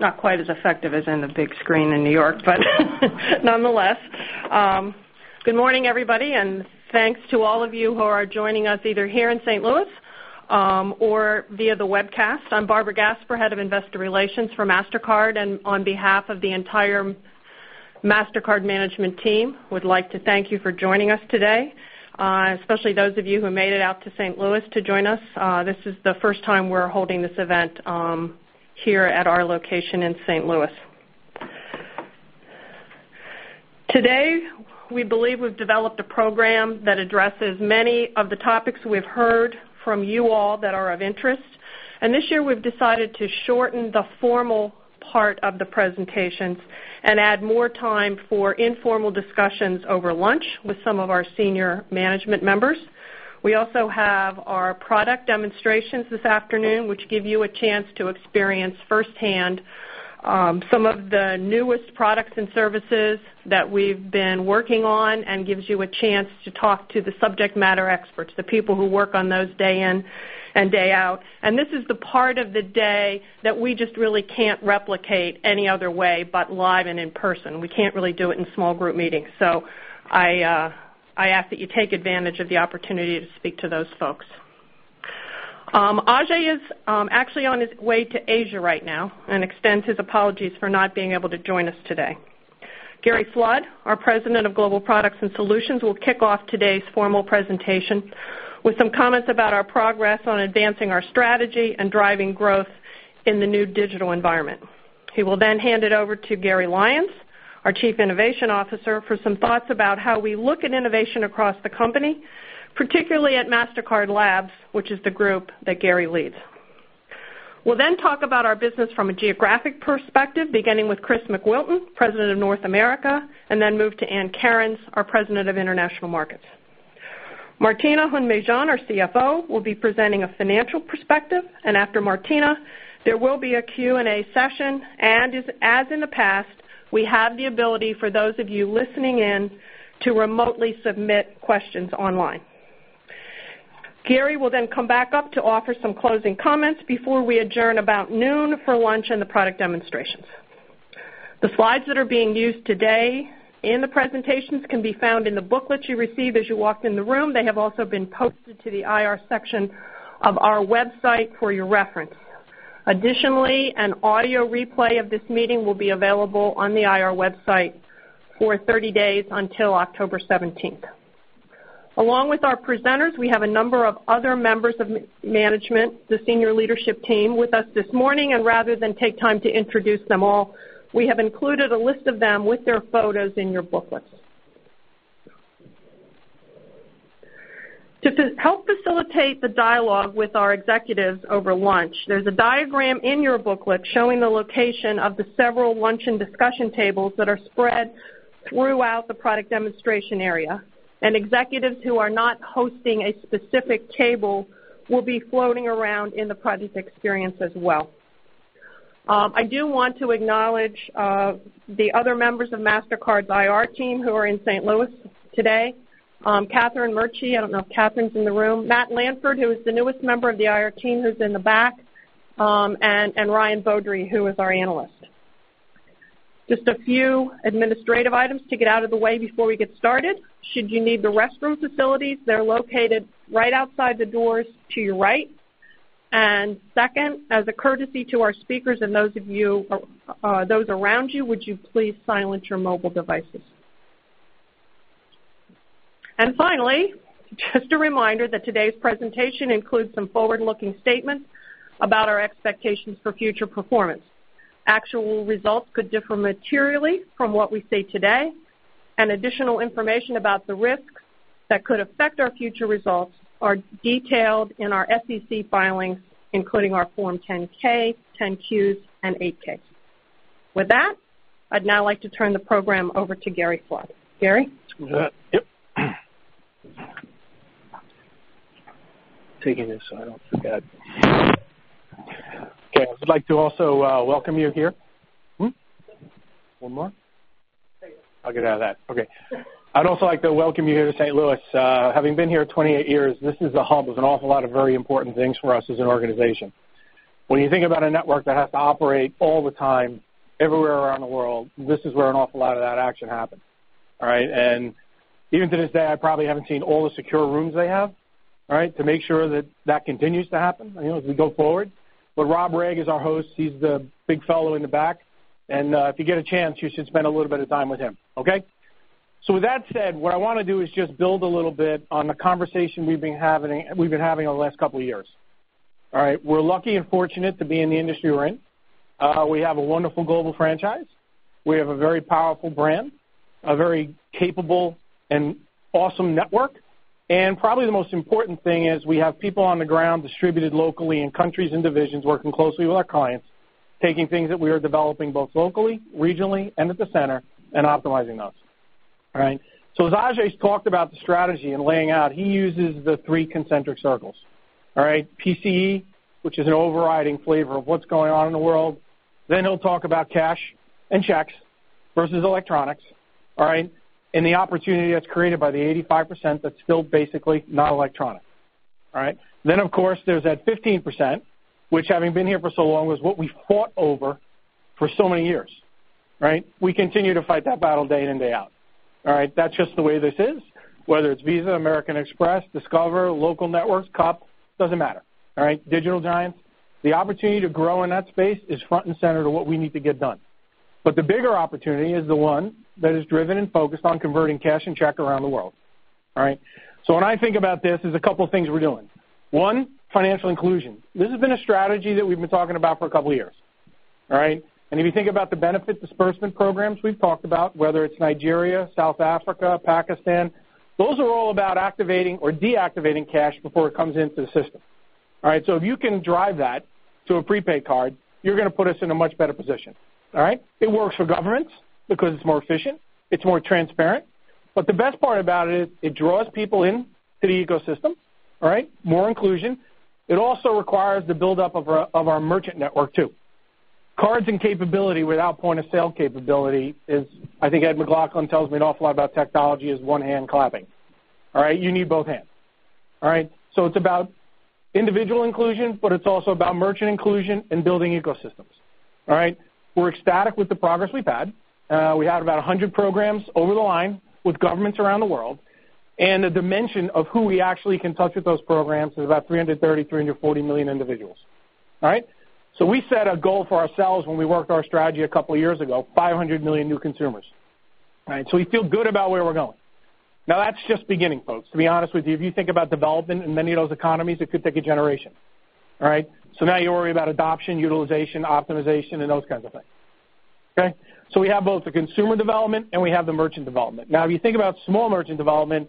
Not quite as effective as in the big screen in New York, but nonetheless. Good morning, everybody, and thanks to all of you who are joining us either here in St. Louis or via the webcast. I'm Barbara Gasper, Head of Investor Relations for Mastercard, and on behalf of the entire Mastercard management team, would like to thank you for joining us today, especially those of you who made it out to St. Louis to join us. This is the first time we're holding this event here at our location in St. Louis. Today, we believe we've developed a program that addresses many of the topics we've heard from you all that are of interest. This year, we've decided to shorten the formal part of the presentations and add more time for informal discussions over lunch with some of our senior management members. We also have our product demonstrations this afternoon, which give you a chance to experience firsthand some of the newest products and services that we've been working on and gives you a chance to talk to the subject matter experts, the people who work on those day in and day out. This is the part of the day that we just really can't replicate any other way but live and in person. We can't really do it in small group meetings. I ask that you take advantage of the opportunity to speak to those folks. Ajay is actually on his way to Asia right now and extends his apologies for not being able to join us today. Gary Flood, our President of Global Products and Solutions, will kick off today's formal presentation with some comments about our progress on advancing our strategy and driving growth in the new digital environment. He will then hand it over to Garry Lyons, our Chief Innovation Officer, for some thoughts about how we look at innovation across the company, particularly at Mastercard Labs, which is the group that Garry leads. We'll then talk about our business from a geographic perspective, beginning with Chris McWilton, President of North America, and then move to Ann Cairns, our President of International Markets. Martina Hund-Mejean, our CFO, will be presenting a financial perspective. After Martina, there will be a Q&A session. As in the past, we have the ability for those of you listening in to remotely submit questions online. Gary will then come back up to offer some closing comments before we adjourn about noon for lunch and the product demonstrations. The slides that are being used today in the presentations can be found in the booklet you received as you walked in the room. They have also been posted to the IR section of our website for your reference. Additionally, an audio replay of this meeting will be available on the IR website for 30 days until October 17th. Along with our presenters, we have a number of other members of management, the senior leadership team with us this morning. Rather than take time to introduce them all, we have included a list of them with their photos in your booklets. To help facilitate the dialogue with our executives over lunch, there is a diagram in your booklet showing the location of the several lunch and discussion tables that are spread throughout the product demonstration area. Executives who are not hosting a specific table will be floating around in the product experience as well. I do want to acknowledge the other members of Mastercard's IR team who are in St. Louis today. Catherine Murchie, I don't know if Catherine's in the room; Matt Lanford, who is the newest member of the IR team, who's in the back; and Ryan Beaudry, who is our analyst. Just a few administrative items to get out of the way before we get started. Should you need the restroom facilities, they're located right outside the doors to your right. Second, as a courtesy to our speakers and those around you, would you please silence your mobile devices. Finally, just a reminder that today's presentation includes some forward-looking statements about our expectations for future performance. Actual results could differ materially from what we say today, and additional information about the risks that could affect our future results are detailed in our SEC filings, including our Form 10-K, 10-Qs, and 8-K. With that, I'd now like to turn the program over to Gary Flood. Gary? Yep. Taking this so I don't forget. Okay, I would like to also welcome you here. Hmm? One more. There you go. I'll get out of that. Okay. I'd also like to welcome you here to St. Louis. Having been here 28 years, this is the hub of an awful lot of very important things for us as an organization. When you think about a network that has to operate all the time, everywhere around the world, this is where an awful lot of that action happens. All right? Even to this day, I probably haven't seen all the secure rooms they have to make sure that that continues to happen as we go forward. Rob Reeg is our host. He's the big fellow in the back. If you get a chance, you should spend a little bit of time with him, okay? With that said, what I want to do is just build a little bit on the conversation we've been having over the last couple of years. All right? We're lucky and fortunate to be in the industry we're in. We have a wonderful global franchise. We have a very powerful brand, a very capable and awesome network. Probably the most important thing is we have people on the ground distributed locally in countries and divisions, working closely with our clients, taking things that we are developing both locally, regionally, and at the center, and optimizing those. All right? As Ajay's talked about the strategy and laying out, he uses the three concentric circles. All right? PCE, which is an overriding flavor of what's going on in the world. He'll talk about cash and checks versus electronics. All right? The opportunity that's created by the 85% that's still basically not electronic. All right. Of course, there's that 15%, which having been here for so long, was what we fought over for so many years. We continue to fight that battle day in and day out. All right? That's just the way this is, whether it's Visa, American Express, Discover, local networks, CUP, doesn't matter. All right? Digital giants. The opportunity to grow in that space is front and center to what we need to get done. The bigger opportunity is the one that is driven and focused on converting cash and check around the world. All right? When I think about this, there's a couple of things we're doing. One, financial inclusion. This has been a strategy that we've been talking about for a couple of years. All right? If you think about the benefit disbursement programs we've talked about, whether it's Nigeria, South Africa, Pakistan, those are all about activating or deactivating cash before it comes into the system. All right? If you can drive that to a prepaid card, you're going to put us in a much better position. All right? It works for governments because it's more efficient, it's more transparent, but the best part about it is it draws people into the ecosystem. All right? More inclusion. It also requires the buildup of our merchant network too. Cards and capability without point-of-sale capability is, I think Ed McLaughlin tells me an awful lot about technology, is one hand clapping. All right? You need both hands. All right? It's about individual inclusion, but it's also about merchant inclusion and building ecosystems. All right? We're ecstatic with the progress we've had. We have about 100 programs over the line with governments around the world, and the dimension of who we actually can touch with those programs is about 330, 340 million individuals. All right. We set a goal for ourselves when we worked our strategy a couple of years ago, 500 million new consumers. All right. We feel good about where we're going. That's just beginning, folks, to be honest with you. If you think about development in many of those economies, it could take a generation. All right. You worry about adoption, utilization, optimization, and those kinds of things. Okay. We have both the consumer development and we have the merchant development. If you think about small merchant development,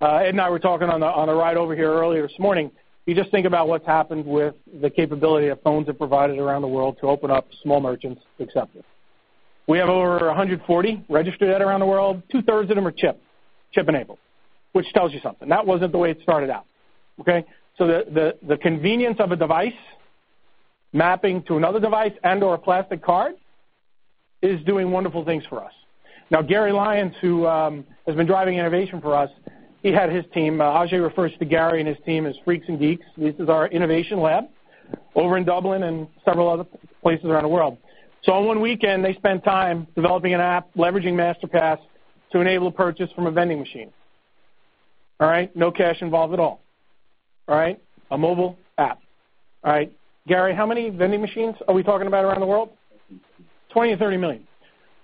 Ed and I were talking on the ride over here earlier this morning, you just think about what's happened with the capability that phones have provided around the world to open up small merchants to accept it. We have over 140 registered at around the world. Two-thirds of them are chip-enabled, which tells you something. That wasn't the way it started out. Okay. The convenience of a device mapping to another device and/or a plastic card is doing wonderful things for us. Gary Lyons, who has been driving innovation for us, he had his team. Ajay refers to Gary and his team as Freaks and Geeks. This is our innovation lab over in Dublin and several other places around the world. On one weekend, they spent time developing an app leveraging Masterpass to enable a purchase from a vending machine. All right. No cash involved at all. All right. A mobile app. All right. Gary, how many vending machines are we talking about around the world? 20 to 30 million.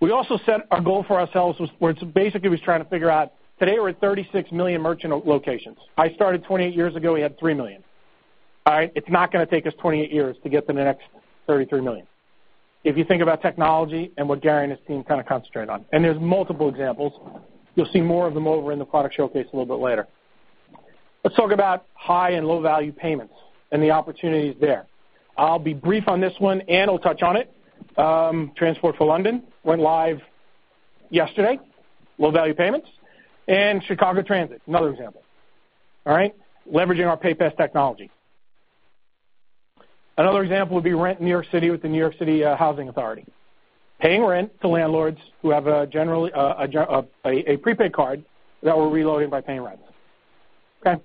We also set a goal for ourselves where it basically was trying to figure out, today we're at 36 million merchant locations. I started 28 years ago, we had 3 million. All right. It's not going to take us 28 years to get to the next 33 million. If you think about technology and what Gary and his team kind of concentrate on. There's multiple examples. You'll see more of them over in the product showcase a little bit later. Let's talk about high and low-value payments and the opportunities there. I'll be brief on this one. Ann will touch on it. Transport for London went live yesterday, low-value payments, Chicago Transit, another example. All right. Leveraging our Paypass technology. Another example would be rent in New York City with the New York City Housing Authority. Paying rent to landlords who have a prepaid card that we're reloading by paying rent. Okay.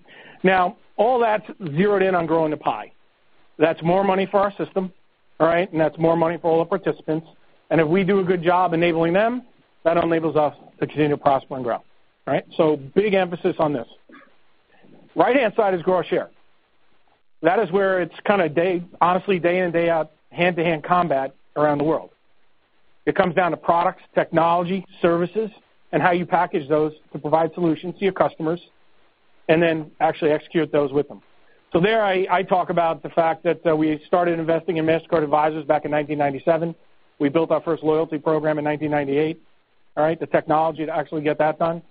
All that's zeroed in on growing the pie. That's more money for our system. All right. That's more money for all the participants. If we do a good job enabling them, that enables us to continue to prosper and grow. All right. Big emphasis on this. Right-hand side is grow our share. That is where it's kind of honestly day in, day out, hand-to-hand combat around the world. It comes down to products, technology, services, and how you package those to provide solutions to your customers, and then actually execute those with them. There I talk about the fact that we started investing in Mastercard Advisors back in 1997. We built our first loyalty program in 1998. All right? The technology to actually get that done.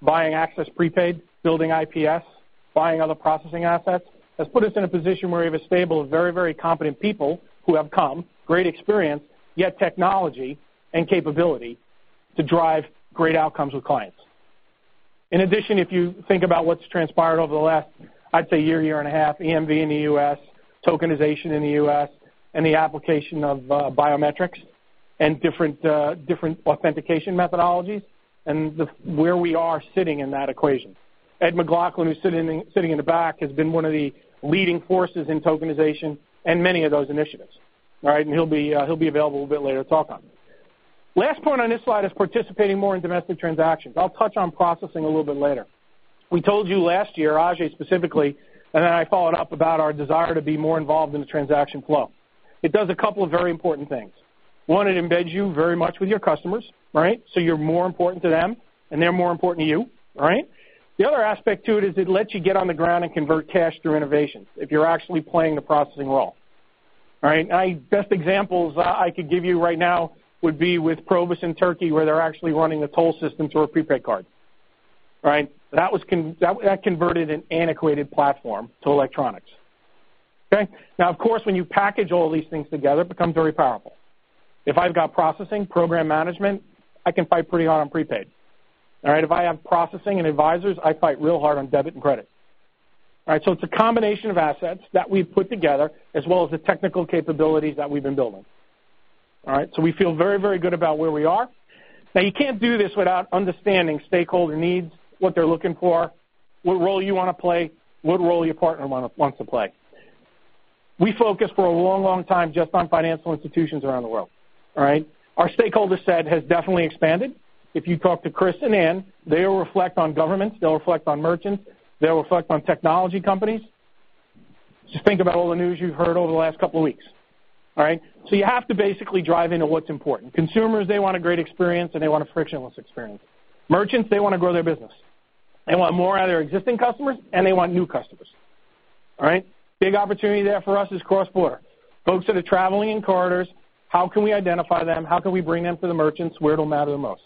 Buying Access Prepaid, building IPS, buying other processing assets, has put us in a position where we have a stable of very competent people who have come, great experience, yet technology and capability to drive great outcomes with clients. In addition, if you think about what's transpired over the last, I'd say year and a half, EMV in the U.S., tokenization in the U.S., and the application of biometrics and different authentication methodologies, and where we are sitting in that equation. Ed McLaughlin, who's sitting in the back, has been one of the leading forces in tokenization and many of those initiatives. All right? He'll be available a little bit later to talk on that. Last point on this slide is participating more in domestic transactions. I'll touch on processing a little bit later. We told you last year, Ajay specifically, I followed up about our desire to be more involved in the transaction flow. It does a couple of very important things. One, it embeds you very much with your customers, so you're more important to them and they're more important to you. All right? The other aspect to it is it lets you get on the ground and convert cash through innovations if you're actually playing the processing role. All right? Best examples I could give you right now would be with Provus in Turkey, where they're actually running a toll system through a prepaid card. All right? That converted an antiquated platform to electronics. Okay? Of course, when you package all these things together, it becomes very powerful. If I've got processing, program management, I can fight pretty hard on prepaid. All right? If I have processing and Mastercard Advisors, I fight real hard on debit and credit. All right? It's a combination of assets that we've put together, as well as the technical capabilities that we've been building. All right, we feel very, very good about where we are. You can't do this without understanding stakeholder needs, what they're looking for, what role you want to play, what role your partner wants to play. We focused for a long time just on financial institutions around the world. Our stakeholder set has definitely expanded. If you talk to Chris and Ann, they'll reflect on governments, they'll reflect on merchants, they'll reflect on technology companies. Just think about all the news you've heard over the last couple of weeks. You have to basically drive into what's important. Consumers, they want a great experience, and they want a frictionless experience. Merchants, they want to grow their business. They want more out of their existing customers, and they want new customers. Big opportunity there for us is cross-border. Folks that are traveling in corridors, how can we identify them? How can we bring them to the merchants where it'll matter the most?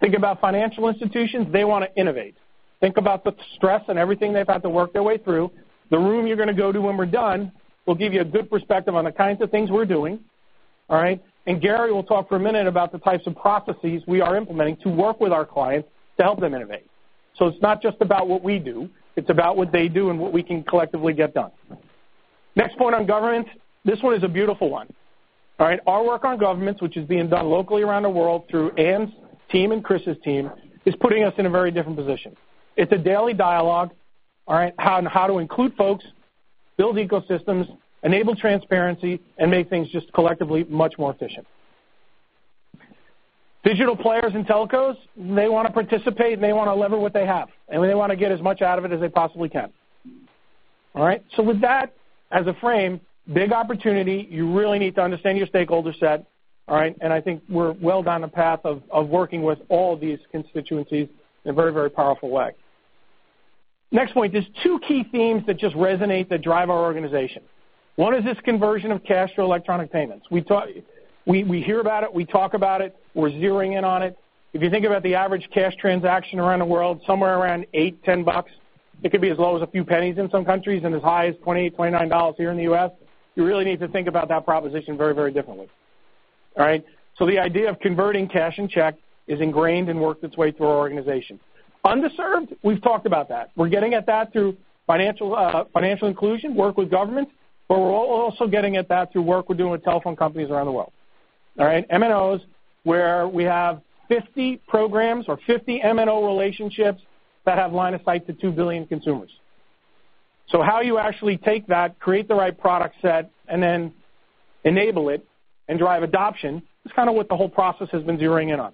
Think about financial institutions. They want to innovate. Think about the stress and everything they've had to work their way through. The room you're going to go to when we're done will give you a good perspective on the kinds of things we're doing. Gary will talk for a minute about the types of processes we are implementing to work with our clients to help them innovate. It's not just about what we do, it's about what they do and what we can collectively get done. Next point on government. This one is a beautiful one. Our work on governments, which is being done locally around the world through Ann's team and Chris's team, is putting us in a very different position. It's a daily dialogue on how to include folks, build ecosystems, enable transparency, and make things just collectively much more efficient. Digital players and telcos, they want to participate, they want to lever what they have, and they want to get as much out of it as they possibly can. With that as a frame, big opportunity. You really need to understand your stakeholder set. I think we're well down the path of working with all of these constituencies in a very, very powerful way. Next point, there's two key themes that just resonate that drive our organization. One is this conversion of cash to electronic payments. We hear about it. We talk about it. We're zeroing in on it. If you think about the average cash transaction around the world, somewhere around $8-$10. It could be as low as a few pennies in some countries and as high as $28, $29 here in the U.S. You really need to think about that proposition very differently. The idea of converting cash and check is ingrained and worked its way through our organization. Underserved, we've talked about that. We're getting at that through financial inclusion work with government, but we're also getting at that through work we're doing with telephone companies around the world. MNOs, where we have 50 programs or 50 MNO relationships that have line of sight to 2 billion consumers. How you actually take that, create the right product set, and then enable it and drive adoption is kind of what the whole process has been zeroing in on.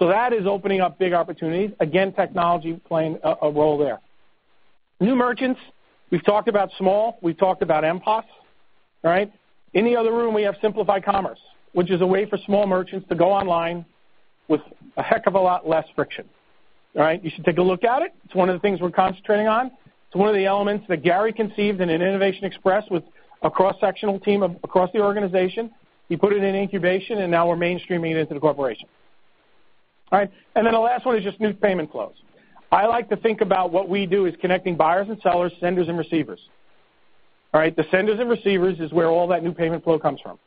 That is opening up big opportunities. Again, technology playing a role there. New merchants, we've talked about small, we've talked about MPOS. In the other room, we have Simplify Commerce, which is a way for small merchants to go online with a heck of a lot less friction. You should take a look at it. It's one of the things we're concentrating on. It's one of the elements that Gary conceived in an Innovation Express with a cross-sectional team across the organization. He put it in incubation, now we're mainstreaming it into the corporation. The last one is just new payment flows. I like to think about what we do as connecting buyers and sellers, senders and receivers. The senders and receivers is where all that new payment flow comes from.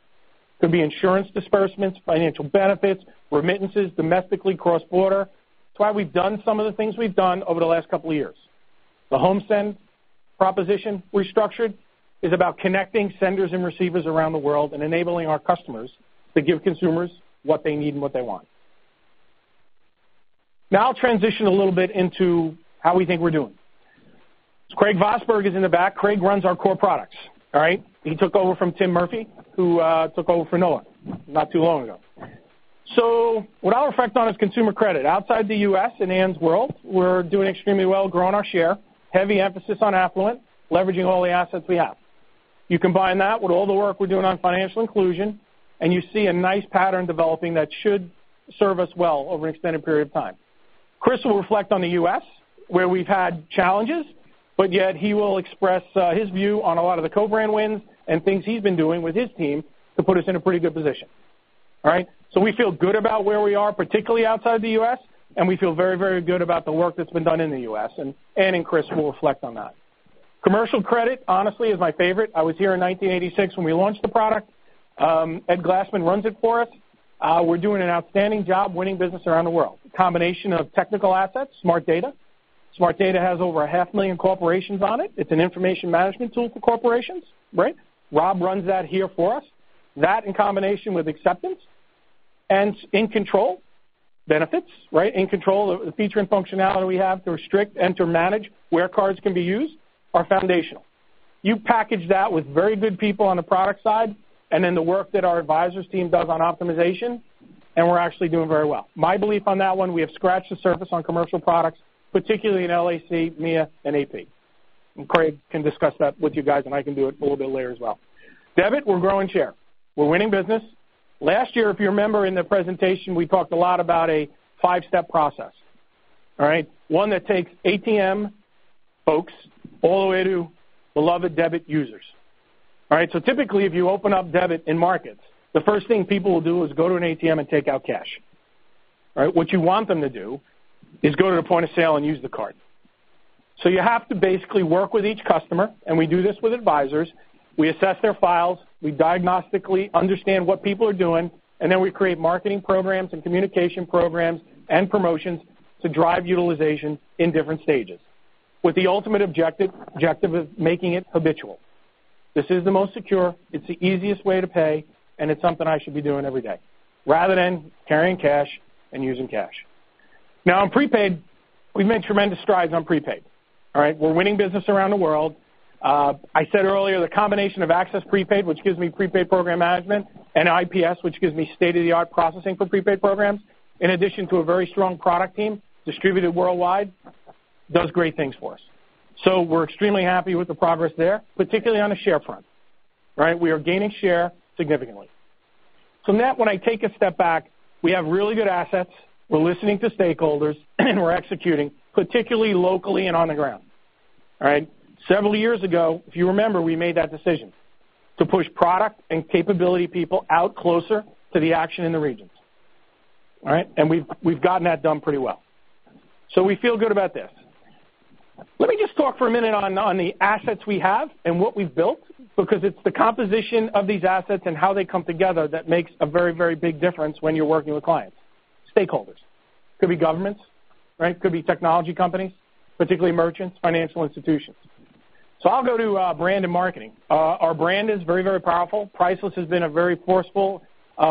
Could be insurance disbursements, financial benefits, remittances, domestically, cross-border. It's why we've done some of the things we've done over the last couple of years. The HomeSend proposition we structured is about connecting senders and receivers around the world and enabling our customers to give consumers what they need and what they want. I'll transition a little bit into how we think we're doing. Craig Vosburg is in the back. Craig runs our core products. He took over from Tim Murphy, who took over for Noah not too long ago. What I'll reflect on is consumer credit outside the U.S. in Ann's world. We're doing extremely well growing our share. Heavy emphasis on affluent, leveraging all the assets we have. You combine that with all the work we're doing on financial inclusion, and you see a nice pattern developing that should serve us well over an extended period of time. Chris will reflect on the U.S., where we've had challenges, but yet he will express his view on a lot of the co-brand wins and things he's been doing with his team to put us in a pretty good position. We feel good about where we are, particularly outside the U.S., and we feel very good about the work that's been done in the U.S., and Ann and Chris will reflect on that. Commercial credit, honestly, is my favorite. I was here in 1986 when we launched the product. Ed Glassman runs it for us. We're doing an outstanding job winning business around the world. Combination of technical assets, Smart Data. Smart Data has over 500,000 corporations on it. It's an information management tool for corporations. Rob runs that here for us. That in combination with acceptance and In Control benefits. In Control, the feature and functionality we have to restrict and to manage where cards can be used are foundational. You package that with very good people on the product side and in the work that our Advisors team does on optimization, and we're actually doing very well. My belief on that one, we have scratched the surface on commercial products, particularly in LAC, MEA, and AP. Craig can discuss that with you guys, and I can do it a little bit later as well. Debit, we're growing share. We're winning business. Last year, if you remember in the presentation, we talked a lot about a 5-step process. One that takes ATM folks all the way to beloved debit users. Typically, if you open up debit in markets, the first thing people will do is go to an ATM and take out cash. What you want them to do is go to the point of sale and use the card. You have to basically work with each customer, and we do this with Advisors. We assess their files, we diagnostically understand what people are doing, and then we create marketing programs and communication programs and promotions to drive utilization in different stages. With the ultimate objective of making it habitual. This is the most secure, it's the easiest way to pay, and it's something I should be doing every day rather than carrying cash and using cash. On prepaid, we've made tremendous strides on prepaid. We're winning business around the world. I said earlier, the combination of Access Prepaid, which gives me prepaid program management, and IPS, which gives me state-of-the-art processing for prepaid programs, in addition to a very strong product team distributed worldwide, does great things for us. We're extremely happy with the progress there, particularly on the share front. We are gaining share significantly. From that, when I take a step back, we have really good assets, we're listening to stakeholders, and we're executing, particularly locally and on the ground. Several years ago, if you remember, we made that decision to push product and capability people out closer to the action in the regions. We've gotten that done pretty well. We feel good about this. Let me just talk for a minute on the assets we have and what we've built, because it's the composition of these assets and how they come together that makes a very big difference when you're working with clients. Stakeholders. Could be governments. Could be technology companies, particularly merchants, financial institutions. I'll go to brand and marketing. Our brand is very powerful. Priceless has been a very forceful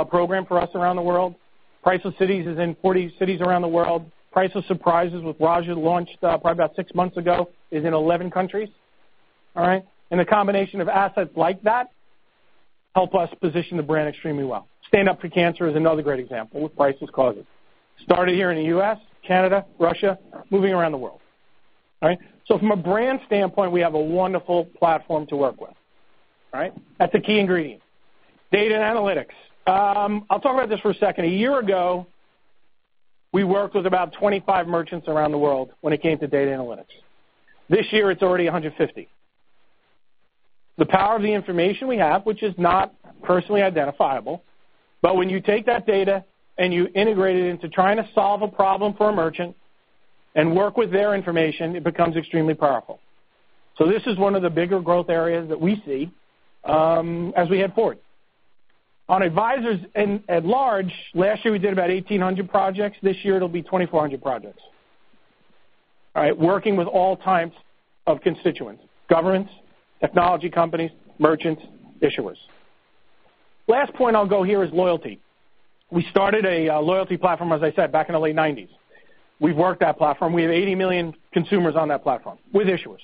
program for us around the world. Priceless Cities is in 40 cities around the world. Priceless Surprises with Raja launched probably about six months ago, is in 11 countries. All right? The combination of assets like that help us position the brand extremely well. Stand Up To Cancer is another great example with Priceless causes. Started here in the U.S., Canada, Russia, moving around the world. From a brand standpoint, we have a wonderful platform to work with. That's a key ingredient. Data and analytics. I'll talk about this for a second. A year ago, we worked with about 25 merchants around the world when it came to data analytics. This year it's already 150. The power of the information we have, which is not personally identifiable, but when you take that data and you integrate it into trying to solve a problem for a merchant and work with their information, it becomes extremely powerful. This is one of the bigger growth areas that we see as we head forward. On Mastercard Advisors and at large, last year we did about 1,800 projects. This year it'll be 2,400 projects. Working with all types of constituents, governments, technology companies, merchants, issuers. Last point I'll go here is loyalty. We started a loyalty platform, as I said, back in the late '90s. We've worked that platform. We have 80 million consumers on that platform with issuers,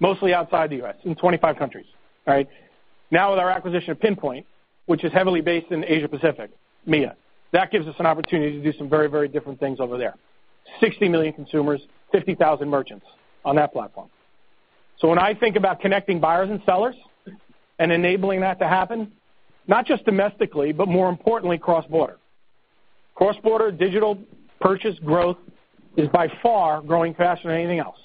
mostly outside the U.S. in 25 countries. Now with our acquisition of Pinpoint, which is heavily based in Asia Pacific, MEA, that gives us an opportunity to do some very different things over there. 60 million consumers, 50,000 merchants on that platform. When I think about connecting buyers and sellers and enabling that to happen, not just domestically, but more importantly, cross-border. Cross-border digital purchase growth is by far growing faster than anything else.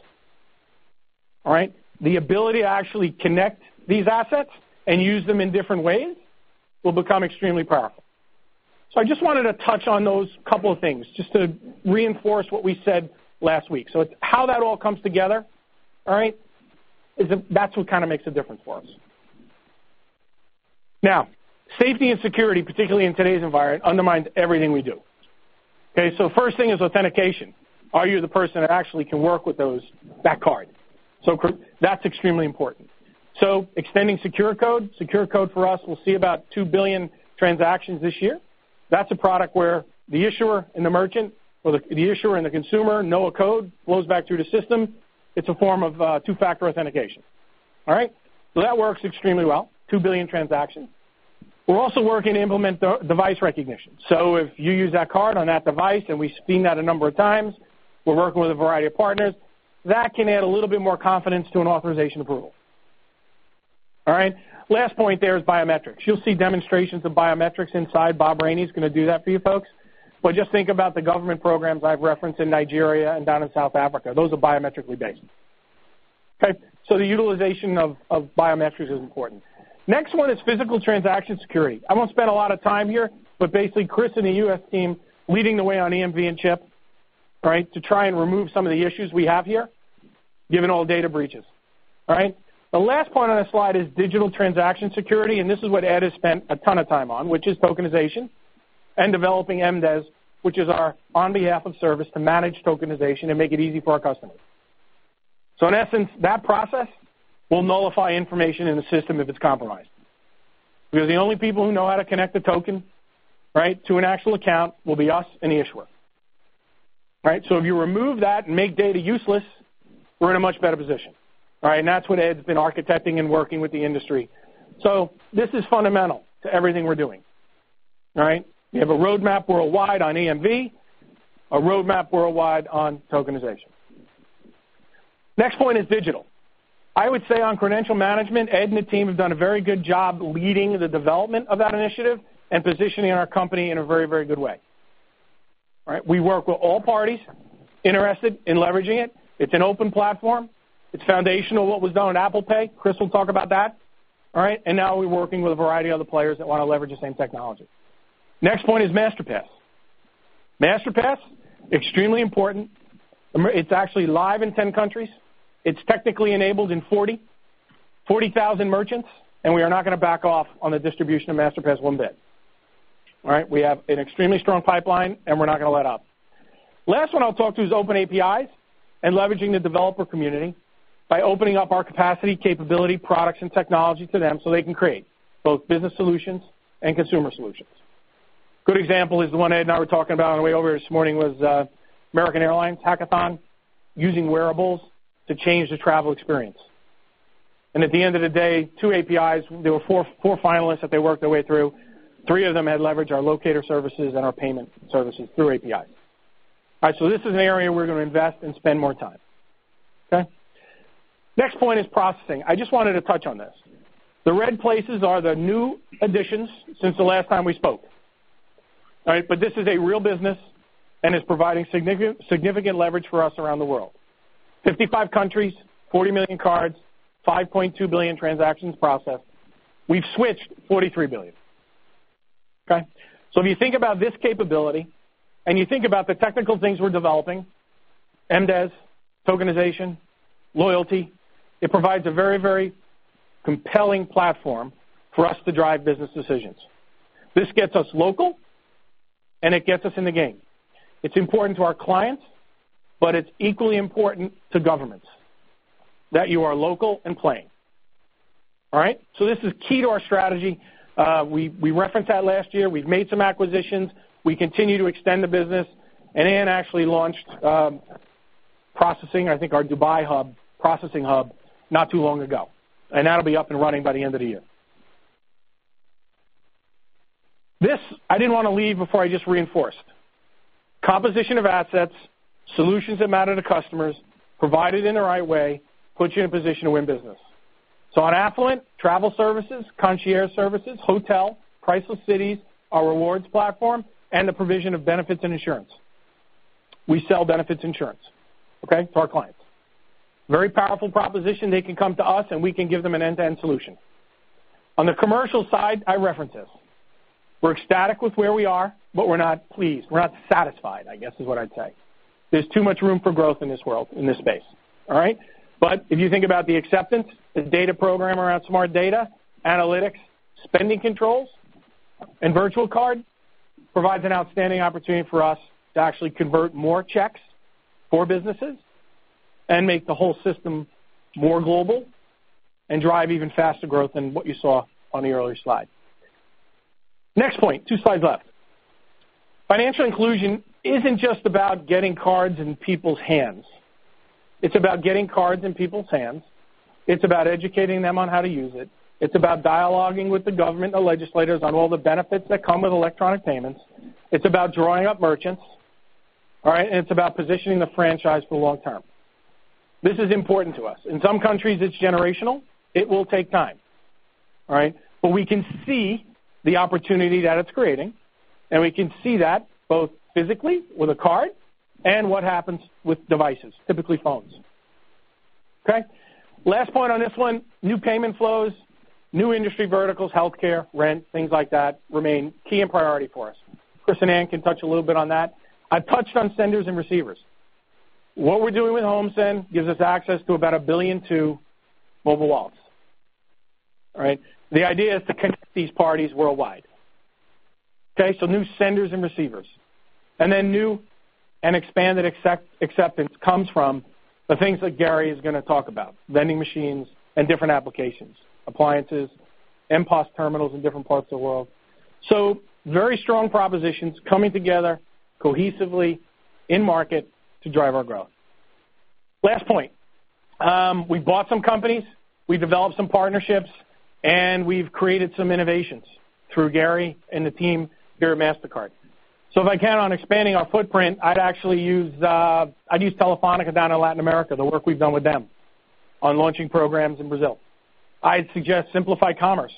The ability to actually connect these assets and use them in different ways will become extremely powerful. I just wanted to touch on those couple of things just to reinforce what we said last week. It's how that all comes together. That's what kind of makes a difference for us. Now, safety and security, particularly in today's environment, undermines everything we do. Okay, first thing is authentication. Are you the person that actually can work with that card? That's extremely important. Extending SecureCode. SecureCode for us will see about 2 billion transactions this year. That's a product where the issuer and the merchant or the issuer and the consumer know a code, flows back through the system. It's a form of two-factor authentication. All right? That works extremely well. 2 billion transactions. We're also working to implement device recognition. If you use that card on that device, and we see that a number of times, we're working with a variety of partners. That can add a little bit more confidence to an authorization approval. Last point there is biometrics. You'll see demonstrations of biometrics inside. Bob Reany is going to do that for you folks. Just think about the government programs I've referenced in Nigeria and down in South Africa. Those are biometrically based. The utilization of biometrics is important. Next one is physical transaction security. I won't spend a lot of time here, but basically Chris and the U.S. team leading the way on EMV and chip to try and remove some of the issues we have here given all data breaches. The last point on this slide is digital transaction security, and this is what Ed has spent a ton of time on, which is tokenization and developing MDES, which is our on-behalf-of service to manage tokenization and make it easy for our customers. In essence, that process will nullify information in the system if it's compromised. We are the only people who know how to connect the token to an actual account will be us and the issuer. If you remove that and make data useless, we're in a much better position. That's what Ed's been architecting and working with the industry. This is fundamental to everything we're doing. We have a roadmap worldwide on EMV, a roadmap worldwide on tokenization. Next point is digital. I would say on credential management, Ed and the team have done a very good job leading the development of that initiative and positioning our company in a very good way. We work with all parties interested in leveraging it. It's an open platform. It's foundational what was done on Apple Pay. Chris will talk about that. Now we're working with a variety of other players that want to leverage the same technology. Next point is Masterpass. Masterpass, extremely important. It's actually live in 10 countries. It's technically enabled in 40. 40,000 merchants, we are not going to back off on the distribution of Masterpass one bit. All right? We have an extremely strong pipeline, we're not going to let up. Last one I'll talk to is open APIs and leveraging the developer community by opening up our capacity, capability, products, and technology to them so they can create both business solutions and consumer solutions. Good example is the one Ed and I were talking about on the way over this morning was American Airlines Hackathon using wearables to change the travel experience. At the end of the day, two APIs, there were four finalists that they worked their way through, three of them had leveraged our locator services and our payment services through APIs. This is an area we're going to invest and spend more time. Okay? Next point is processing. I just wanted to touch on this. The red places are the new additions since the last time we spoke. This is a real business and is providing significant leverage for us around the world. 55 countries, 40 million cards, 5.2 billion transactions processed. We've switched 43 billion. Okay. If you think about this capability and you think about the technical things we're developing, MDES, tokenization, loyalty, it provides a very compelling platform for us to drive business decisions. This gets us local, and it gets us in the game. It's important to our clients, but it's equally important to governments that you are local and playing. All right. This is key to our strategy. We referenced that last year. We've made some acquisitions. We continue to extend the business, and Ann actually launched processing, I think our Dubai hub, processing hub, not too long ago, and that'll be up and running by the end of the year. This, I didn't want to leave before I just reinforced. Composition of assets, solutions that matter to customers, provided in the right way, puts you in a position to win business. On affluent, travel services, concierge services, hotel, Priceless Cities, our rewards platform, and the provision of benefits and insurance. We sell benefits insurance, okay, to our clients. Very powerful proposition. They can come to us, and we can give them an end-to-end solution. On the commercial side, I reference this. We're ecstatic with where we are, but we're not pleased. We're not satisfied, I guess, is what I'd say. There's too much room for growth in this world, in this space. All right. If you think about the acceptance, the data program around Smart Data, analytics, spending controls, and virtual card provides an outstanding opportunity for us to actually convert more checks for businesses and make the whole system more global and drive even faster growth than what you saw on the earlier slide. Next point, two slides up. Financial inclusion isn't just about getting cards in people's hands. It's about getting cards in people's hands. It's about educating them on how to use it. It's about dialoguing with the government and legislators on all the benefits that come with electronic payments. It's about drawing up merchants. All right. It's about positioning the franchise for the long term. This is important to us. In some countries, it's generational. It will take time. All right. We can see the opportunity that it's creating, and we can see that both physically with a card and what happens with devices, typically phones. Okay. Last point on this one, new payment flows, new industry verticals, healthcare, rent, things like that remain key and priority for us. Chris and Ann can touch a little bit on that. I've touched on senders and receivers. What we're doing with HomeSend gives us access to about 1.2 billion mobile wallets. All right. The idea is to connect these parties worldwide. Okay. New senders and receivers. New and expanded acceptance comes from the things that Gary is going to talk about, vending machines and different applications, appliances, MPOS terminals in different parts of the world. Very strong propositions coming together cohesively in market to drive our growth. Last point. We've bought some companies, we've developed some partnerships, and we've created some innovations through Gary and the team here at Mastercard. If I can on expanding our footprint, I'd actually use Telefónica down in Latin America, the work we've done with them on launching programs in Brazil. I'd suggest Simplify Commerce,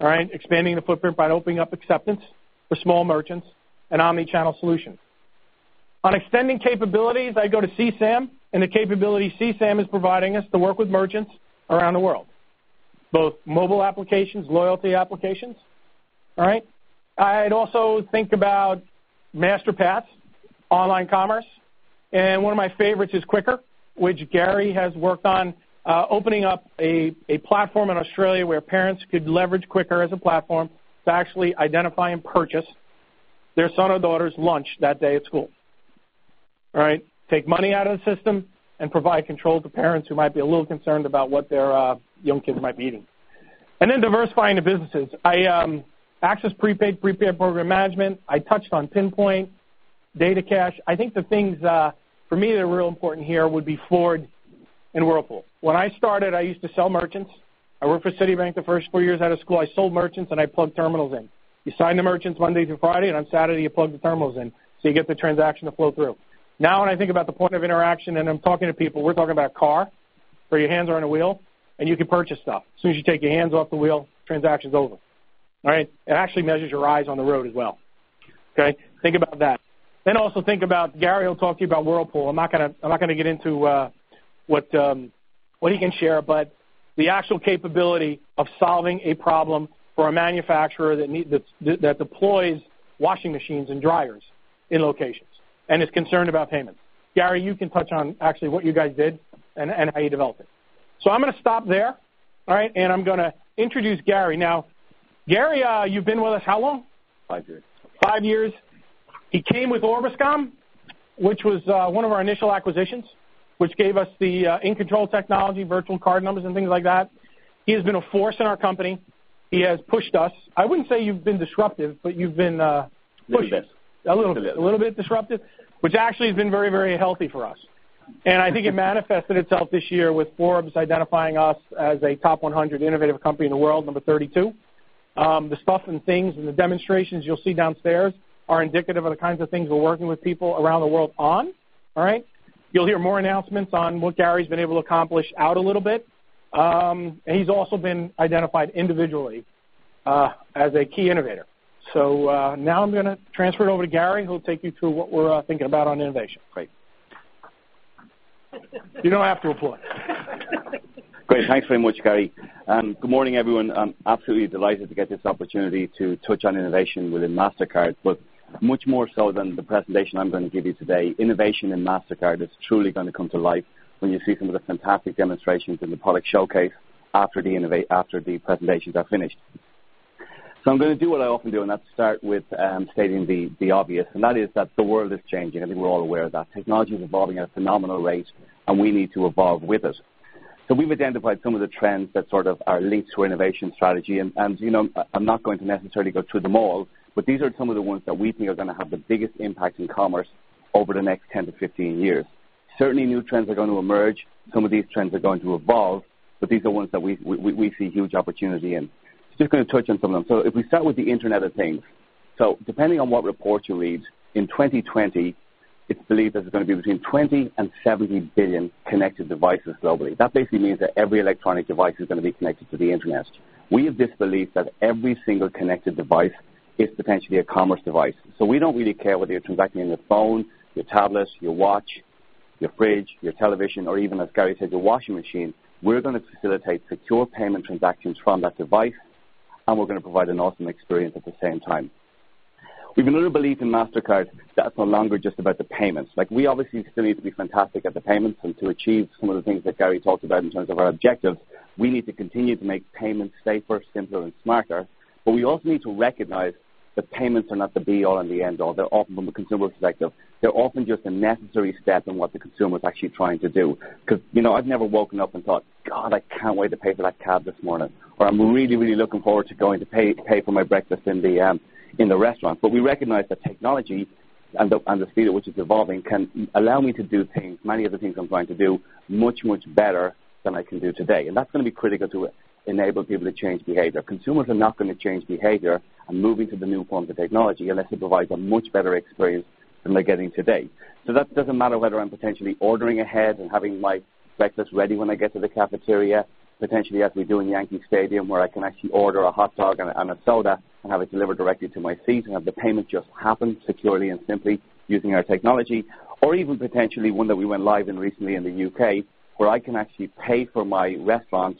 expanding the footprint by opening up acceptance for small merchants and omnichannel solutions. On extending capabilities, I go to C-SAM and the capability C-SAM is providing us to work with merchants around the world, both mobile applications, loyalty applications. All right? I'd also think about Masterpass online commerce. One of my favorites is Qkr, which Gary has worked on opening up a platform in Australia where parents could leverage Qkr as a platform to actually identify and purchase their son or daughter's lunch that day at school. All right? Take money out of the system and provide control to parents who might be a little concerned about what their young kids might be eating. Then diversifying the businesses. Access Prepaid, prepaid program management. I touched on Pinpoint, DataCash. I think the things for me that are real important here would be Ford and Whirlpool. When I started, I used to sell merchants. I worked for Citibank the first four years out of school. I sold merchants, and I plugged terminals in. You sign the merchants Monday through Friday, and on Saturday you plug the terminals in, so you get the transaction to flow through. When I think about the point of interaction and I'm talking to people, we're talking about a car where your hands are on a wheel, and you can purchase stuff. Soon as you take your hands off the wheel, transaction's over. All right? It actually measures your eyes on the road as well. Okay? Think about that. Also think about, Gary will talk to you about Whirlpool. I'm not going to get into what he can share, but the actual capability of solving a problem for a manufacturer that deploys washing machines and dryers in locations and is concerned about payment. Gary, you can touch on actually what you guys did and how you developed it. I'm going to stop there. All right. I'm going to introduce Gary now. Gary, you've been with us how long? Five years. Five years. He came with Orbiscom, which was one of our initial acquisitions, which gave us the In Control technology, virtual card numbers and things like that. He has been a force in our company. He has pushed us. I wouldn't say you've been disruptive, but you've been- A little bit. A little bit disruptive, which actually has been very healthy for us. I think it manifested itself this year with Forbes identifying us as a top 100 innovative company in the world, number 32. The stuff and things and the demonstrations you'll see downstairs are indicative of the kinds of things we're working with people around the world on. All right. You'll hear more announcements on what Gary's been able to accomplish out a little bit. He's also been identified individually as a key innovator. Now I'm going to transfer it over to Gary, who will take you through what we're thinking about on innovation. Great. You don't have to applaud. Thanks very much, Gary. Good morning, everyone. I'm absolutely delighted to get this opportunity to touch on innovation within Mastercard, but much more so than the presentation I'm going to give you today. Innovation in Mastercard is truly going to come to life when you see some of the fantastic demonstrations in the product showcase after the presentations are finished. I'm going to do what I often do, and that's start with stating the obvious, and that is that the world is changing. I think we're all aware of that. Technology is evolving at a phenomenal rate, and we need to evolve with it. We've identified some of the trends that sort of are linked to our innovation strategy. I'm not going to necessarily go through them all, these are some of the ones that we think are going to have the biggest impact in commerce over the next 10 to 15 years. Certainly, new trends are going to emerge. Some of these trends are going to evolve. These are ones that we see huge opportunity in. Just going to touch on some of them. If we start with the Internet of Things. Depending on what reports you read, in 2020, it's believed that there's going to be between 20 and 70 billion connected devices globally. That basically means that every electronic device is going to be connected to the Internet. We have this belief that every single connected device is potentially a commerce device. We don't really care whether you're transacting on your phone, your tablet, your watch, your fridge, your television, or even, as Gary said, your washing machine. We're going to facilitate secure payment transactions from that device, and we're going to provide an awesome experience at the same time. We've another belief in Mastercard that's no longer just about the payments. We obviously still need to be fantastic at the payments and to achieve some of the things that Gary talked about in terms of our objectives. We need to continue to make payments safer, simpler, and smarter. We also need to recognize that payments are not the be-all and the end-all from a consumer perspective. They're often just a necessary step in what the consumer is actually trying to do. I've never woken up and thought, "God, I can't wait to pay for that cab this morning," or, "I'm really looking forward to going to pay for my breakfast in the restaurant." We recognize that technology and the speed at which it's evolving can allow me to do many of the things I'm going to do much better than I can do today. That's going to be critical to enable people to change behavior. Consumers are not going to change behavior and move into the new forms of technology unless it provides a much better experience than they're getting today. That doesn't matter whether I'm potentially ordering ahead and having my breakfast ready when I get to the cafeteria, potentially as we do in Yankee Stadium, where I can actually order a hot dog and a soda and have it delivered directly to my seat and have the payment just happen securely and simply using our technology. Or even potentially one that we went live in recently in the U.K., where I can actually pay for my restaurant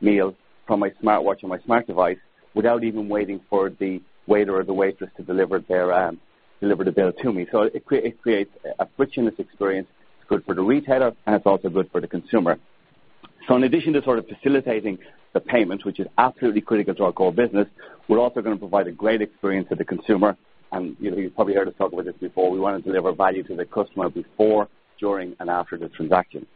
meal from my smartwatch or my smart device without even waiting for the waiter or the waitress to deliver the bill to me. It creates a frictionless experience. It's good for the retailer, and it's also good for the consumer. In addition to sort of facilitating the payment, which is absolutely critical to our core business, we're also going to provide a great experience for the consumer. You've probably heard us talk about this before. We want to deliver value to the customer before, during, and after the transaction.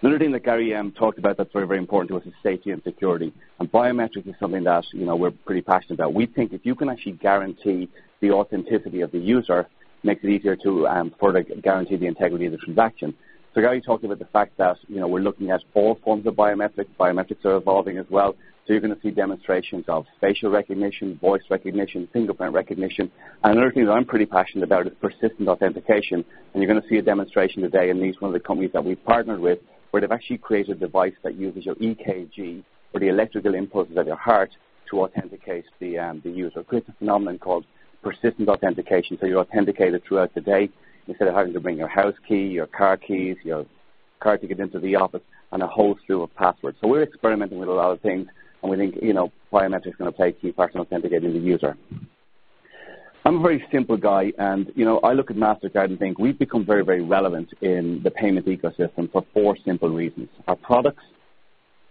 Another thing that Gary talked about that's very important to us is safety and security. Biometrics is something that we're pretty passionate about. We think if you can actually guarantee the authenticity of the user, it makes it easier to further guarantee the integrity of the transaction. Gary talked about the fact that we're looking at all forms of biometrics. Biometrics are evolving as well. You're going to see demonstrations of facial recognition, voice recognition, fingerprint recognition. Another thing that I'm pretty passionate about is persistent authentication. You're going to see a demonstration today, and it's one of the companies that we partnered with where they've actually created a device that uses your EKG or the electrical impulses of your heart to authenticate the user. Creates this phenomenon called persistent authentication, so you're authenticated throughout the day instead of having to bring your house key, your car keys, your card to get into the office, and a whole slew of passwords. We're experimenting with a lot of things, and we think biometrics is going to play a key part in authenticating the user. I'm a very simple guy, and I look at Mastercard and think we've become very relevant in the payment ecosystem for four simple reasons: our products,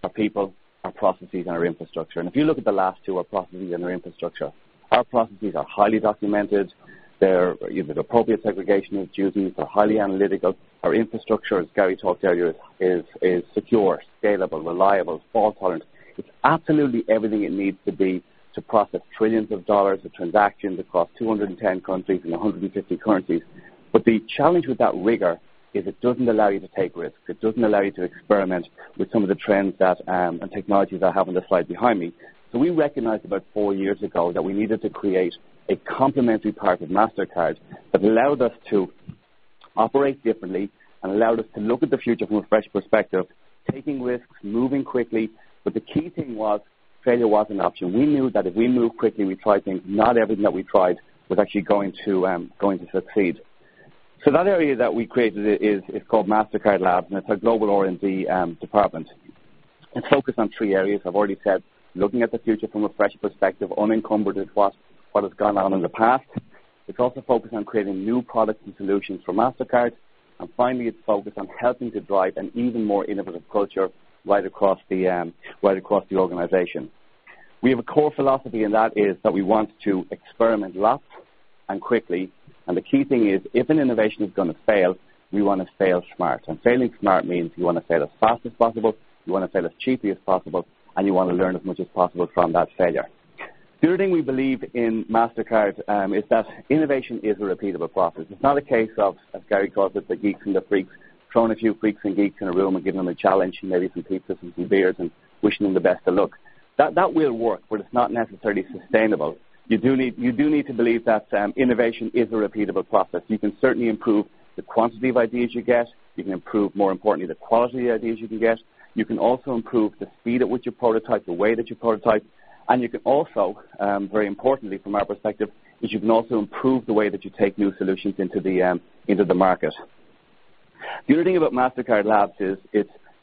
our people, our processes, and our infrastructure. If you look at the last two, our processes and our infrastructure, our processes are highly documented. They're appropriate segregation of duties. They're highly analytical. Our infrastructure, as Gary talked earlier, is secure, scalable, reliable, fault-tolerant. It's absolutely everything it needs to be to process trillions of dollars of transactions across 210 countries and 150 currencies. The challenge with that rigor is it doesn't allow you to take risks. It doesn't allow you to experiment with some of the trends and technologies I have on the slide behind me. We recognized about four years ago that we needed to create a complementary part of Mastercard that allowed us to operate differently and allowed us to look at the future from a fresh perspective, taking risks, moving quickly. The key thing was failure wasn't an option. We knew that if we moved quickly, we tried things, not everything that we tried was actually going to succeed. That area that we created is called Mastercard Labs, and it's our global R&D department. It's focused on three areas. I've already said, looking at the future from a fresh perspective, unencumbered with what has gone on in the past. It's also focused on creating new products and solutions for Mastercard. Finally, it's focused on helping to drive an even more innovative culture right across the organization. We have a core philosophy and that is that we want to experiment lots and quickly. The key thing is, if an innovation is going to fail, we want to fail smart. Failing smart means you want to fail as fast as possible, you want to fail as cheaply as possible, and you want to learn as much as possible from that failure. The other thing we believe in Mastercard is that innovation is a repeatable process. It's not a case of, as Gary calls it, the geeks and the freaks. Throwing a few freaks and geeks in a room and giving them a challenge, and maybe some pizzas and some beers and wishing them the best of luck. That will work, but it's not necessarily sustainable. You do need to believe that innovation is a repeatable process. You can certainly improve the quantity of ideas you get. You can improve, more importantly, the quality of the ideas you can get. You can also improve the speed at which you prototype, the way that you prototype. You can also, very importantly from our perspective, is you can also improve the way that you take new solutions into the market. The other thing about Mastercard Labs is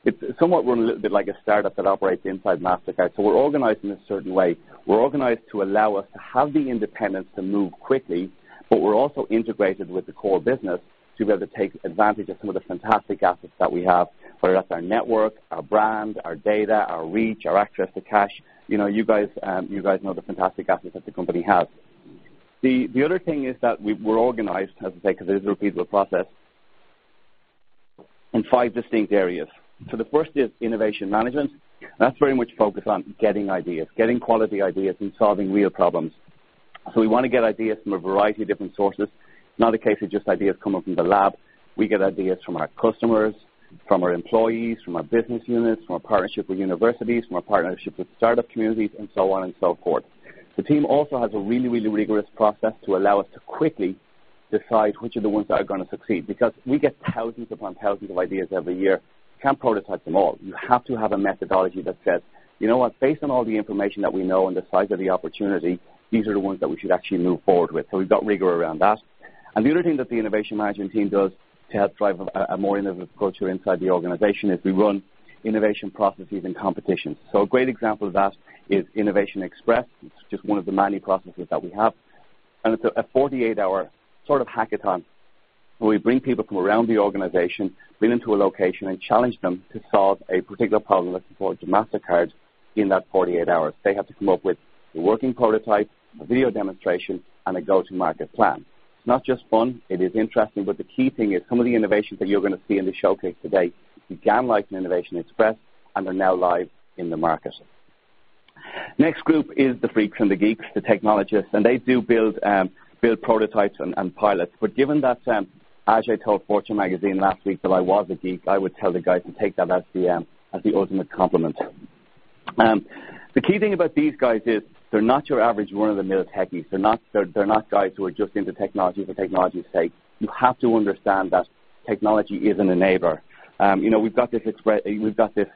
it's somewhat run a little bit like a startup that operates inside Mastercard. We're organized in a certain way. We're organized to allow us to have the independence to move quickly, but we're also integrated with the core business to be able to take advantage of some of the fantastic assets that we have, whether that's our network, our brand, our data, our reach, our access to cash. You guys know the fantastic assets that the company has. The other thing is that we're organized, as I say, because it is a repeatable process, in five distinct areas. The first is innovation management. That's very much focused on getting ideas, getting quality ideas, and solving real problems. We want to get ideas from a variety of different sources, not a case of just ideas coming from the Labs. We get ideas from our customers, from our employees, from our business units, from our partnership with universities, from our partnerships with startup communities, and so on and so forth. The team also has a really, really rigorous process to allow us to quickly decide which are the ones that are going to succeed, because we get thousands upon thousands of ideas every year. You can't prototype them all. You have to have a methodology that says, "You know what? Based on all the information that we know and the size of the opportunity, these are the ones that we should actually move forward with." We've got rigor around that. The other thing that the innovation management team does to help drive a more innovative culture inside the organization is we run innovation processes and competitions. A great example of that is Innovation Express. It's just one of the many processes that we have. It's a 48-hour sort of hackathon where we bring people from around the organization, bring them to a location, and challenge them to solve a particular problem that's important to Mastercard in that 48 hours. They have to come up with a working prototype, a video demonstration, and a go-to-market plan. It's not just fun, it is interesting, but the key thing is some of the innovations that you're going to see in the showcase today began like an Innovation Express and are now live in the market. Next group is the freaks and the geeks, the technologists, and they do build prototypes and pilots. Given that, as I told Fortune Magazine last week, that I was a geek, I would tell the guys to take that as the ultimate compliment. The key thing about these guys is they're not your average run-of-the-mill techies. They're not guys who are just into technology for technology's sake. You have to understand that technology isn't a neighbor. We've got this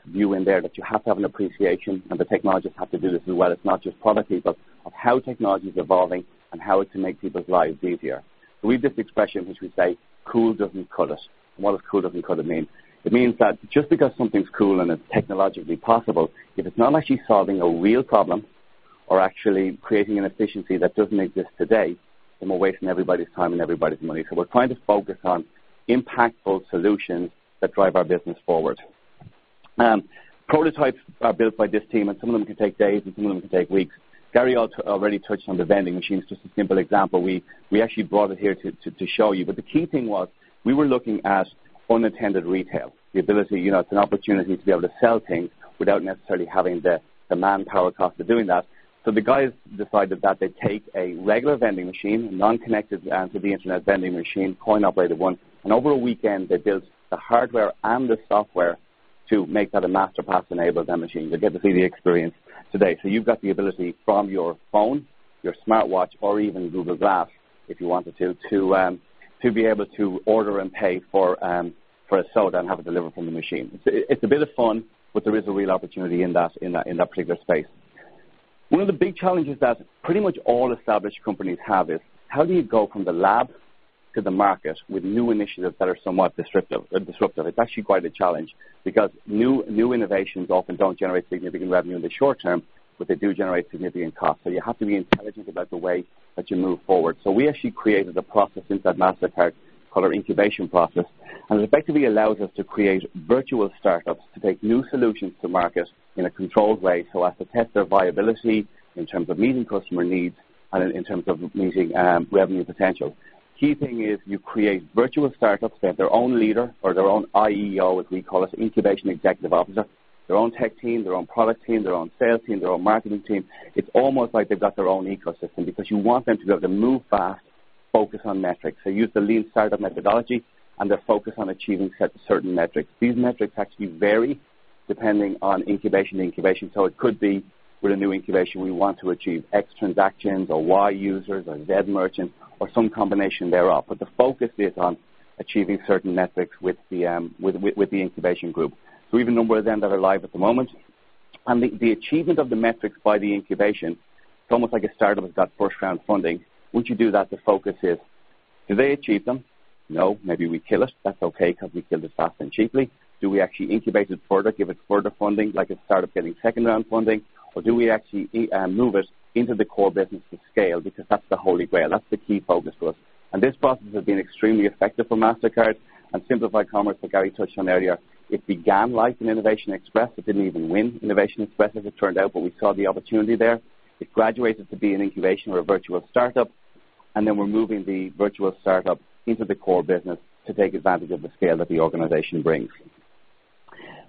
view in there that you have to have an appreciation, and the technologists have to do this as well. It's not just product people, of how technology is evolving and how it can make people's lives easier. We have this expression which we say, "Cool doesn't cut it." What does cool doesn't cut it mean? It means that just because something's cool and it's technologically possible, if it's not actually solving a real problem or actually creating an efficiency that doesn't exist today, then we're wasting everybody's time and everybody's money. We're trying to focus on impactful solutions that drive our business forward. Prototypes are built by this team. Some of them can take days, and some of them can take weeks. Gary already touched on the vending machines, just a simple example. We actually brought it here to show you. The key thing was we were looking at unattended retail, the ability, it's an opportunity to be able to sell things without necessarily having the manpower cost of doing that. The guys decided that they'd take a regular vending machine, a non-connected to the internet vending machine, coin-operated one, and over a weekend, they built the hardware and the software to make that a Masterpass-enabled vending machine. You'll get to see the experience today. You've got the ability from your phone, your smartwatch, or even Google Glass, if you wanted to be able to order and pay for a soda and have it delivered from the machine. It's a bit of fun, but there is a real opportunity in that particular space. One of the big challenges that pretty much all established companies have is how do you go from the lab to the market with new initiatives that are somewhat disruptive? It's actually quite a challenge because new innovations often don't generate significant revenue in the short term, but they do generate significant cost. You have to be intelligent about the way that you move forward. We actually created a process inside Mastercard called our incubation process. It effectively allows us to create virtual startups to take new solutions to market in a controlled way so as to test their viability in terms of meeting customer needs and in terms of meeting revenue potential. Key thing is you create virtual startups. They have their own leader or their own IEO, as we call it, Incubation Executive Officer, their own tech team, their own product team, their own sales team, their own marketing team. It's almost like they've got their own ecosystem because you want them to be able to move fast, focus on metrics. Use the Lean Startup methodology, and they're focused on achieving certain metrics. These metrics actually vary depending on incubation to incubation. It could be with a new incubation, we want to achieve X transactions or Y users or Z merchants or some combination thereof. The focus is on achieving certain metrics with the incubation group. We have a number of them that are live at the moment. And the achievement of the metrics by the incubation, it's almost like a startup that's got first-round funding. Once you do that, the focus is Do they achieve them? No. Maybe we kill it. That's okay, because we killed it fast and cheaply. Do we actually incubate it further, give it further funding, like a startup getting second-round funding? Or do we actually move it into the core business to scale? Because that's the Holy Grail. That's the key focus for us. This process has been extremely effective for Mastercard and Simplify Commerce that Gary touched on earlier. It began life in Innovation Express. It didn't even win Innovation Express, as it turned out, but we saw the opportunity there. It graduated to be an incubation or a virtual startup, and then we're moving the virtual startup into the core business to take advantage of the scale that the organization brings.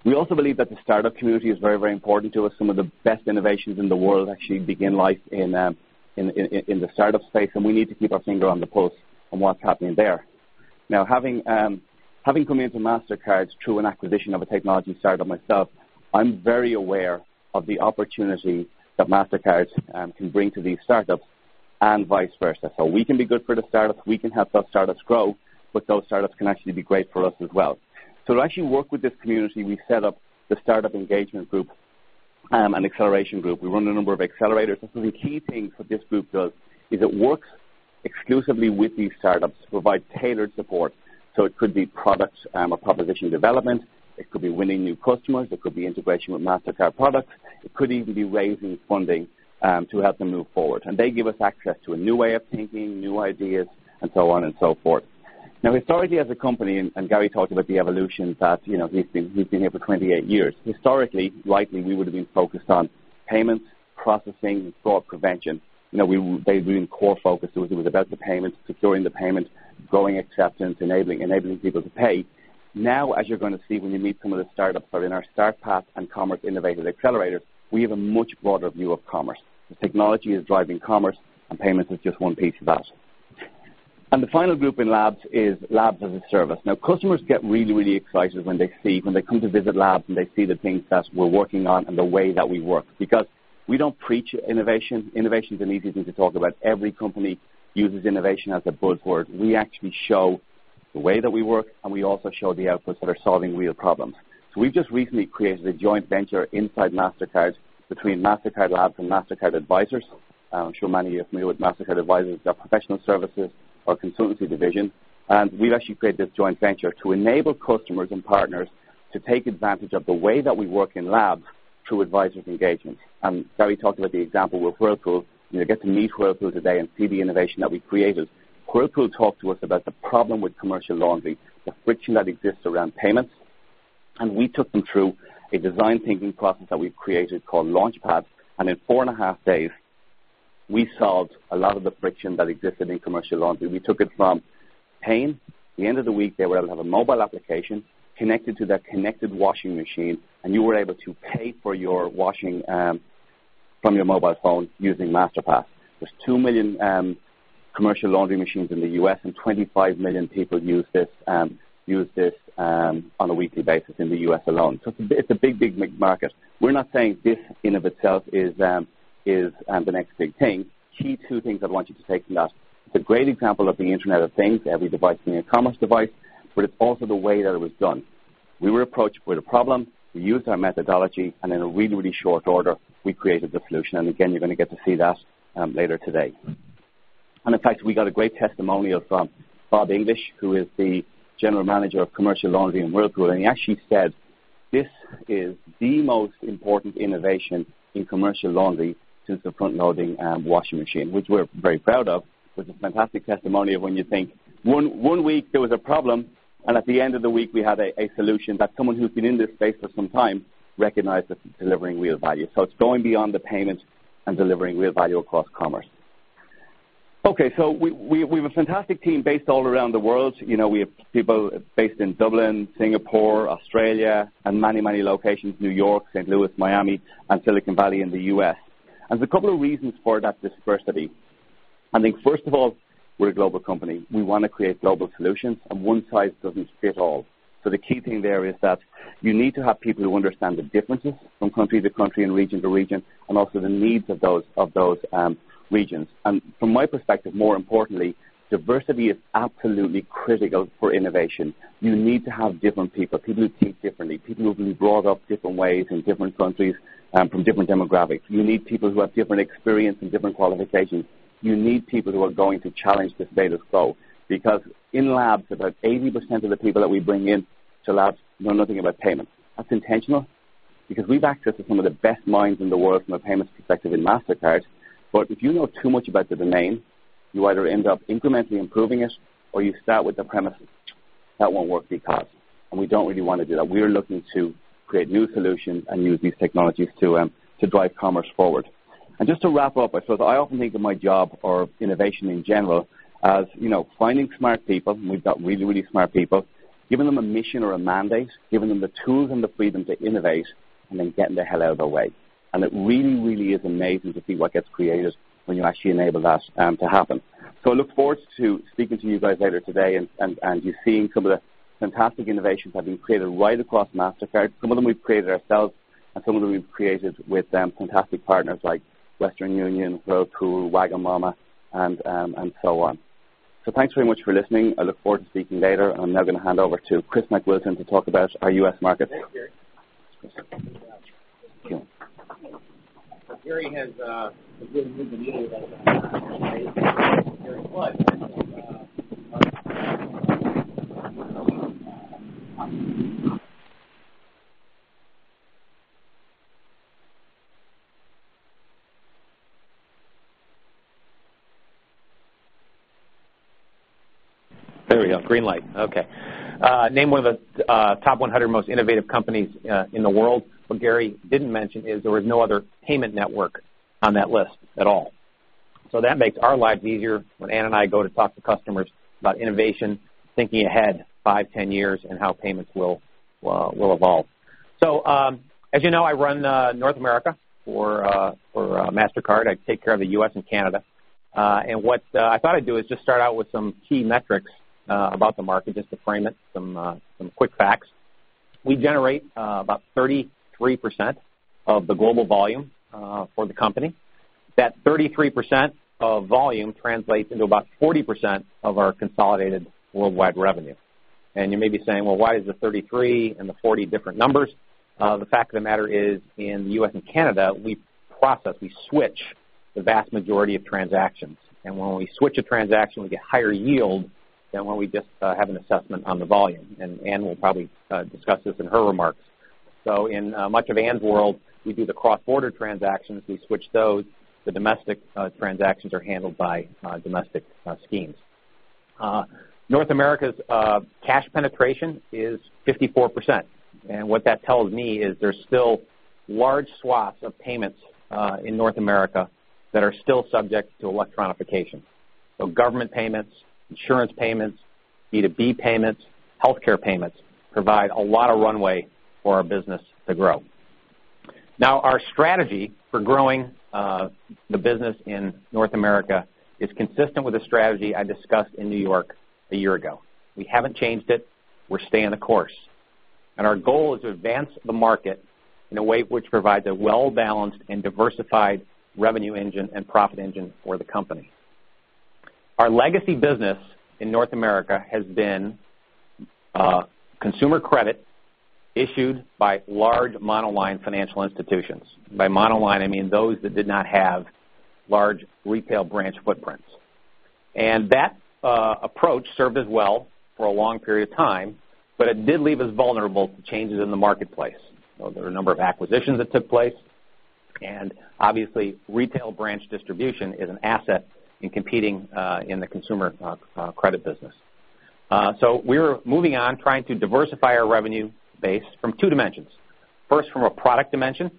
We also believe that the startup community is very important to us. Some of the best innovations in the world actually begin life in the startup space, and we need to keep our finger on the pulse on what's happening there. Having come into Mastercard through an acquisition of a technology startup myself, I'm very aware of the opportunity that Mastercard can bring to these startups, and vice versa. We can be good for the startups, we can help those startups grow, but those startups can actually be great for us as well. To actually work with this community, we set up the Startup Engagement Group and Acceleration Group. We run a number of accelerators. The key thing for this group though is it works exclusively with these startups to provide tailored support. It could be product or proposition development, it could be winning new customers, it could be integration with Mastercard products, it could even be raising funding to help them move forward. They give us access to a new way of thinking, new ideas, and so on and so forth. Historically as a company, and Gary talked about the evolution, that he's been here for 28 years. Historically, likely we would've been focused on payments, processing, and fraud prevention. They were the core focus. It was about the payments, securing the payments, growing acceptance, enabling people to pay. As you're going to see when you meet some of the startups that are in our Start Path and Commerce Innovation Accelerator, we have a much broader view of commerce. The technology is driving commerce, and payments is just one piece of that. The final group in Labs is Labs as a service. Customers get really, really excited when they come to visit Labs and they see the things that we're working on and the way that we work, because we don't preach innovation. Innovation is an easy thing to talk about. Every company uses innovation as a buzzword. We actually show the way that we work, and we also show the outputs that are solving real problems. We've just recently created a joint venture inside Mastercard between Mastercard Labs and Mastercard Advisors. I'm sure many of you are familiar with Mastercard Advisors, they're professional services, our consultancy division. We've actually created this joint venture to enable customers and partners to take advantage of the way that we work in Labs through advisors' engagement. Gary talked about the example with Whirlpool, you get to meet Whirlpool today and see the innovation that we created. Whirlpool talked to us about the problem with commercial laundry, the friction that exists around payments, we took them through a design thinking process that we've created called Launchpad, in four and a half days, we solved a lot of the friction that existed in commercial laundry. We took it from pain, the end of the week, they were able to have a mobile application connected to their connected washing machine, you were able to pay for your washing from your mobile phone using Masterpass. There's 2 million commercial laundry machines in the U.S., 25 million people use this on a weekly basis in the U.S. alone. It's a big market. We're not saying this in of itself is the next big thing. Key two things I'd want you to take from that, it's a great example of the Internet of Things, every device being a commerce device, it's also the way that it was done. We were approached with a problem, we used our methodology, in a really short order, we created the solution. Again, you're going to get to see that later today. In fact, we got a great testimonial from Bob English, who is the General Manager of Commercial Laundry in Whirlpool, he actually said, "This is the most important innovation in commercial laundry since the front-loading washing machine," which we're very proud of. It was a fantastic testimony of when you think one week there was a problem, at the end of the week, we had a solution that someone who's been in this space for some time recognized as delivering real value. It's going beyond the payment and delivering real value across commerce. We have a fantastic team based all around the world. We have people based in Dublin, Singapore, Australia, many locations, New York, St. Louis, Miami, and Silicon Valley in the U.S. There's a couple of reasons for that dispersity. I think, first of all, we're a global company. We want to create global solutions, one size doesn't fit all. The key thing there is that you need to have people who understand the differences from country to country and region to region, also the needs of those regions. From my perspective, more importantly, diversity is absolutely critical for innovation. You need to have different people who think differently, people who've been brought up different ways in different countries and from different demographics. You need people who have different experience and different qualifications. You need people who are going to challenge the status quo because in Labs, about 80% of the people that we bring in to Labs know nothing about payments. That's intentional because we've access to some of the best minds in the world from a payments perspective in Mastercard. But if you know too much about the domain, you either end up incrementally improving it or you start with the premise, "That won't work because" We don't really want to do that. We're looking to create new solutions and use these technologies to drive commerce forward. Just to wrap up, I suppose I often think of my job or innovation in general as finding smart people, and we've got really smart people, giving them a mission or a mandate, giving them the tools and the freedom to innovate, and then getting the hell out of their way. It really is amazing to see what gets created when you actually enable that to happen. I look forward to speaking to you guys later today and you seeing some of the fantastic innovations that have been created right across Mastercard. Some of them we've created ourselves, and some of them we've created with fantastic partners like Western Union, Whirlpool, Wagamama, and so on. Thanks very much for listening. I look forward to speaking later, and I'm now going to hand over to Chris McWilton to talk about our U.S. market. Thanks, Garry. Garrry has been in the media. There we go. Green light. Okay. Named one of the top 100 most innovative companies in the world. What Garry didn't mention is there was no other payment network on that list at all. That makes our lives easier when Ann and I go to talk to customers about innovation, thinking ahead 5, 10 years, and how payments will evolve. As you know, I run North America for Mastercard. I take care of the U.S. and Canada. What I thought I'd do is just start out with some key metrics about the market, just to frame it, some quick facts. We generate about 33% of the global volume for the company. That 33% of volume translates into about 40% of our consolidated worldwide revenue. You may be saying, well, why is the 33 and the 40 different numbers? The fact of the matter is, in the U.S. and Canada, we process, we switch the vast majority of transactions. When we switch a transaction, we get higher yield than when we just have an assessment on the volume. Ann will probably discuss this in her remarks. In much of Ann's world, we do the cross-border transactions. We switch those. The domestic transactions are handled by domestic schemes. North America's cash penetration is 54%, and what that tells me is there's still large swaths of payments in North America that are still subject to electronification. Government payments, insurance payments, B2B payments, healthcare payments provide a lot of runway for our business to grow. Our strategy for growing the business in North America is consistent with the strategy I discussed in New York a year ago. We haven't changed it. We're staying the course. Our goal is to advance the market in a way which provides a well-balanced and diversified revenue engine and profit engine for the company. Our legacy business in North America has been consumer credit issued by large monoline financial institutions. By monoline, I mean those that did not have large retail branch footprints. That approach served us well for a long period of time, but it did leave us vulnerable to changes in the marketplace. There were a number of acquisitions that took place, and obviously retail branch distribution is an asset in competing in the consumer credit business. We're moving on trying to diversify our revenue base from two dimensions. First, from a product dimension.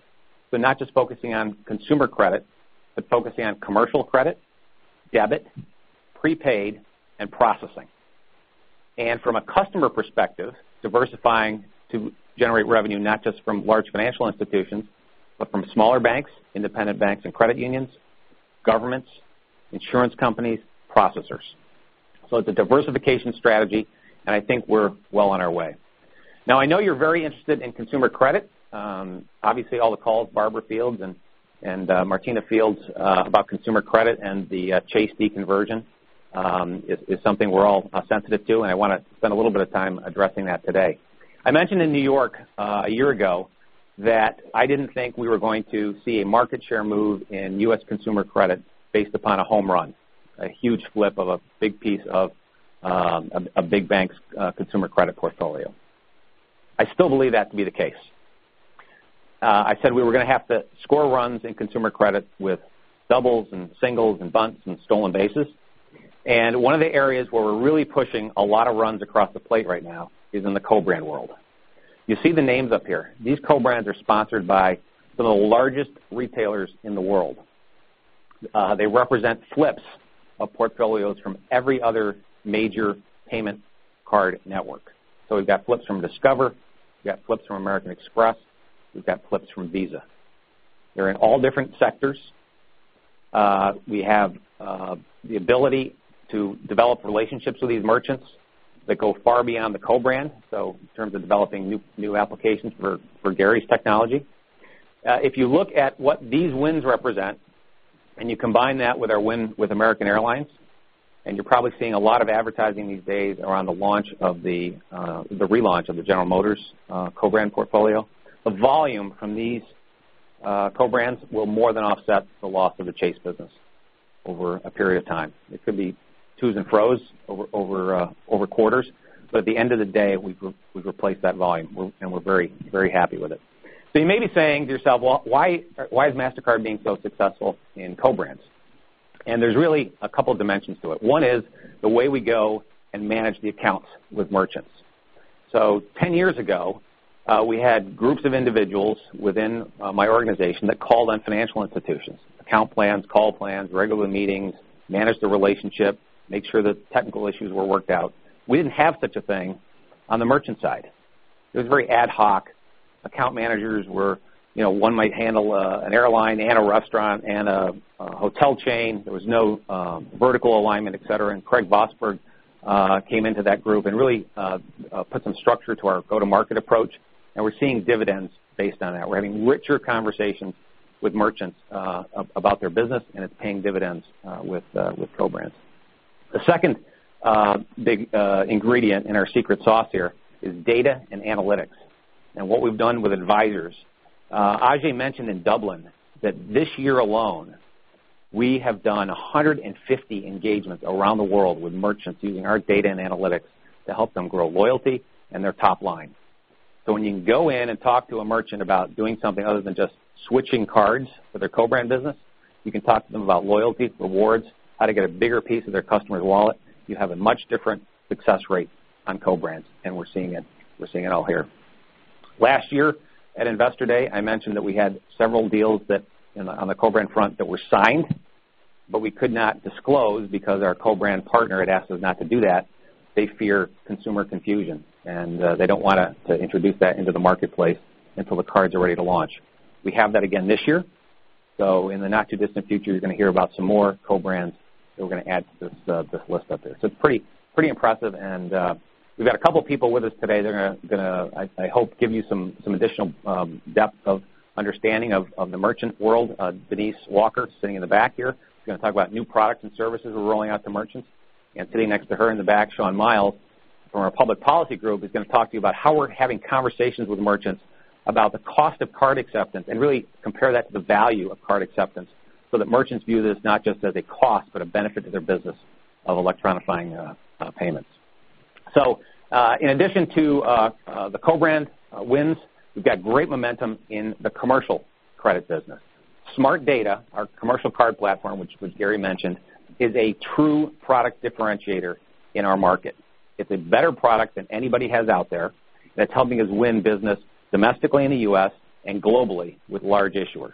Not just focusing on consumer credit, but focusing on commercial credit, debit, prepaid, and processing. From a customer perspective, diversifying to generate revenue, not just from large financial institutions, but from smaller banks, independent banks and credit unions, governments, insurance companies, processors. It's a diversification strategy, and I think we're well on our way. I know you're very interested in consumer credit. Obviously, all the calls Barbara and Martina about consumer credit and the Chase deconversion is something we're all sensitive to, and I want to spend a little bit of time addressing that today. I mentioned in New York a year ago that I didn't think we were going to see a market share move in U.S. consumer credit based upon a home run, a huge flip of a big piece of a big bank's consumer credit portfolio. I still believe that to be the case. I said we were going to have to score runs in consumer credit with doubles and singles and bunts and stolen bases. One of the areas where we're really pushing a lot of runs across the plate right now is in the co-brand world. You see the names up here. These co-brands are sponsored by some of the largest retailers in the world. They represent flips of portfolios from every other major payment card network. We've got flips from Discover, we've got flips from American Express, we've got flips from Visa. They're in all different sectors. We have the ability to develop relationships with these merchants that go far beyond the co-brand. In terms of developing new applications for Gary's technology. If you look at what these wins represent and you combine that with our win with American Airlines, you're probably seeing a lot of advertising these days around the relaunch of the General Motors co-brand portfolio. The volume from these co-brands will more than offset the loss of the Chase business over a period of time. It could be twos and fros over quarters. At the end of the day, we've replaced that volume, and we're very happy with it. You may be saying to yourself, well, why is Mastercard being so successful in co-brands? There's really a couple dimensions to it. One is the way we go and manage the accounts with merchants. 10 years ago, we had groups of individuals within my organization that called on financial institutions. Account plans, call plans, regular meetings, manage the relationship, make sure that technical issues were worked out. We didn't have such a thing on the merchant side. It was very ad hoc. Account managers were one might handle an airline and a restaurant and a hotel chain. There was no vertical alignment, et cetera. Craig Vosburg came into that group and really put some structure to our go-to-market approach. We're seeing dividends based on that. We're having richer conversations with merchants about their business, and it's paying dividends with co-brands. The second big ingredient in our secret sauce here is data and analytics, and what we've done with advisors. Ajay mentioned in Dublin that this year alone, we have done 150 engagements around the world with merchants using our data and analytics to help them grow loyalty and their top line. When you can go in and talk to a merchant about doing something other than just switching cards for their co-brand business, you can talk to them about loyalty, rewards, how to get a bigger piece of their customer's wallet. You have a much different success rate on co-brands, and we're seeing it all here. Last year at Investor Day, I mentioned that we had several deals on the co-brand front that were signed, but we could not disclose because our co-brand partner had asked us not to do that. They fear consumer confusion, and they don't want to introduce that into the marketplace until the cards are ready to launch. We have that again this year. In the not-too-distant future, you're going to hear about some more co-brands that we're going to add to this list up there. It's pretty impressive, and we've got a couple of people with us today. They're going to, I hope, give you some additional depth of understanding of the merchant world. Denise Walker, sitting in the back here, is going to talk about new products and services we're rolling out to merchants. Sitting next to her in the back, Sean Miles from our public policy group, is going to talk to you about how we're having conversations with merchants about the cost of card acceptance and really compare that to the value of card acceptance, so that merchants view this not just as a cost, but a benefit to their business of electronifying payments. In addition to the co-brand wins, we've got great momentum in the commercial credit business. Smart Data, our commercial card platform, which Gary mentioned, is a true product differentiator in our market. It's a better product than anybody has out there that's helping us win business domestically in the U.S. and globally with large issuers.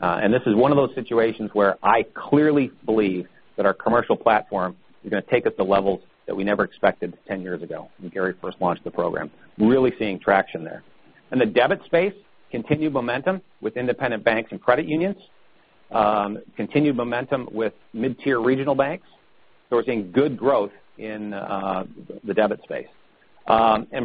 This is one of those situations where I clearly believe that our commercial platform is going to take us to levels that we never expected 10 years ago when Gary first launched the program. Really seeing traction there. In the debit space, continued momentum with independent banks and credit unions. Continued momentum with mid-tier regional banks. We're seeing good growth in the debit space.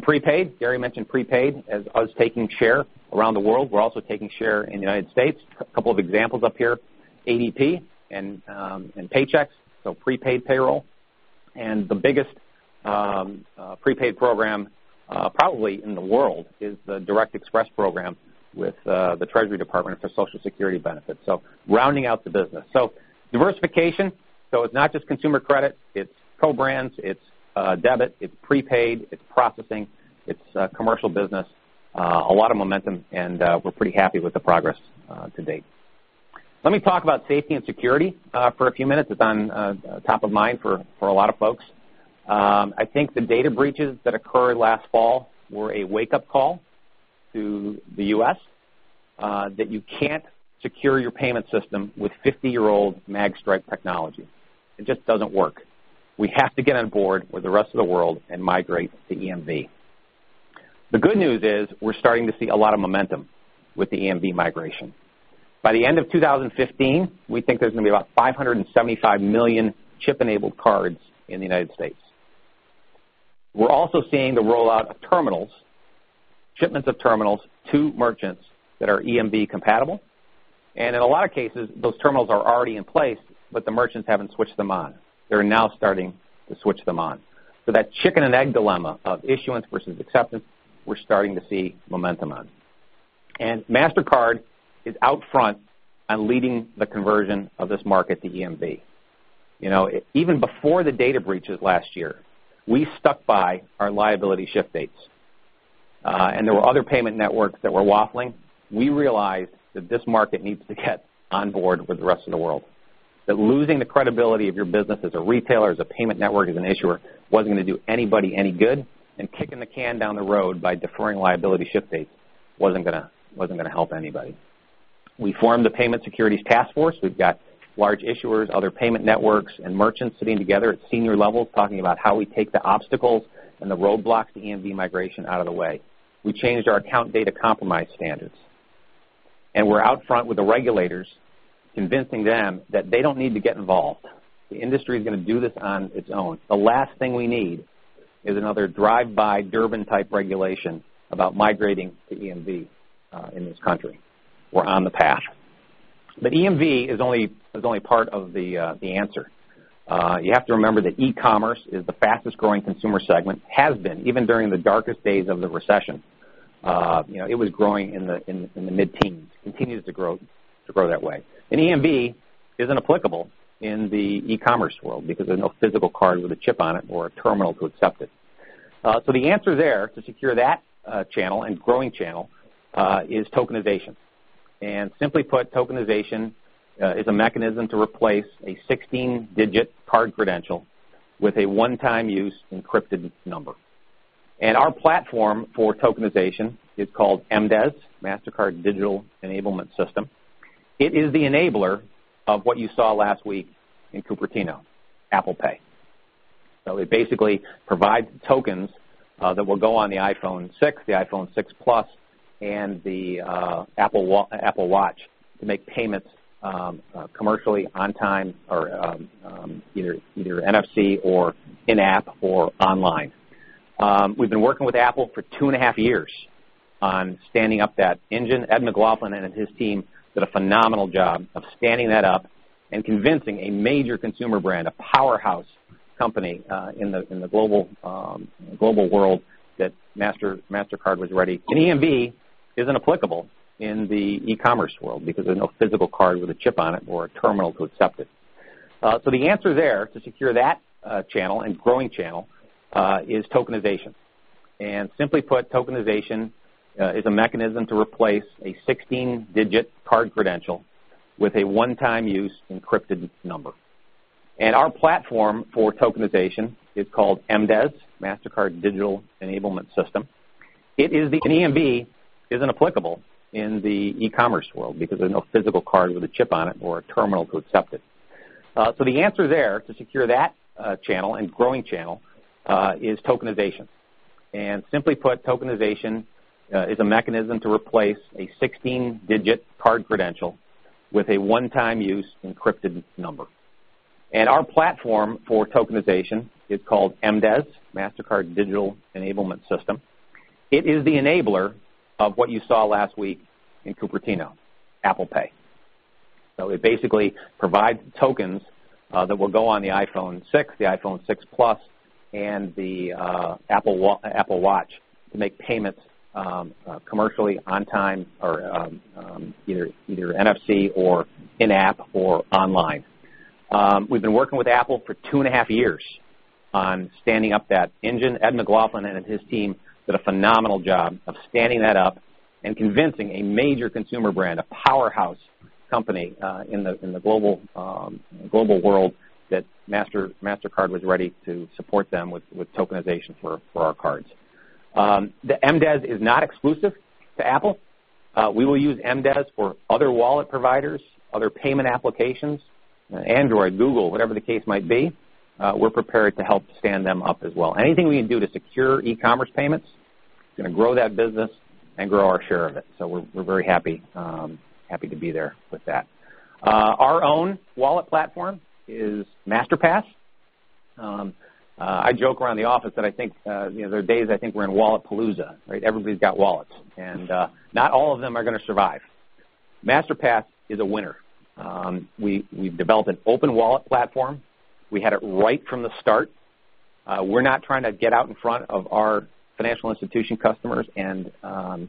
Prepaid, Gary mentioned prepaid as us taking share around the world. We're also taking share in the United States. A couple of examples up here, ADP and Paychex, so prepaid payroll. The biggest prepaid program probably in the world is the Direct Express program with the Treasury Department for Social Security benefits. Rounding out the business. Diversification. It's not just consumer credit, it's co-brands, it's debit, it's prepaid, it's processing, it's commercial business. A lot of momentum, and we're pretty happy with the progress to date. Let me talk about safety and security for a few minutes. It's on top of mind for a lot of folks. I think the data breaches that occurred last fall were a wake-up call to the U.S. that you can't secure your payment system with 50-year-old magstripe technology. It just doesn't work. We have to get on board with the rest of the world and migrate to EMV. The good news is we're starting to see a lot of momentum with the EMV migration. By the end of 2015, we think there's going to be about 575 million chip-enabled cards in the United States. We're also seeing the rollout of terminals, shipments of terminals to merchants that are EMV-compatible. In a lot of cases, those terminals are already in place, but the merchants haven't switched them on. They're now starting to switch them on. That chicken and egg dilemma of issuance versus acceptance, we're starting to see momentum on. Mastercard is out front on leading the conversion of this market to EMV. Even before the data breaches last year, we stuck by our liability shift dates. There were other payment networks that were waffling. We realized that this market needs to get on board with the rest of the world, that losing the credibility of your business as a retailer, as a payment network, as an issuer, wasn't going to do anybody any good, and kicking the can down the road by deferring liability shift dates wasn't going to help anybody. We formed the Payment Security Task Force. We've got large issuers, other payment networks, and merchants sitting together at senior levels talking about how we take the obstacles and the roadblocks to EMV migration out of the way. We changed our account data compromise standards. We're out front with the regulators convincing them that they don't need to get involved. The industry is going to do this on its own. The last thing we need is another drive-by Durbin-type regulation about migrating to EMV in this country. We're on the path. EMV is only part of the answer. You have to remember that e-commerce is the fastest-growing consumer segment, has been even during the darkest days of the recession. It was growing in the mid-teens, continues to grow that way. EMV isn't applicable in the e-commerce world because there's no physical card with a chip on it or a terminal to accept it. The answer there to secure that channel and growing channel is tokenization. Simply put, tokenization is a mechanism to replace a 16-digit card credential with a one-time use encrypted number. Our platform for tokenization is called MDES, Mastercard Digital Enablement Service. It is the enabler of what you saw last week in Cupertino, Apple Pay. It basically provides tokens that will go on the iPhone 6, the iPhone 6 Plus, and the Apple Watch to make payments commercially on time or either NFC or in-app or online. We've been working with Apple for two and a half years on standing up that engine. Ed McLaughlin and his team did a phenomenal job of standing that up and convincing a major consumer brand, a powerhouse company in the global world, that Mastercard was ready. EMV isn't applicable in the e-commerce world because there's no physical card with a chip on it or a terminal to accept it. The answer there to secure that channel and growing channel, is tokenization. Simply put, tokenization is a mechanism to replace a 16-digit card credential with a one-time use encrypted number. Our platform for tokenization is called MDES, Mastercard Digital Enablement Service. It is the enabler of what you saw last week in Cupertino, Apple Pay. It basically provides tokens that will go on the iPhone 6, the iPhone 6 Plus, and the Apple Watch to make payments commercially on time or either NFC or in-app or online. We've been working with Apple for two and a half years on standing up that engine. Ed McLaughlin and his team did a phenomenal job of standing that up and convincing a major consumer brand, a powerhouse company in the global world that Mastercard was ready to support them with tokenization for our cards. The MDES is not exclusive to Apple. We will use MDES for other wallet providers, other payment applications, Android, Google, whatever the case might be. We're prepared to help stand them up as well. Anything we can do to secure e-commerce payments, going to grow that business and grow our share of it. We're very happy to be there with that. Our own wallet platform is Masterpass. I joke around the office that I think there are days I think we're in wallet palooza, right? Everybody's got wallets, and not all of them are going to survive. Masterpass is a winner. We've developed an open wallet platform. We had it right from the start. We're not trying to get out in front of our financial institution customers and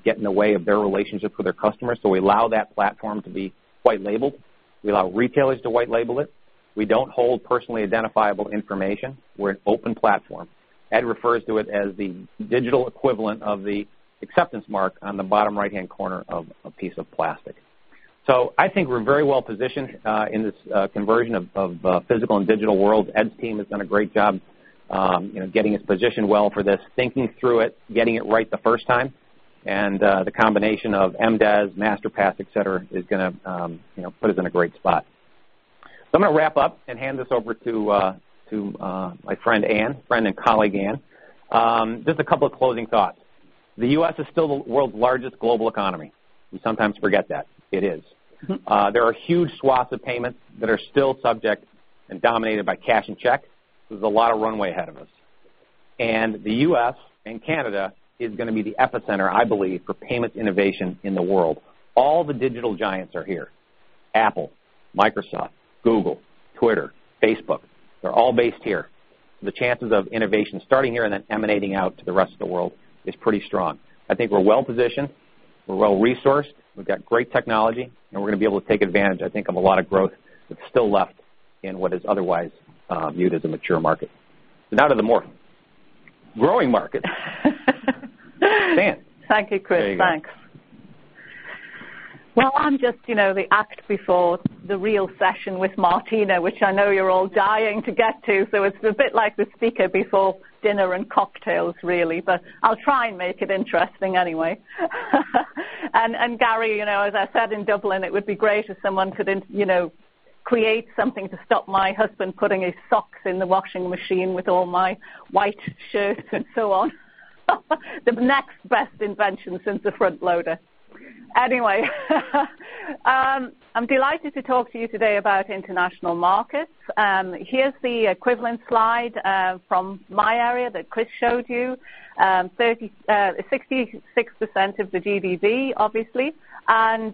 get in the way of their relationship with their customers. We allow that platform to be white labeled. We allow retailers to white label it. We don't hold personally identifiable information. We're an open platform. Ed refers to it as the digital equivalent of the acceptance mark on the bottom right-hand corner of a piece of plastic. I think we're very well-positioned in this conversion of physical and digital world. Ed's team has done a great job getting us positioned well for this, thinking through it, getting it right the first time. The combination of MDES, Masterpass, et cetera, is going to put us in a great spot. I'm going to wrap up and hand this over to my friend and colleague, Ann. Just a couple of closing thoughts. The U.S. is still the world's largest global economy. We sometimes forget that. It is. There are huge swaths of payments that are still subject and dominated by cash and check. There's a lot of runway ahead of us. The U.S. and Canada is going to be the epicenter, I believe, for payments innovation in the world. All the digital giants are here. Apple, Microsoft, Google, Twitter, Facebook, they're all based here. The chances of innovation starting here and then emanating out to the rest of the world is pretty strong. I think we're well-positioned, we're well-resourced, we've got great technology, and we're going to be able to take advantage, I think, of a lot of growth that's still left in what is otherwise viewed as a mature market. Now to the more growing market. Ann. Thank you, Chris. There you go. Thanks. Well, I'm just the act before the real session with Martina, which I know you're all dying to get to. It's a bit like the speaker before dinner and cocktails, really, but I'll try and make it interesting anyway. Gary, as I said in Dublin, it would be great if someone could create something to stop my husband putting his socks in the washing machine with all my white shirts and so on. The next best invention since the front loader. Anyway, I'm delighted to talk to you today about international markets. Here's the equivalent slide from my area that Chris showed you. 66% of the GDV, obviously. As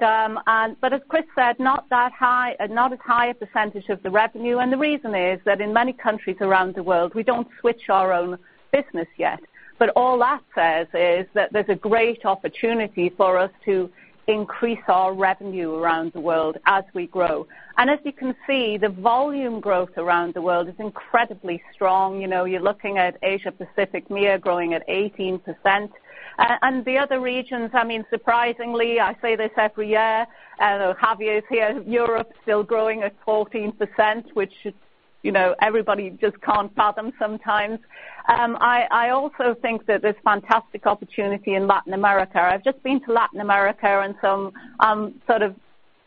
Chris said, not as high a % of the revenue. The reason is that in many countries around the world, we don't switch our own business yet. All that says is that there's a great opportunity for us to increase our revenue around the world as we grow. As you can see, the volume growth around the world is incredibly strong. You're looking at Asia Pacific, MEA growing at 18%. The other regions, surprisingly, I say this every year, Javier's here, Europe still growing at 14%, which everybody just can't fathom sometimes. I also think that there's fantastic opportunity in Latin America. I've just been to Latin America, I'm sort of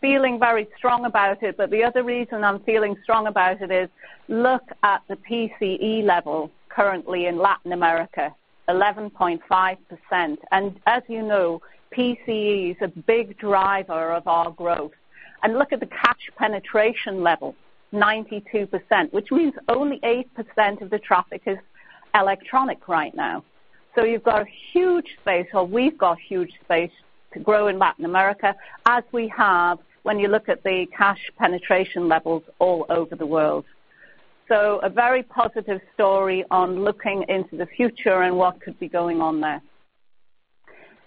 feeling very strong about it. The other reason I'm feeling strong about it is look at the PCE level currently in Latin America, 11.5%. As you know, PCE is a big driver of our growth. Look at the cash penetration level, 92%, which means only 8% of the traffic is electronic right now. You've got a huge space, or we've got huge space to grow in Latin America, as we have when you look at the cash penetration levels all over the world. A very positive story on looking into the future and what could be going on there.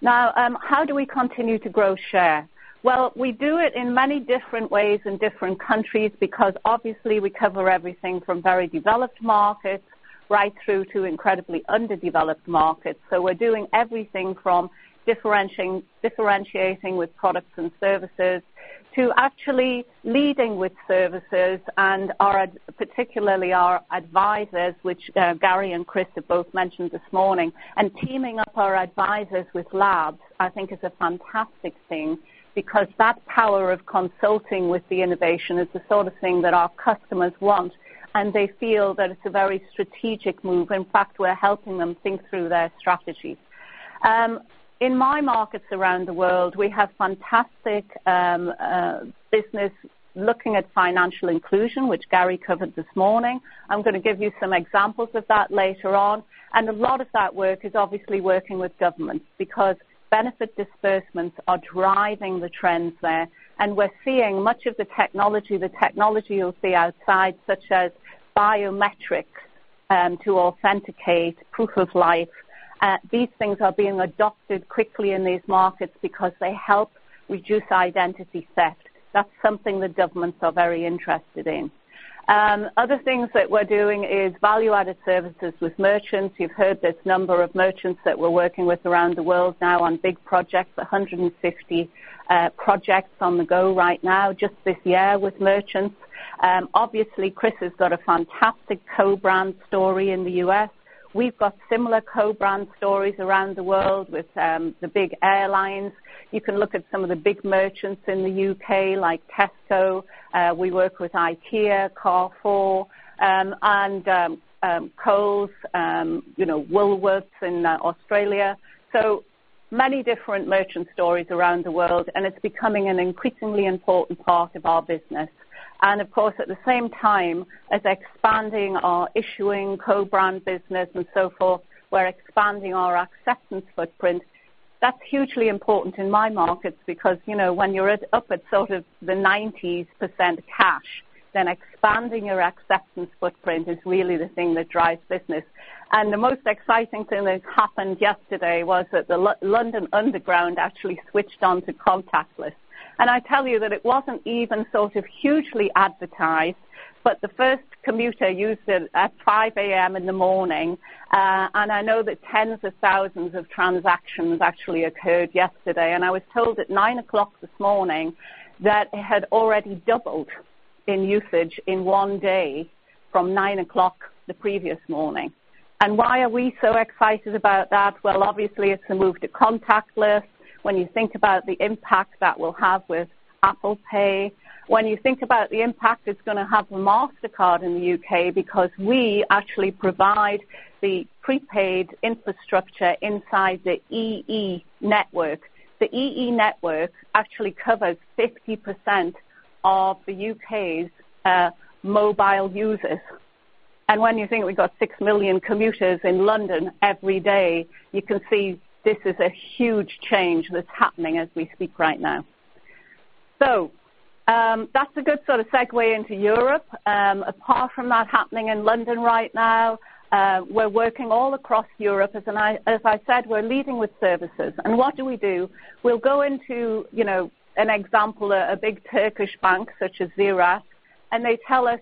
Now, how do we continue to grow share? Well, we do it in many different ways in different countries because obviously we cover everything from very developed markets right through to incredibly underdeveloped markets. We're doing everything from differentiating with products and services to actually leading with services and particularly our advisors, which Gary and Chris have both mentioned this morning. Teaming up our advisors with labs, I think is a fantastic thing because that power of consulting with the innovation is the sort of thing that our customers want, and they feel that it's a very strategic move. In fact, we're helping them think through their strategies. In my markets around the world, we have fantastic business looking at financial inclusion, which Gary covered this morning. I'm going to give you some examples of that later on. A lot of that work is obviously working with governments because benefit disbursements are driving the trends there. We're seeing much of the technology, the technology you'll see outside, such as biometrics to authenticate proof of life. These things are being adopted quickly in these markets because they help reduce identity theft. That's something the governments are very interested in. Other things that we're doing is value-added services with merchants. You've heard there's a number of merchants that we're working with around the world now on big projects, 150 projects on the go right now just this year with merchants. Obviously, Chris has got a fantastic co-brand story in the U.S. We've got similar co-brand stories around the world with the big airlines. You can look at some of the big merchants in the U.K. like Tesco. We work with IKEA, Carrefour, and Kohl's, Woolworths in Australia. Many different merchant stories around the world, and it's becoming an increasingly important part of our business. Of course, at the same time as expanding our issuing co-brand business and so forth, we're expanding our acceptance footprint. That's hugely important in my markets because when you're up at sort of the 90% cash, then expanding your acceptance footprint is really the thing that drives business. The most exciting thing that happened yesterday was that the London Underground actually switched on to contactless. I tell you that it wasn't even sort of hugely advertised, but the first commuter used it at 5:00 A.M. in the morning. I know that tens of thousands of transactions actually occurred yesterday. I was told at 9:00 this morning that it had already doubled in usage in 1 day from 9:00 the previous morning. Why are we so excited about that? Obviously it's a move to contactless. When you think about the impact that will have with Apple Pay, when you think about the impact it's going to have for Mastercard in the U.K. because we actually provide the prepaid infrastructure inside the EE network. The EE network actually covers 50% of the U.K.'s mobile users. When you think we've got 6 million commuters in London every day, you can see this is a huge change that's happening as we speak right now. That's a good sort of segue into Europe. Apart from that happening in London right now, we're working all across Europe. As I said, we're leading with services. What do we do? We'll go into an example, a big Turkish bank such as Ziraat Bank, and they tell us,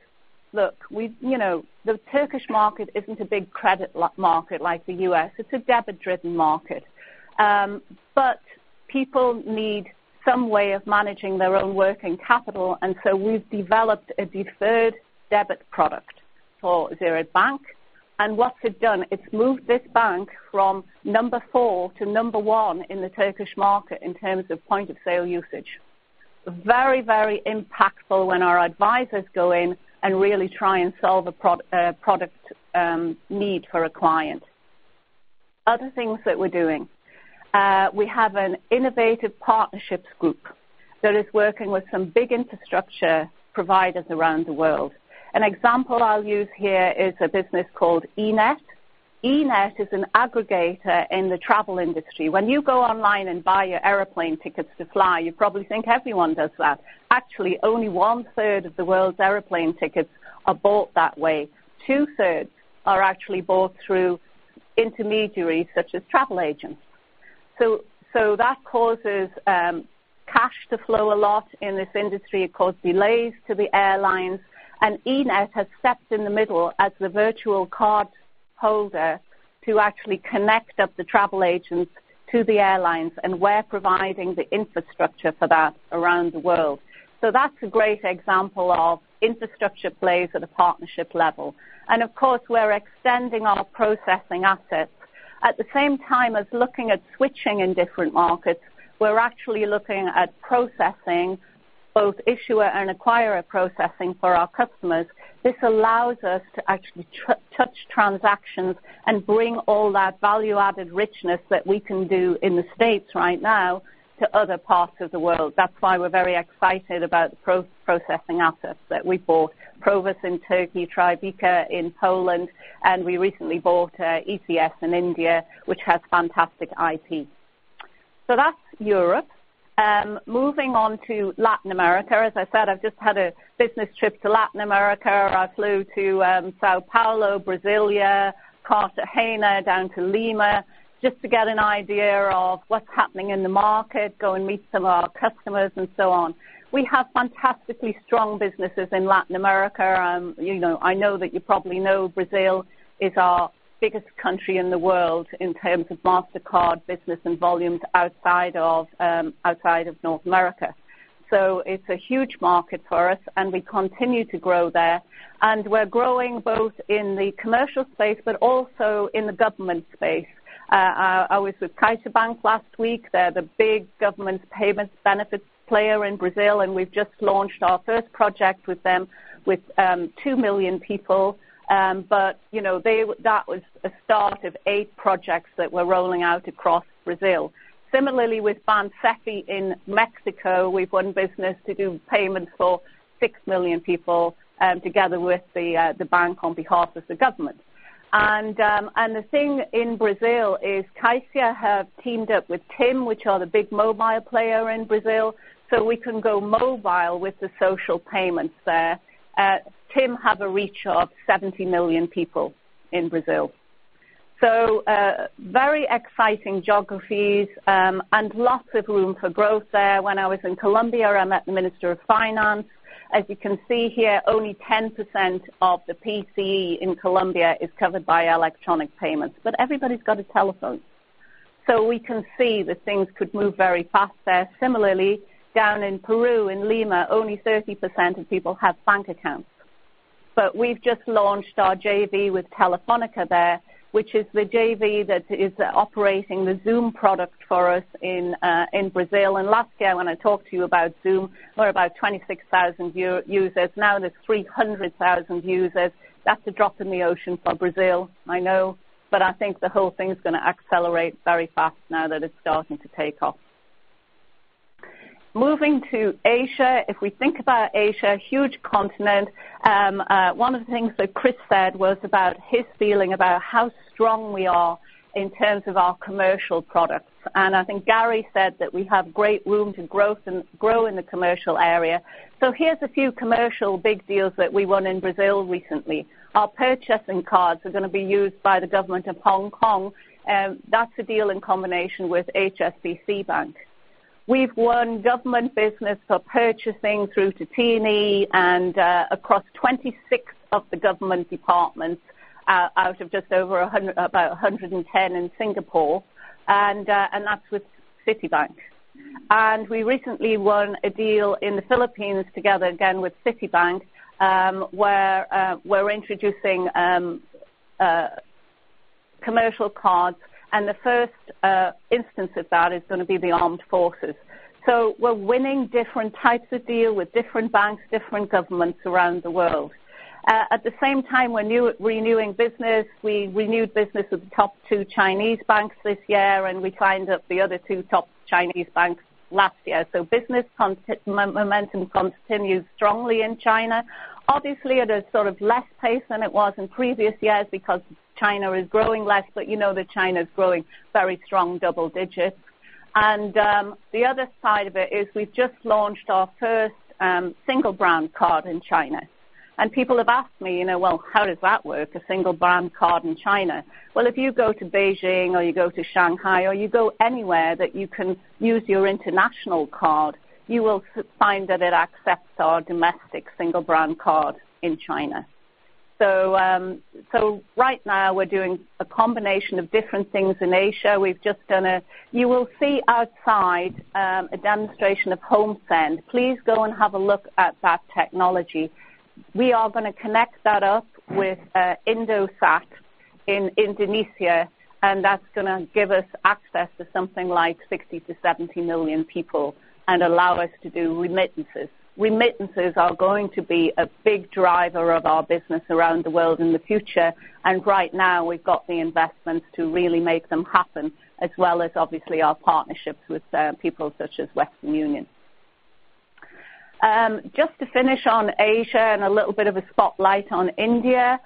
"Look, the Turkish market isn't a big credit market like the U.S. It's a debit-driven market." People need some way of managing their own working capital, so we've developed a deferred debit product for Ziraat Bank. What's it done? It's moved this bank from number 4 to number 1 in the Turkish market in terms of point-of-sale usage. Very, very impactful when our advisors go in and really try and solve a product need for a client. Other things that we're doing, we have an innovative partnerships group that is working with some big infrastructure providers around the world. An example I'll use here is a business called eNett. eNett is an aggregator in the travel industry. When you go online and buy your airplane tickets to fly, you probably think everyone does that. Actually, only 1/3 of the world's airplane tickets are bought that way. 2/3 are actually bought through intermediaries such as travel agents. That causes cash to flow a lot in this industry. It caused delays to the airlines, and eNett has stepped in the middle as the virtual card holder to actually connect up the travel agents to the airlines, and we're providing the infrastructure for that around the world. That's a great example of infrastructure plays at a partnership level. Of course, we're extending our processing assets. At the same time as looking at switching in different markets, we're actually looking at processing both issuer and acquirer processing for our customers. This allows us to actually touch transactions and bring all that value-added richness that we can do in the U.S. right now to other parts of the world. That's why we're very excited about the processing assets that we bought. Provis in Turkey, Trebica in Poland, and we recently bought ECS in India, which has fantastic IP. That's Europe. Moving on to Latin America, as I said, I've just had a business trip to Latin America. I flew to São Paulo, Brasília, Cartagena, down to Lima, just to get an idea of what's happening in the market, go and meet some of our customers, and so on. We have fantastically strong businesses in Latin America. I know that you probably know Brazil is our biggest country in the world in terms of Mastercard business and volumes outside of North America. It's a huge market for us and we continue to grow there. We're growing both in the commercial space but also in the government space. I was with Caixa Econômica Federal last week. They're the big government payments benefits player in Brazil, and we've just launched our first project with them with 2 million people. That was a start of 8 projects that we're rolling out across Brazil. Similarly, with Bansefi in Mexico, we've won business to do payments for 6 million people together with the bank on behalf of the government. The thing in Brazil is Caixa have teamed up with TIM, which are the big mobile player in Brazil, so we can go mobile with the social payments there. TIM have a reach of 70 million people in Brazil. Very exciting geographies and lots of room for growth there. When I was in Colombia, I met the Minister of Finance. As you can see here, only 10% of the PCE in Colombia is covered by electronic payments. Everybody's got a telephone, so we can see that things could move very fast there. Similarly, down in Peru, in Lima, only 30% of people have bank accounts. We've just launched our JV with Telefónica there, which is the JV that is operating the Zuum product for us in Brazil. Last year when I talked to you about Zuum, there were about 26,000 users. Now there's 300,000 users. That's a drop in the ocean for Brazil, I know, but I think the whole thing is going to accelerate very fast now that it's starting to take off. Moving to Asia. If we think about Asia, huge continent. One of the things that Chris said was about his feeling about how strong we are in terms of our commercial products. I think Gary said that we have great room to grow in the commercial area. Here's a few commercial big deals that we won in Brazil recently. Our purchasing cards are going to be used by the government of Hong Kong. That's a deal in combination with HSBC Bank. We've won government business for purchasing through Tetini and across 26 of the government departments out of just over about 110 in Singapore. That's with Citibank. We recently won a deal in the Philippines together again with Citibank, where we're introducing commercial cards, and the first instance of that is going to be the armed forces. We're winning different types of deal with different banks, different governments around the world. At the same time, we're renewing business. We renewed business with the top 2 Chinese banks this year, and we signed up the other 2 top Chinese banks last year. Business momentum continues strongly in China. Obviously at a sort of less pace than it was in previous years because China is growing less, but you know that China is growing very strong double digits. The other side of it is we've just launched our first single brand card in China. People have asked me, "Well, how does that work, a single brand card in China?" Well, if you go to Beijing or you go to Shanghai or you go anywhere that you can use your international card, you will find that it accepts our domestic single brand card in China. Right now we're doing a combination of different things in Asia. You will see outside a demonstration of HomeSend. Please go and have a look at that technology. We are going to connect that up with Indosat in Indonesia, and that's going to give us access to something like 60 to 70 million people and allow us to do remittances. Remittances are going to be a big driver of our business around the world in the future. Right now we've got the investments to really make them happen as well as obviously our partnerships with people such as Western Union. Just to finish on Asia and a little bit of a spotlight on India.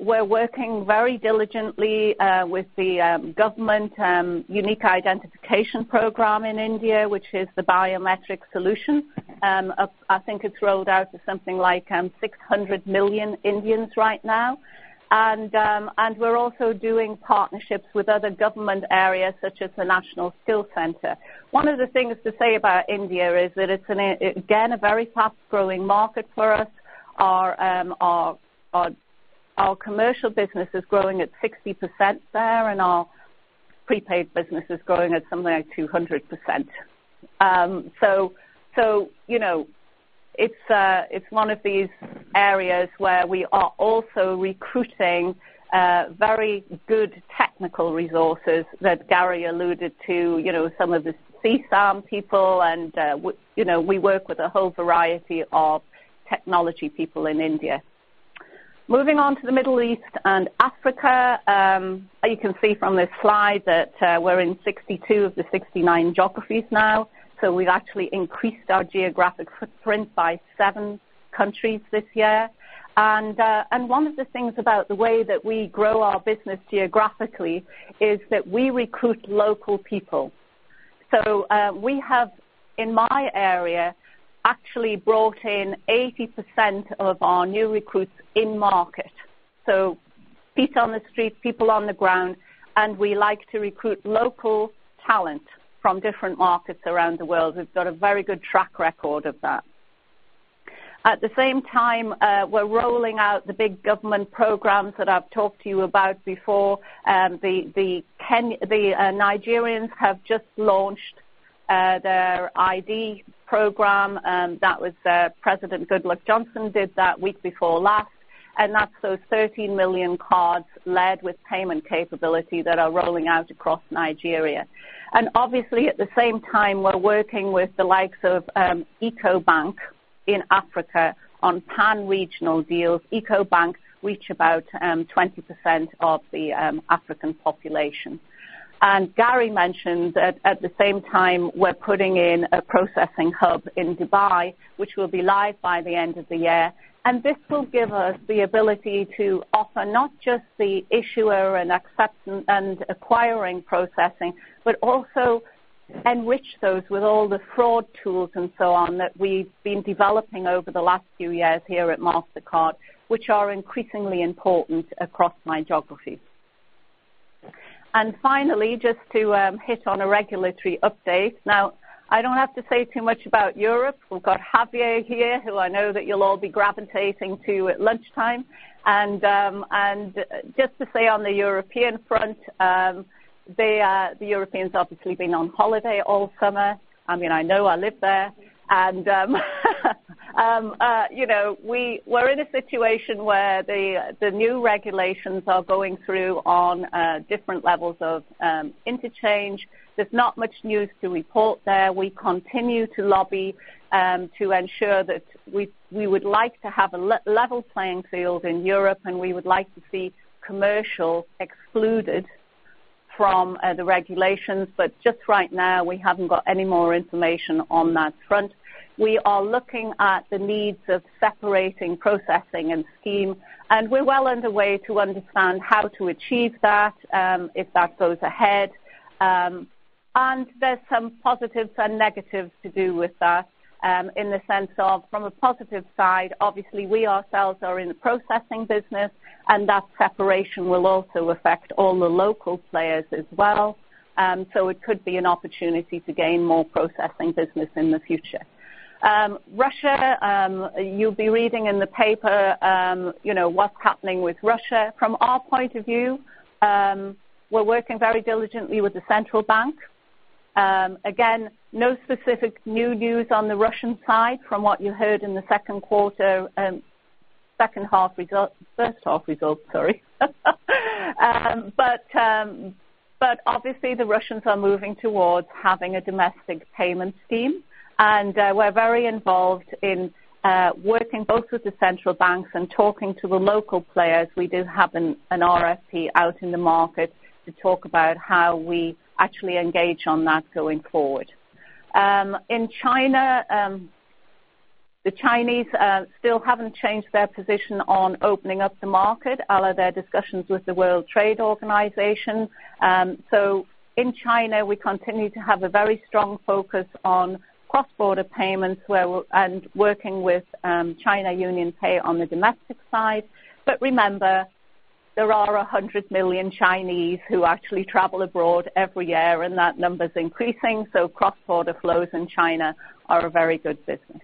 We're working very diligently with the government unique identification program in India, which is the biometric solution. I think it's rolled out to something like 600 million Indians right now. We're also doing partnerships with other government areas such as the National Skill Development Corporation. One of the things to say about India is that it's, again, a very fast-growing market for us. Our commercial business is growing at 60% there, and our prepaid business is growing at somewhere like 200%. It's one of these areas where we are also recruiting very good technical resources that Gary alluded to, some of the C-SAM people, and we work with a whole variety of technology people in India. Moving on to the Middle East and Africa. You can see from this slide that we're in 62 of the 69 geographies now. We've actually increased our geographic footprint by seven countries this year. One of the things about the way that we grow our business geographically is that we recruit local people. We have, in my area, actually brought in 80% of our new recruits in market. Feet on the street, people on the ground, and we like to recruit local talent from different markets around the world. We've got a very good track record of that. At the same time, we're rolling out the big government programs that I've talked to you about before. The Nigerians have just launched their ID program. President Goodluck Jonathan did that week before last, and that's those 30 million cards led with payment capability that are rolling out across Nigeria. Obviously, at the same time, we're working with the likes of Ecobank in Africa on pan-regional deals. Ecobank reach about 20% of the African population. Gary mentioned that at the same time, we're putting in a processing hub in Dubai, which will be live by the end of the year. This will give us the ability to offer not just the issuer and acquiring processing, but also enrich those with all the fraud tools and so on that we've been developing over the last few years here at Mastercard, which are increasingly important across my geographies. Finally, just to hit on a regulatory update. I don't have to say too much about Europe. We've got Javier here, who I know that you'll all be gravitating to at lunchtime. Just to say on the European front, the Europeans obviously been on holiday all summer. I mean, I know, I live there. We're in a situation where the new regulations are going through on different levels of interchange. There's not much news to report there. We continue to lobby to ensure that we would like to have a level playing field in Europe, and we would like to see commercial excluded from the regulations. Just right now, we haven't got any more information on that front. We are looking at the needs of separating processing and scheme, and we're well underway to understand how to achieve that if that goes ahead. There's some positives and negatives to do with that. In the sense of, from a positive side, obviously we ourselves are in the processing business, and that separation will also affect all the local players as well. It could be an opportunity to gain more processing business in the future. Russia, you'll be reading in the paper what's happening with Russia. From our point of view, we're working very diligently with the central bank. Again, no specific new news on the Russian side from what you heard in the first half results. Obviously the Russians are moving towards having a domestic payment scheme. We're very involved in working both with the central banks and talking to the local players. We do have an RFP out in the market to talk about how we actually engage on that going forward. In China, the Chinese still haven't changed their position on opening up the market a la their discussions with the World Trade Organization. In China, we continue to have a very strong focus on cross-border payments and working with China UnionPay on the domestic side. Remember, there are 100 million Chinese who actually travel abroad every year, and that number's increasing. Cross-border flows in China are a very good business.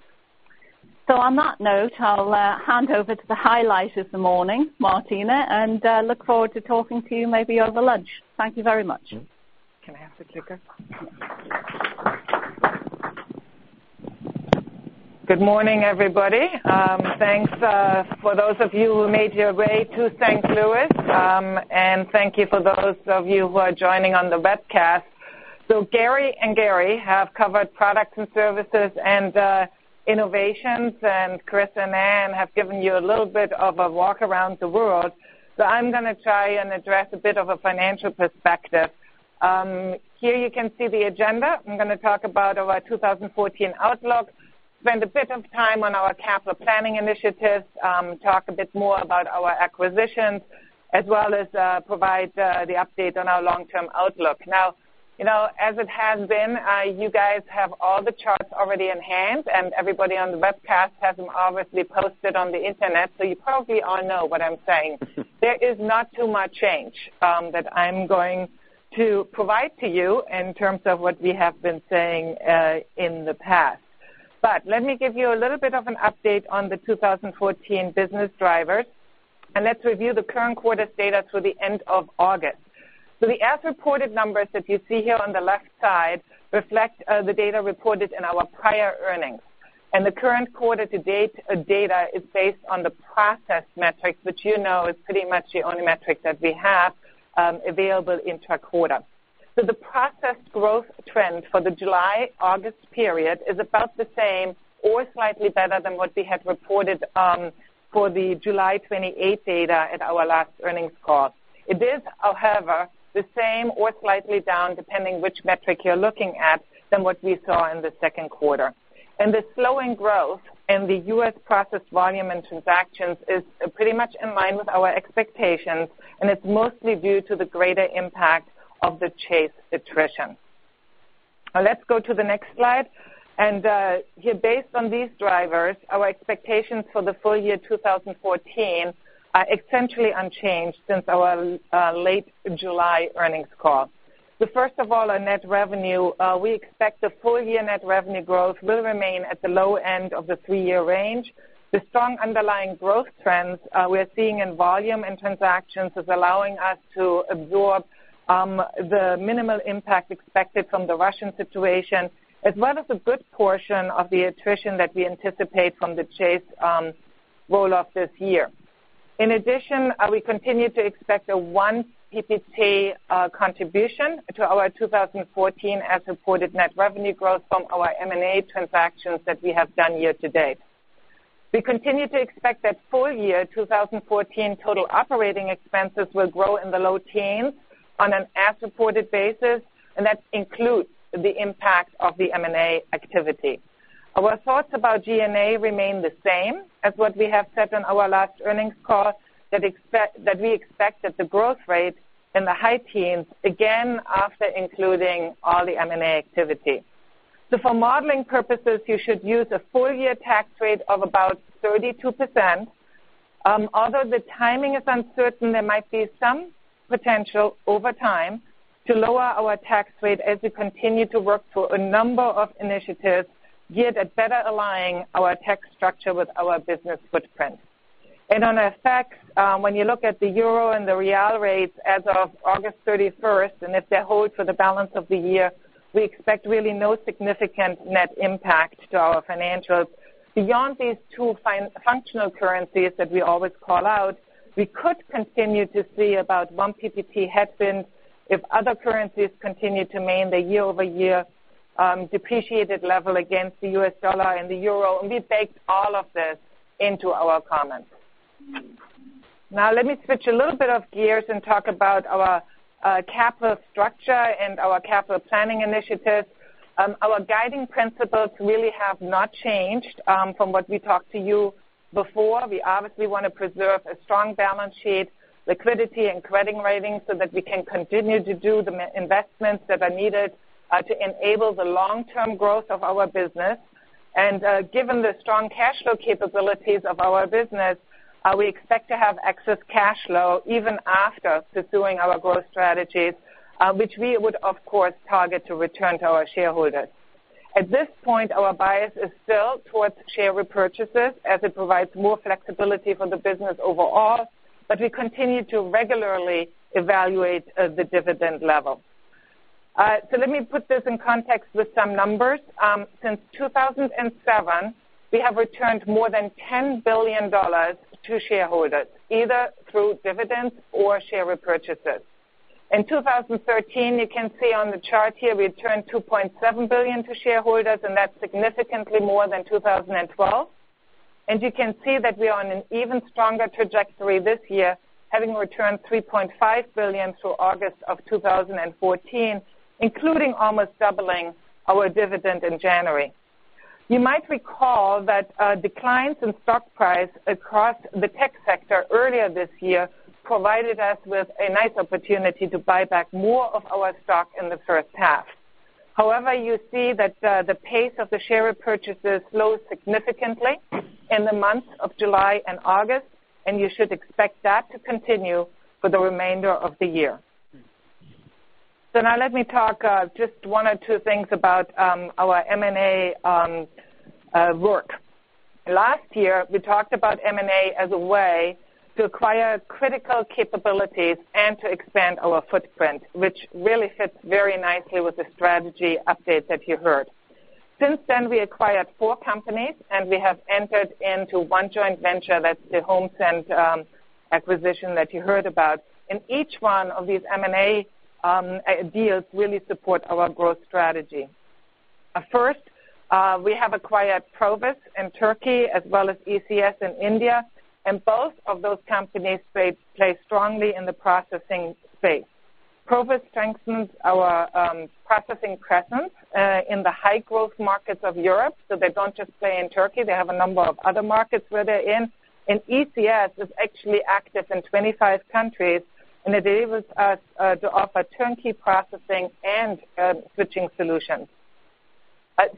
On that note, I'll hand over to the highlight of the morning, Martina, and look forward to talking to you maybe over lunch. Thank you very much. Can I have the clicker? Good morning, everybody. Thanks for those of you who made your way to St. Louis, and thank you for those of you who are joining on the webcast. Gary and Gary have covered products and services and innovations, and Chris and Ann have given you a little bit of a walk around the world. I'm going to try and address a bit of a financial perspective. Here you can see the agenda. I'm going to talk about our 2014 outlook, spend a bit of time on our capital planning initiatives, talk a bit more about our acquisitions, as well as provide the update on our long-term outlook. As it has been, you guys have all the charts already in hand, and everybody on the webcast has them obviously posted on the internet, you probably all know what I'm saying. There is not too much change that I'm going to provide to you in terms of what we have been saying in the past. Let me give you a little bit of an update on the 2014 business drivers, let's review the current quarter's data through the end of August. The as-reported numbers that you see here on the left side reflect the data reported in our prior earnings. The current quarter to date data is based on the processed metrics, which you know is pretty much the only metric that we have available intra-quarter. The processed growth trend for the July-August period is about the same or slightly better than what we had reported for the July 28 data at our last earnings call. It is, however, the same or slightly down, depending which metric you're looking at, than what we saw in the second quarter. The slowing growth in the U.S. processed volume and transactions is pretty much in line with our expectations, and it's mostly due to the greater impact of the Chase attrition. Let's go to the next slide. Based on these drivers, our expectations for the full year 2014 are essentially unchanged since our late July earnings call. First of all, our net revenue, we expect the full year net revenue growth will remain at the low end of the three-year range. The strong underlying growth trends we're seeing in volume and transactions is allowing us to absorb the minimal impact expected from the Russian situation, as well as a good portion of the attrition that we anticipate from the Chase roll-off this year. In addition, we continue to expect a 1 PPT contribution to our 2014 as reported net revenue growth from our M&A transactions that we have done year to date. We continue to expect that full year 2014 total operating expenses will grow in the low teens on an as-reported basis, and that includes the impact of the M&A activity. Our thoughts about G&A remain the same as what we have said on our last earnings call, that we expect the growth rate in the high teens, again, after including all the M&A activity. For modeling purposes, you should use a full year tax rate of about 32%. Although the timing is uncertain, there might be some potential over time to lower our tax rate as we continue to work through a number of initiatives geared at better aligning our tax structure with our business footprint. On effect, when you look at the EUR and the BRL rates as of August 31st, and if they hold for the balance of the year, we expect really no significant net impact to our financials. Beyond these two functional currencies that we always call out, we could continue to see about 1 PPT headwind if other currencies continue to maintain their year-over-year depreciated level against the U.S. dollar and the EUR, we baked all of this into our comments. Let me switch a little bit of gears and talk about our capital structure and our capital planning initiatives. Our guiding principles really have not changed from what we talked to you before. We obviously want to preserve a strong balance sheet, liquidity, and credit rating so that we can continue to do the investments that are needed to enable the long-term growth of our business. Given the strong cash flow capabilities of our business, we expect to have excess cash flow even after pursuing our growth strategies, which we would, of course, target to return to our shareholders. At this point, our bias is still towards share repurchases as it provides more flexibility for the business overall, but we continue to regularly evaluate the dividend level. Let me put this in context with some numbers. Since 2007, we have returned more than $10 billion to shareholders, either through dividends or share repurchases. In 2013, you can see on the chart here, we returned $2.7 billion to shareholders, that's significantly more than 2012. You can see that we are on an even stronger trajectory this year, having returned $3.5 billion through August of 2014, including almost doubling our dividend in January. You might recall that declines in stock price across the tech sector earlier this year provided us with a nice opportunity to buy back more of our stock in the first half. However, you see that the pace of the share repurchases slowed significantly in the months of July and August, you should expect that to continue for the remainder of the year. Let me talk just one or two things about our M&A work. Last year, we talked about M&A as a way to acquire critical capabilities and to expand our footprint, which really fits very nicely with the strategy update that you heard. Since then, we acquired four companies, we have entered into one joint venture, that's the HomeSend acquisition that you heard about. Each one of these M&A deals really support our growth strategy. First, we have acquired Provis in Turkey as well as ECS in India, both of those companies play strongly in the processing space. Provis strengthens our processing presence in the high-growth markets of Europe. They don't just stay in Turkey. They have a number of other markets where they're in. ECS is actually active in 25 countries, it enables us to offer turnkey processing and switching solutions.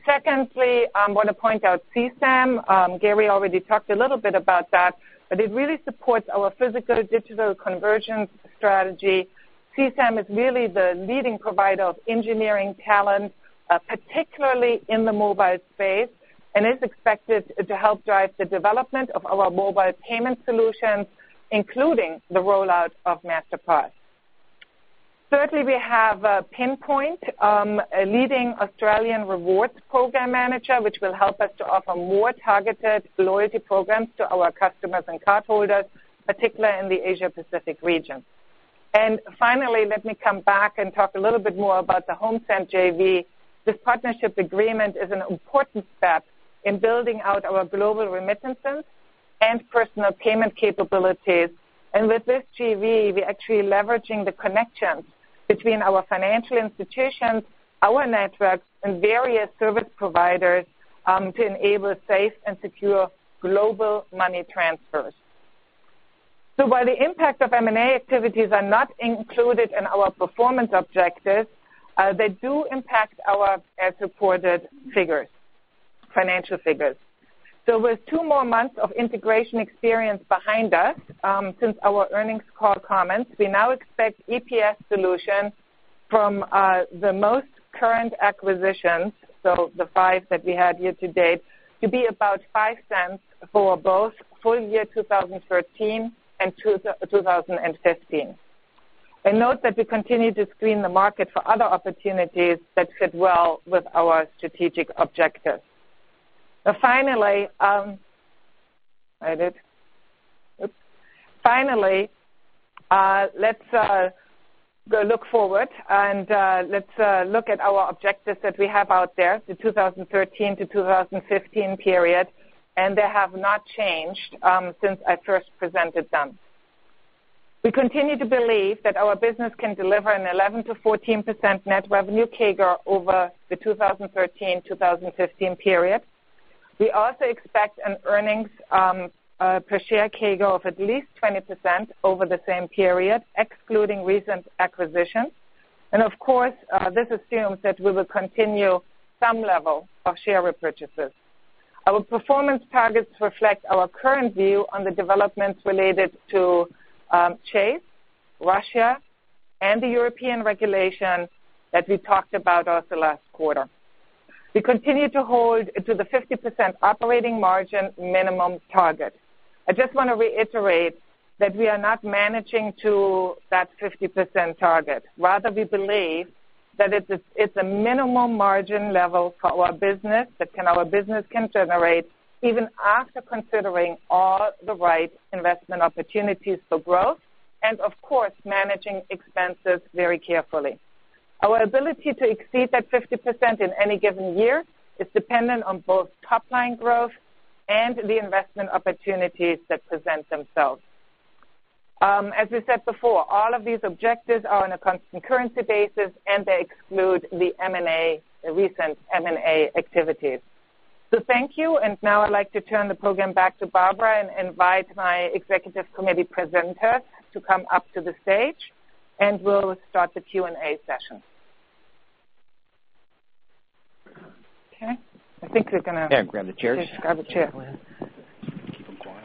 Secondly, I'm going to point out C-SAM. Gary already talked a little bit about that, but it really supports our physical-digital conversion strategy. C-SAM is really the leading provider of engineering talent, particularly in the mobile space, is expected to help drive the development of our mobile payment solutions, including the rollout of Masterpass. Thirdly, we have Pinpoint, a leading Australian rewards program manager, which will help us to offer more targeted loyalty programs to our customers and cardholders, particularly in the Asia Pacific region. Finally, let me come back and talk a little bit more about the HomeSend JV. This partnership agreement is an important step in building out our global remittances and personal payment capabilities. With this JV, we're actually leveraging the connections between our financial institutions, our networks, and various service providers to enable safe and secure global money transfers. While the impact of M&A activities are not included in our performance objectives, they do impact our as-reported figures, financial figures. With two more months of integration experience behind us since our earnings call comments, we now expect EPS solution from the most current acquisitions, the five that we have here to date, to be about $0.05 for both full year 2013 and 2015. Note that we continue to screen the market for other opportunities that fit well with our strategic objectives. Finally, let's look forward and let's look at our objectives that we have out there, the 2013 to 2015 period, and they have not changed since I first presented them. We continue to believe that our business can deliver an 11%-14% net revenue CAGR over the 2013-2015 period. We also expect an earnings per share CAGR of at least 20% over the same period, excluding recent acquisitions. Of course, this assumes that we will continue some level of share repurchases. Our performance targets reflect our current view on the developments related to Chase, Russia, and the European regulation that we talked about also last quarter. We continue to hold to the 50% operating margin minimum target. I just want to reiterate that we are not managing to that 50% target. Rather, we believe that it's a minimum margin level for our business, that our business can generate even after considering all the right investment opportunities for growth and of course, managing expenses very carefully. Our ability to exceed that 50% in any given year is dependent on both top-line growth and the investment opportunities that present themselves. As we said before, all of these objectives are on a constant currency basis, and they exclude the recent M&A activities. Thank you, and now I'd like to turn the program back to Barbara and invite my executive committee presenters to come up to the stage, and we'll start the Q&A session. Okay. Yeah, grab the chairs. Just grab a chair. Keep them quiet.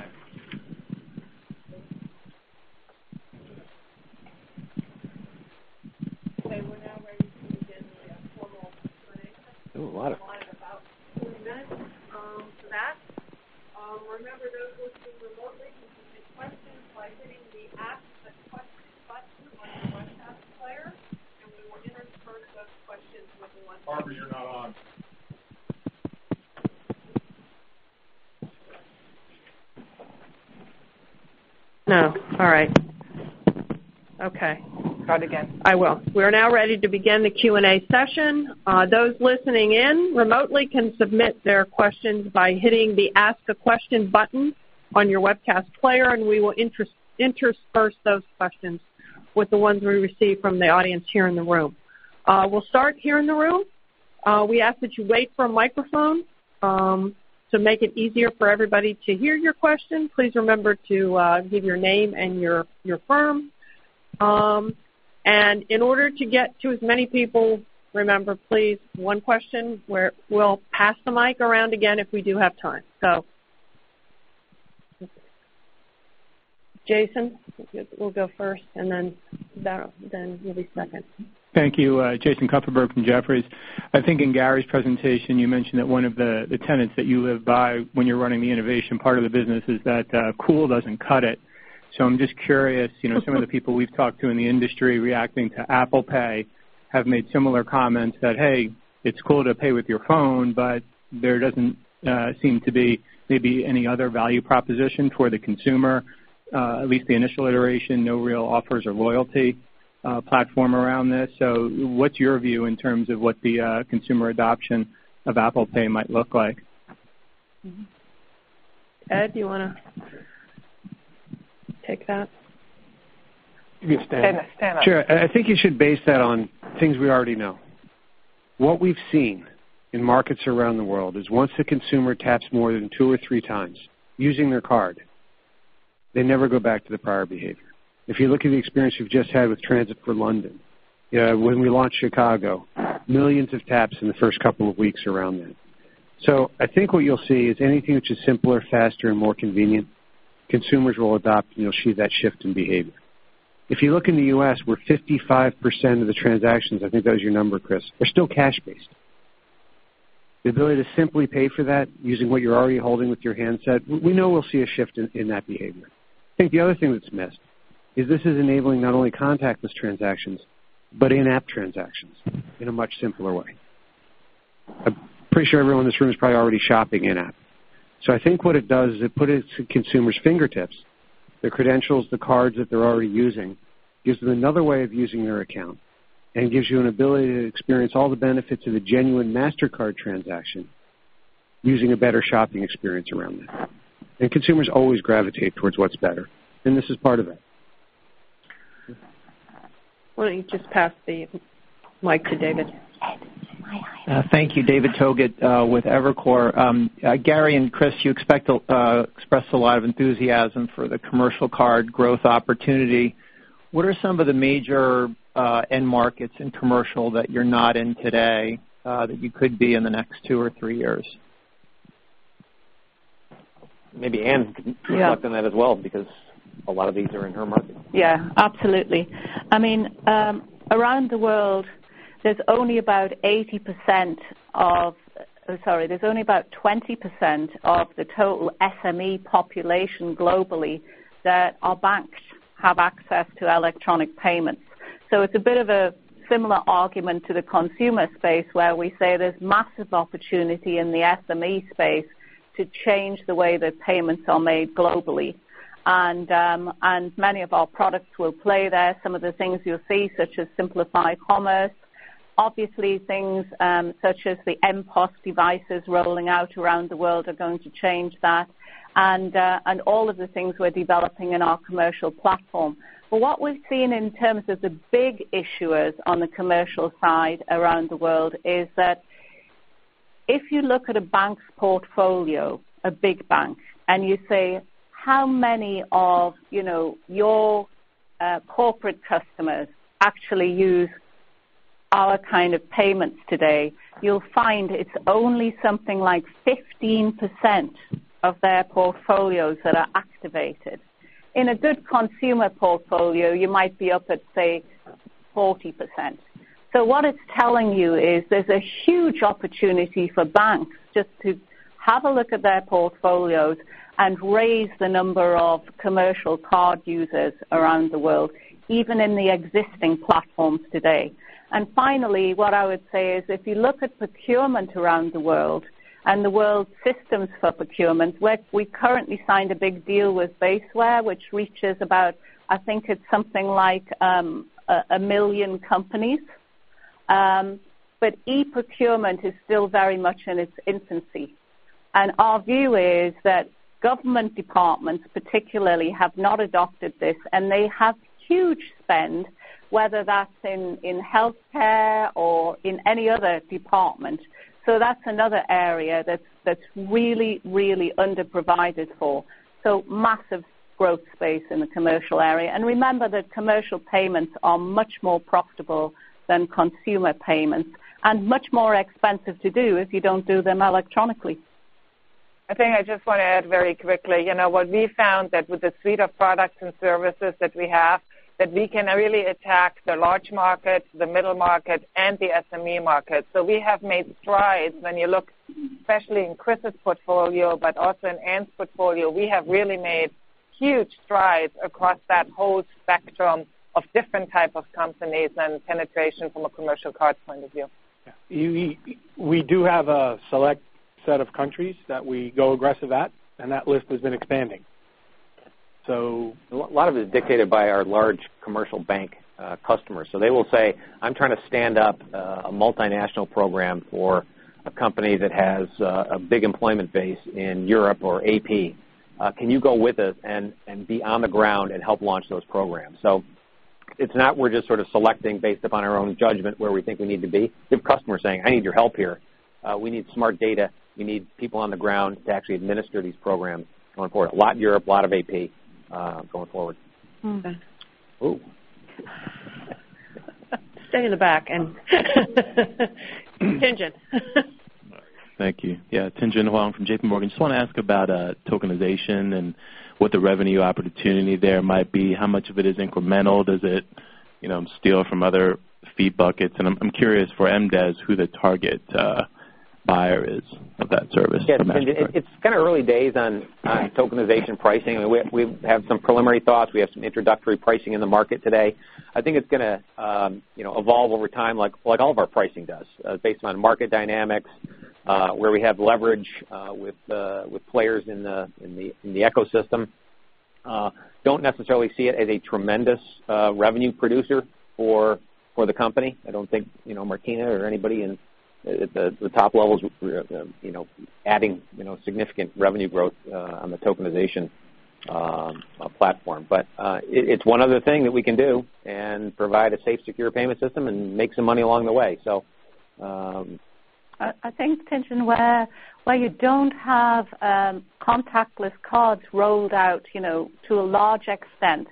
Okay, we're now ready to begin the formal Q&A session. Oh, a lot of- We have about 40 minutes for that. Remember, those listening remotely can submit questions by hitting the Ask a Question button on your webcast player, and we will intersperse those questions with the ones- Barbara, you're not on. No. All right. Okay. Try it again. I will. We are now ready to begin the Q&A session. Those listening in remotely can submit their questions by hitting the Ask a Question button on your webcast player, and we will intersperse those questions with the ones we receive from the audience here in the room. We'll start here in the room. We ask that you wait for a microphone to make it easier for everybody to hear your question. Please remember to give your name and your firm. In order to get to as many people, remember, please, one question. We'll pass the mic around again if we do have time. Jason, we'll go first, and then Daryl will be second. Thank you. Jason Kupferberg from Jefferies. I think in Gary's presentation, you mentioned that one of the tenets that you live by when you're running the innovation part of the business is that cool doesn't cut it. I'm just curious, some of the people we've talked to in the industry reacting to Apple Pay have made similar comments that, "Hey, it's cool to pay with your phone," but there doesn't seem to be maybe any other value proposition for the consumer, at least the initial iteration, no real offers or loyalty platform around this. What's your view in terms of what the consumer adoption of Apple Pay might look like? Ed, do you want to take that? Give me a stand. Stand up. Sure. I think you should base that on things we already know. What we've seen in markets around the world is once the consumer taps more than two or three times using their card, they never go back to the prior behavior. If you look at the experience we've just had with Transport for London, when we launched Chicago, millions of taps in the first couple of weeks around then. I think what you'll see is anything which is simpler, faster, and more convenient, consumers will adopt, and you'll see that shift in behavior. If you look in the U.S., where 55% of the transactions, I think that was your number, Chris, are still cash-based. The ability to simply pay for that using what you're already holding with your handset, we know we'll see a shift in that behavior. I think the other thing that's missed is this is enabling not only contactless transactions, but in-app transactions in a much simpler way. I'm pretty sure everyone in this room is probably already shopping in-app. I think what it does is it put it into consumers' fingertips, their credentials, the cards that they're already using, gives them another way of using their account, and gives you an ability to experience all the benefits of a genuine Mastercard transaction using a better shopping experience around that. Consumers always gravitate towards what's better, and this is part of that Why don't you just pass the mic to David? Thank you, David Togut with Evercore. Gary and Chris, you expressed a lot of enthusiasm for the commercial card growth opportunity. What are some of the major end markets in commercial that you're not in today that you could be in the next two or three years? Maybe Ann can Yeah reflect on that as well, because a lot of these are in her market. Yeah, absolutely. Around the world, there's only about 20% of the total SME population globally that our banks have access to electronic payments. It's a bit of a similar argument to the consumer space, where we say there's massive opportunity in the SME space to change the way that payments are made globally. Many of our products will play there. Some of the things you'll see, such as Simplify Commerce. Obviously, things such as the mPOS devices rolling out around the world are going to change that, all of the things we're developing in our commercial platform. What we've seen in terms of the big issuers on the commercial side around the world is that if you look at a bank's portfolio, a big bank, and you say, "How many of your corporate customers actually use our kind of payments today?" You'll find it's only something like 15% of their portfolios that are activated. In a good consumer portfolio, you might be up at, say, 40%. What it's telling you is there's a huge opportunity for banks just to have a look at their portfolios and raise the number of commercial card users around the world, even in the existing platforms today. Finally, what I would say is, if you look at procurement around the world and the world's systems for procurement work, we currently signed a big deal with Basware, which reaches about, I think it's something like 1 million companies. E-procurement is still very much in its infancy. Our view is that government departments, particularly, have not adopted this, and they have huge spend, whether that's in healthcare or in any other department. That's another area that's really, really under-provided for. Massive growth space in the commercial area. Remember that commercial payments are much more profitable than consumer payments and much more expensive to do if you don't do them electronically. I think I just want to add very quickly. What we found that with the suite of products and services that we have, that we can really attack the large market, the middle market, and the SME market. We have made strides when you look especially in Chris' portfolio, but also in Ann's portfolio. We have really made huge strides across that whole spectrum of different type of companies and penetration from a commercial card point of view. Yeah. We do have a select set of countries that we go aggressive at, and that list has been expanding. So- A lot of it is dictated by our large commercial bank customers. They will say, "I'm trying to stand up a multinational program for a company that has a big employment base in Europe or AP. Can you go with us and be on the ground and help launch those programs?" It's not we're just sort of selecting based upon our own judgment where we think we need to be. We have customers saying, "I need your help here. We need Smart Data. We need people on the ground to actually administer these programs going forward." A lot Europe, a lot of AP, going forward. Okay. Ooh. Stay in the back and Tien-tsin. Thank you. Tien-tsin Huang from JPMorgan. Just want to ask about tokenization and what the revenue opportunity there might be. How much of it is incremental? Does it steal from other fee buckets? I'm curious for MDES who the target buyer is of that service for Mastercard. Yes, Tien-tsin, it's kind of early days on tokenization pricing. We have some preliminary thoughts. We have some introductory pricing in the market today. I think it's going to evolve over time like all of our pricing does based on market dynamics, where we have leverage with players in the ecosystem. Don't necessarily see it as a tremendous revenue producer for the company. I don't think Martina or anybody in the top levels adding significant revenue growth on the tokenization platform. It's one other thing that we can do and provide a safe, secure payment system and make some money along the way. I think, Tien-tsin, where you don't have contactless cards rolled out to a large extent,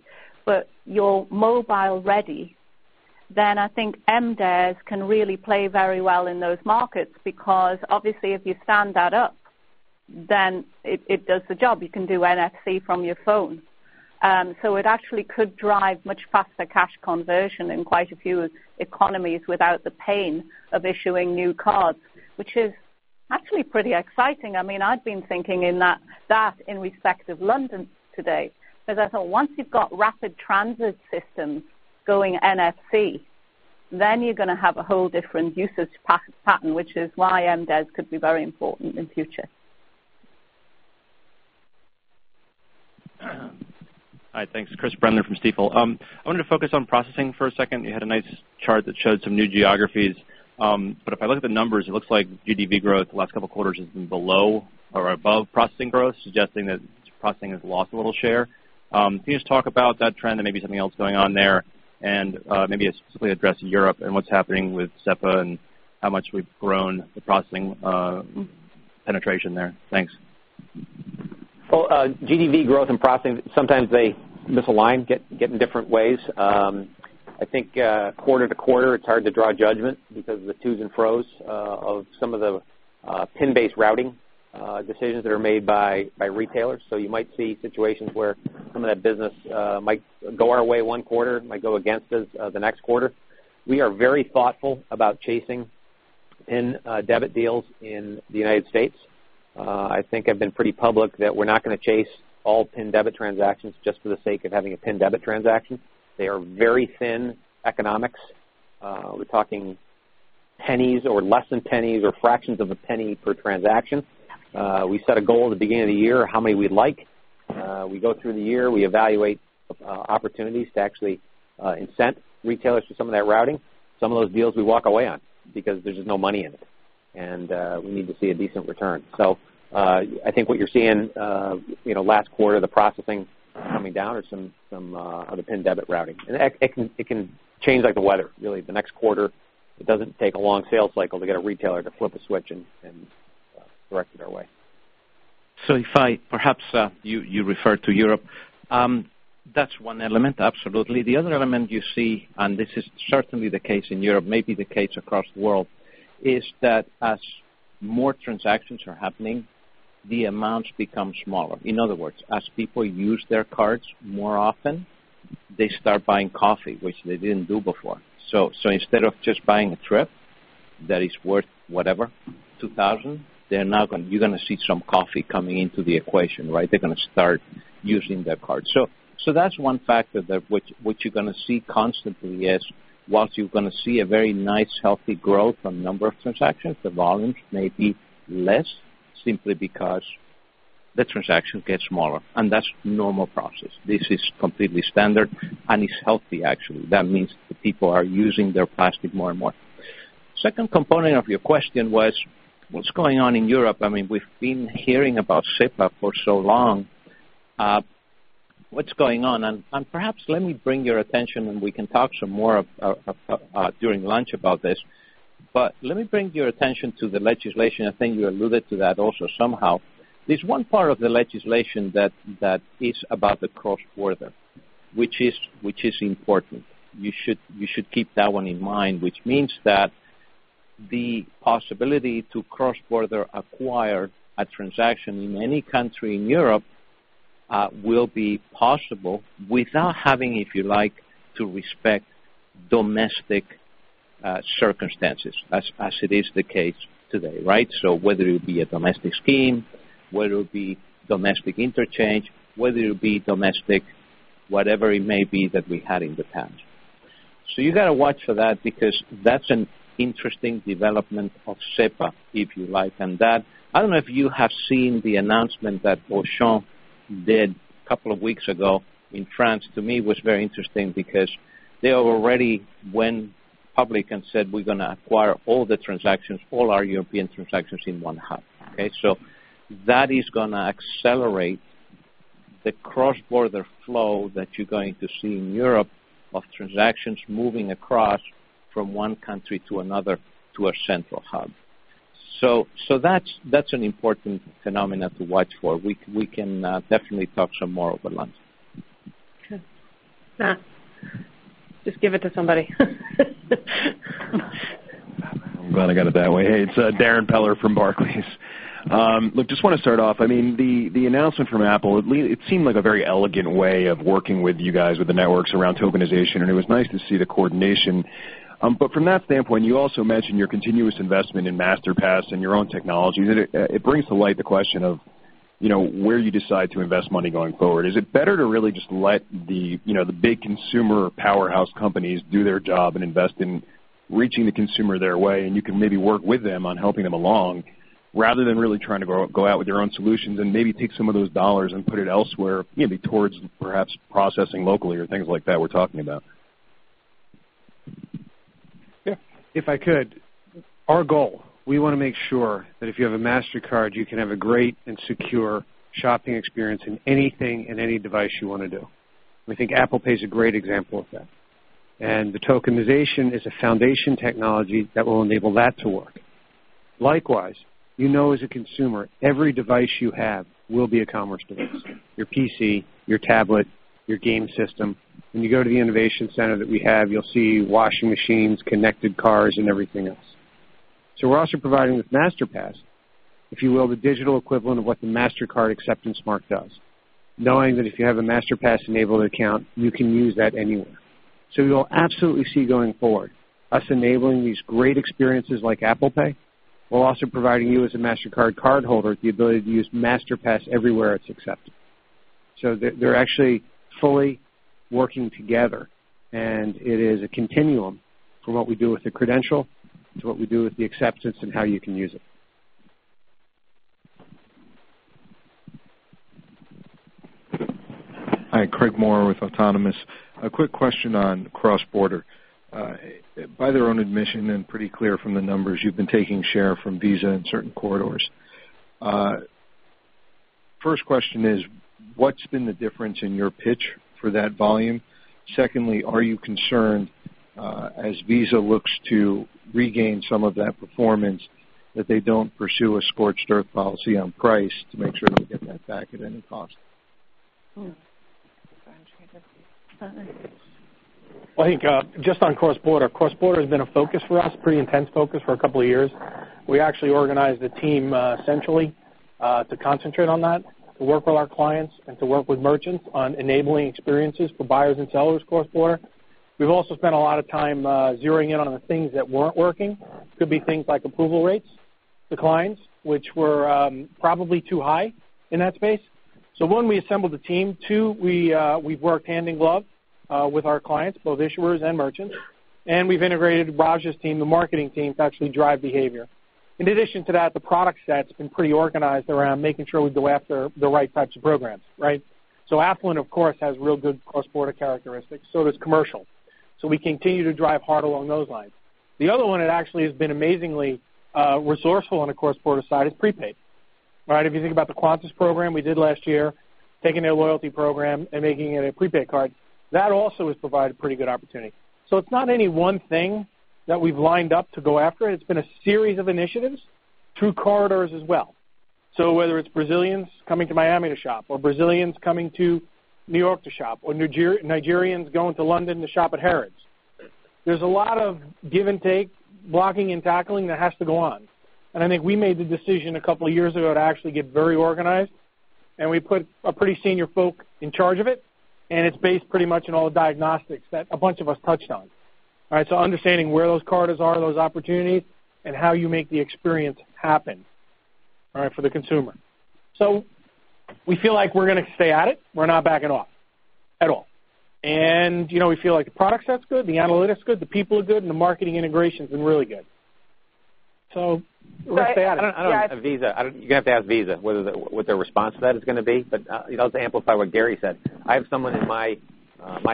but you're mobile-ready, then I think MDES can really play very well in those markets because obviously if you stand that up, then it does the job. You can do NFC from your phone. It actually could drive much faster cash conversion in quite a few economies without the pain of issuing new cards, which is actually pretty exciting. I've been thinking in that in respect of London today, because I thought once you've got rapid transit systems going NFC, then you're going to have a whole different usage pattern, which is why MDES could be very important in future. Hi, thanks. Chris Brendler from Stifel. I wanted to focus on processing for a second. You had a nice chart that showed some new geographies. If I look at the numbers, it looks like GDV growth the last couple of quarters has been below or above processing growth, suggesting that processing has lost a little share. Can you just talk about that trend and maybe something else going on there and maybe specifically address Europe and what's happening with SEPA and how much we've grown the processing penetration there? Thanks. GDV growth and processing, sometimes they misalign, get in different ways. I think quarter to quarter it's hard to draw judgment because of the tos and fros of some of the pin-based routing decisions that are made by retailers. You might see situations where some of that business might go our way one quarter, might go against us the next quarter. We are very thoughtful about chasing pin debit deals in the United States. I think I've been pretty public that we're not going to chase all pin debit transactions just for the sake of having a pin debit transaction. They are very thin economics. We're talking pennies or less than pennies or fractions of a penny per transaction. We set a goal at the beginning of the year of how many we'd like. We go through the year, we evaluate opportunities to actually incent retailers for some of that routing. Some of those deals we walk away on because there's just no money in it, and we need to see a decent return. I think what you're seeing, last quarter, the processing coming down or some of the PIN debit routing. It can change like the weather really. The next quarter, it doesn't take a long sales cycle to get a retailer to flip a switch and direct it our way. If I perhaps you refer to Europe, that's one element, absolutely. The other element you see, this is certainly the case in Europe, may be the case across the world, is that as more transactions are happening, the amounts become smaller. In other words, as people use their cards more often, they start buying coffee, which they didn't do before. Instead of just buying a trip that is worth whatever, 2,000, you're going to see some coffee coming into the equation, right? They're going to start using their card. That's one factor that which you're going to see constantly is whilst you're going to see a very nice, healthy growth on number of transactions, the volumes may be less simply because the transaction gets smaller, that's normal process. This is completely standard, it's healthy, actually. That means the people are using their plastic more and more. Second component of your question was what's going on in Europe? We've been hearing about SEPA for so long. What's going on? Perhaps let me bring your attention, we can talk some more during lunch about this. Let me bring your attention to the legislation. I think you alluded to that also somehow. There's one part of the legislation that is about the cross-border, which is important. You should keep that one in mind, which means that the possibility to cross-border acquire a transaction in any country in Europe will be possible without having, if you like, to respect domestic circumstances as it is the case today, right? Whether it be a domestic scheme, whether it be domestic interchange, whether it be domestic, whatever it may be that we had in the past. You got to watch for that because that's an interesting development of SEPA, if you like. That, I don't know if you have seen the announcement that Auchan did a couple of weeks ago in France. To me, was very interesting because they already went public and said, we're going to acquire all the transactions, all our European transactions in one hub. Okay? That is going to accelerate the cross-border flow that you're going to see in Europe of transactions moving across from one country to another to a central hub. That's an important phenomenon to watch for. We can definitely talk some more over lunch. Okay. Just give it to somebody. I'm glad I got it that way. Darrin Peller from Barclays. I just want to start off. The announcement from Apple, it seemed like a very elegant way of working with you guys with the networks around tokenization, and it was nice to see the coordination. From that standpoint, you also mentioned your continuous investment in Masterpass and your own technology. It brings to light the question of where you decide to invest money going forward. Is it better to really just let the big consumer powerhouse companies do their job and invest in reaching the consumer their way, and you can maybe work with them on helping them along rather than really trying to go out with your own solutions and maybe take some of those $ and put it elsewhere, maybe towards perhaps processing locally or things like that we're talking about. Yeah. If I could. Our goal, we want to make sure that if you have a Mastercard, you can have a great and secure shopping experience in anything and any device you want to do. We think Apple Pay is a great example of that. The tokenization is a foundation technology that will enable that to work. Likewise, you know as a consumer, every device you have will be a commerce device, your PC, your tablet, your game system. When you go to the innovation center that we have, you'll see washing machines, connected cars, and everything else. We're also providing with Masterpass, if you will, the digital equivalent of what the Mastercard acceptance mark does, knowing that if you have a Masterpass-enabled account, you can use that anywhere. You'll absolutely see going forward us enabling these great experiences like Apple Pay, while also providing you as a Mastercard cardholder the ability to use Masterpass everywhere it's accepted. They're actually fully working together, and it is a continuum from what we do with the credential to what we do with the acceptance and how you can use it. Hi, Craig Moore with Autonomous. A quick question on cross-border. By their own admission, and pretty clear from the numbers, you've been taking share from Visa in certain corridors. First question is, what's been the difference in your pitch for that volume? Secondly, are you concerned, as Visa looks to regain some of that performance, that they don't pursue a scorched earth policy on price to make sure they get that back at any cost? Well, I think just on cross-border. Cross-border has been a focus for us, pretty intense focus for a couple of years. We actually organized a team centrally to concentrate on that, to work with our clients and to work with merchants on enabling experiences for buyers and sellers cross-border. We've also spent a lot of time zeroing in on the things that weren't working. Could be things like approval rates, declines, which were probably too high in that space. One, we assembled a team. Two, we've worked hand in glove with our clients, both issuers and merchants, and we've integrated Raja's team, the marketing team, to actually drive behavior. In addition to that, the product set's been pretty organized around making sure we go after the right types of programs, right? Affluent, of course, has real good cross-border characteristics. Does commercial. We continue to drive hard along those lines. The other one that actually has been amazingly resourceful on the cross-border side is prepaid. If you think about the Qantas program we did last year, taking their loyalty program and making it a prepaid card, that also has provided pretty good opportunity. It's not any one thing that we've lined up to go after. It's been a series of initiatives through corridors as well. Whether it's Brazilians coming to Miami to shop, or Brazilians coming to New York to shop, or Nigerians going to London to shop at Harrods. There's a lot of give and take, blocking and tackling that has to go on. I think we made the decision a couple of years ago to actually get very organized, and we put a pretty senior folk in charge of it, and it's based pretty much on all the diagnostics that a bunch of us touched on. Understanding where those corridors are and those opportunities and how you make the experience happen for the consumer. We feel like we're going to stay at it. We're not backing off at all. We feel like the product set's good, the analytics good, the people are good, and the marketing integration's been really good. We're going to stay at it. Just to amplify what Gary said, I have someone in my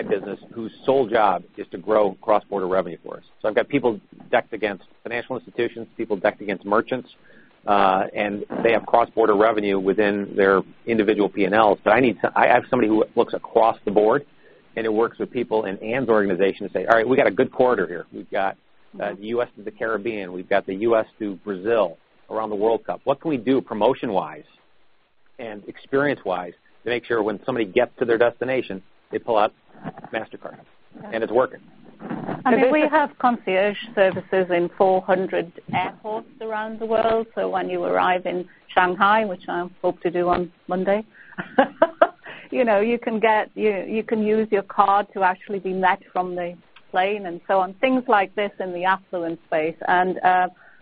business whose sole job is to grow cross-border revenue for us. I've got people decked against financial institutions, people decked against merchants, and they have cross-border revenue within their individual P&L. I have somebody who looks across the board, and who works with people in Ann's organization to say, "All right. We got a good corridor here. We've got the U.S. to the Caribbean. We've got the U.S. to Brazil around the World Cup. What can we do promotion-wise and experience-wise to make sure when somebody gets to their destination, they pull out Mastercard?" It's working. I mean, we have concierge services in 400 airports around the world. When you arrive in Shanghai, which I hope to do on Monday you can use your card to actually be met from the plane and so on. Things like this in the affluent space.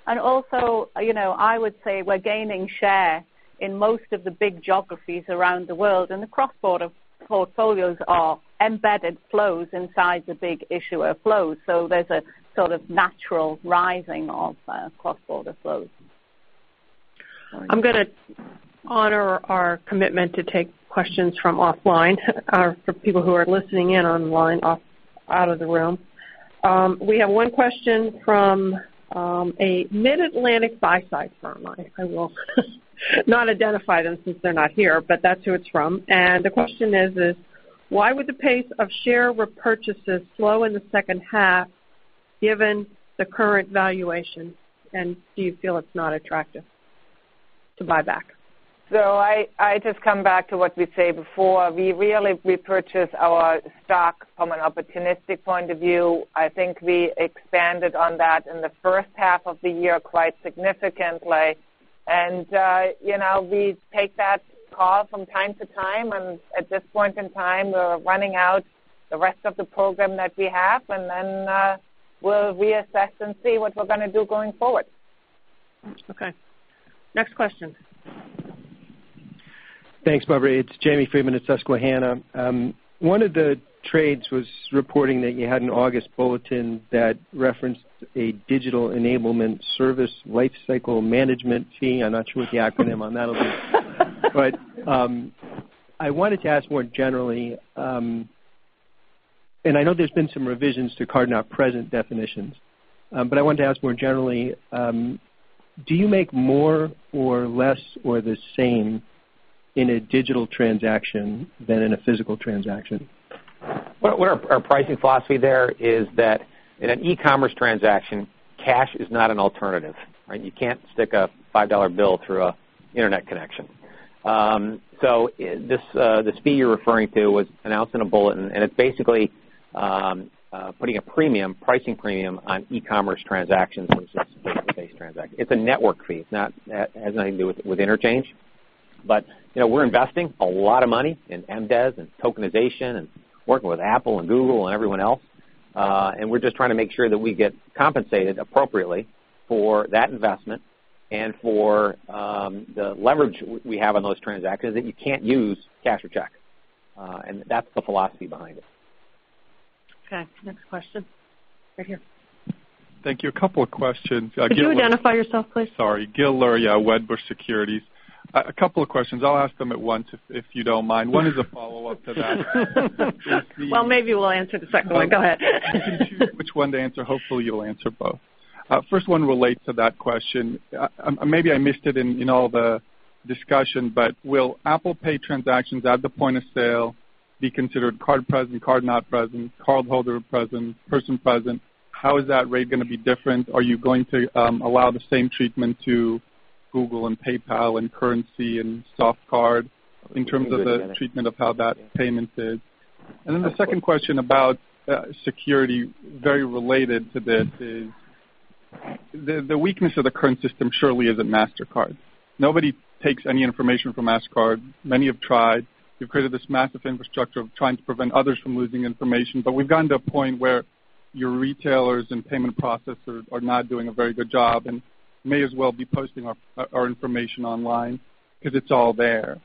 Also, I would say we're gaining share in most of the big geographies around the world, and the cross-border portfolios are embedded flows inside the big issuer flows. There's a sort of natural rising of cross-border flows. I'm going to honor our commitment to take questions from offline for people who are listening in online out of the room. We have one question from a Mid-Atlantic buy-side firm. I will not identify them since they're not here, but that's who it's from. The question is: Why would the pace of share repurchases slow in the second half given the current valuation, and do you feel it's not attractive to buy back? I just come back to what we say before. We really repurchase our stock from an opportunistic point of view. I think we expanded on that in the first half of the year quite significantly. We take that call from time to time, and at this point in time, we're running out the rest of the program that we have, then we'll reassess and see what we're going to do going forward. Okay. Next question. Thanks, Barbara. It's Jamie Friedman at Susquehanna. One of the trades was reporting that you had an August bulletin that referenced a digital enablement service lifecycle management fee. I'm not sure what the acronym on that'll be. I wanted to ask more generally, and I know there's been some revisions to card-not-present definitions. I wanted to ask more generally, do you make more or less or the same in a digital transaction than in a physical transaction? Well, our pricing philosophy there is that in an e-commerce transaction, cash is not an alternative. You can't stick a $5 bill through an internet connection. This fee you're referring to was announced in a bulletin, and it's basically putting a pricing premium on e-commerce transactions versus face-to-face transaction. It's a network fee. It has nothing to do with interchange. We're investing a lot of money in MDES and tokenization and working with Apple and Google and everyone else. We're just trying to make sure that we get compensated appropriately for that investment and for the leverage we have on those transactions that you can't use cash or check. That's the philosophy behind it. Okay, next question. Right here. Thank you. A couple of questions. Could you identify yourself, please? Sorry. Gil Luria, Wedbush Securities. A couple of questions. I'll ask them at once if you don't mind. Well, maybe we'll answer the second one. Go ahead. You choose which one to answer. Hopefully, you'll answer both. First one relates to that question. Maybe I missed it in all the discussion, will Apple Pay transactions at the point of sale be considered card present, card not present, cardholder present, person present? How is that rate going to be different? Are you going to allow the same treatment to Google and PayPal and CurrentC and Softcard in terms of the treatment of how that payment is? The second question about security, very related to this is, the weakness of the current system surely isn't Mastercard. Nobody takes any information from Mastercard. Many have tried. We've created this massive infrastructure of trying to prevent others from losing information. We've gotten to a point where your retailers and payment processors are not doing a very good job and may as well be posting our information online because it's all there.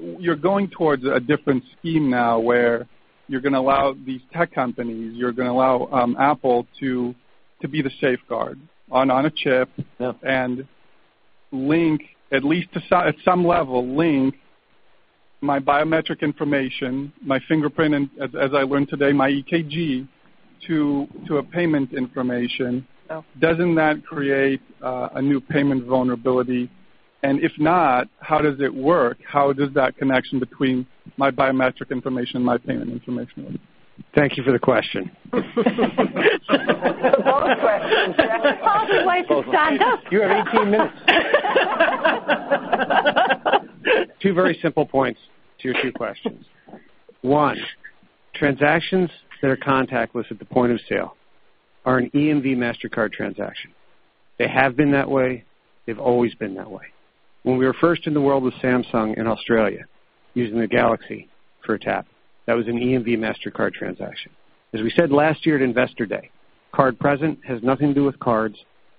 You're going towards a different scheme now where you're going to allow these tech companies, you're going to allow Apple to be the safeguard on a chip. Yep Link, at least at some level, link my biometric information, my fingerprint, and as I learned today, my EKG to a payment information. Yep. Doesn't that create a new payment vulnerability? If not, how does it work? How does that connection between my biometric information and my payment information work? Thank you for the question. They're both questions. Paul's wife has stand up. You have 18 minutes. Two very simple points to your two questions. One, transactions that are contactless at the point of sale are an EMV Mastercard transaction. They have been that way. They've always been that way. When we were first in the world with Samsung in Australia using the Galaxy for a tap, that was an EMV Mastercard transaction. As we said last year at Investor Day, card present has nothing to do with cards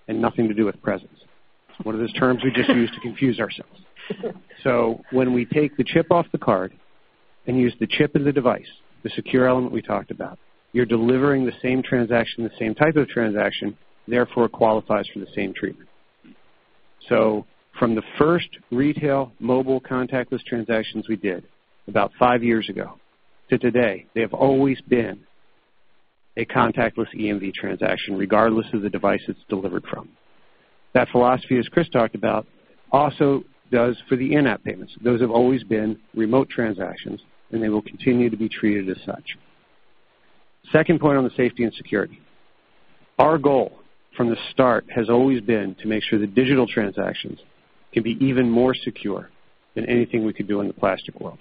and nothing to do with presence. One of those terms we just use to confuse ourselves. When we take the chip off the card and use the chip as a device, the secure element we talked about, you're delivering the same transaction, the same type of transaction, therefore it qualifies for the same treatment. From the first retail mobile contactless transactions we did about five years ago to today, they have always been a contactless EMV transaction, regardless of the device it's delivered from. That philosophy, as Chris talked about, also does for the in-app payments. Those have always been remote transactions, and they will continue to be treated as such. Second point on the safety and security. Our goal from the start has always been to make sure that digital transactions can be even more secure than anything we could do in the plastic world.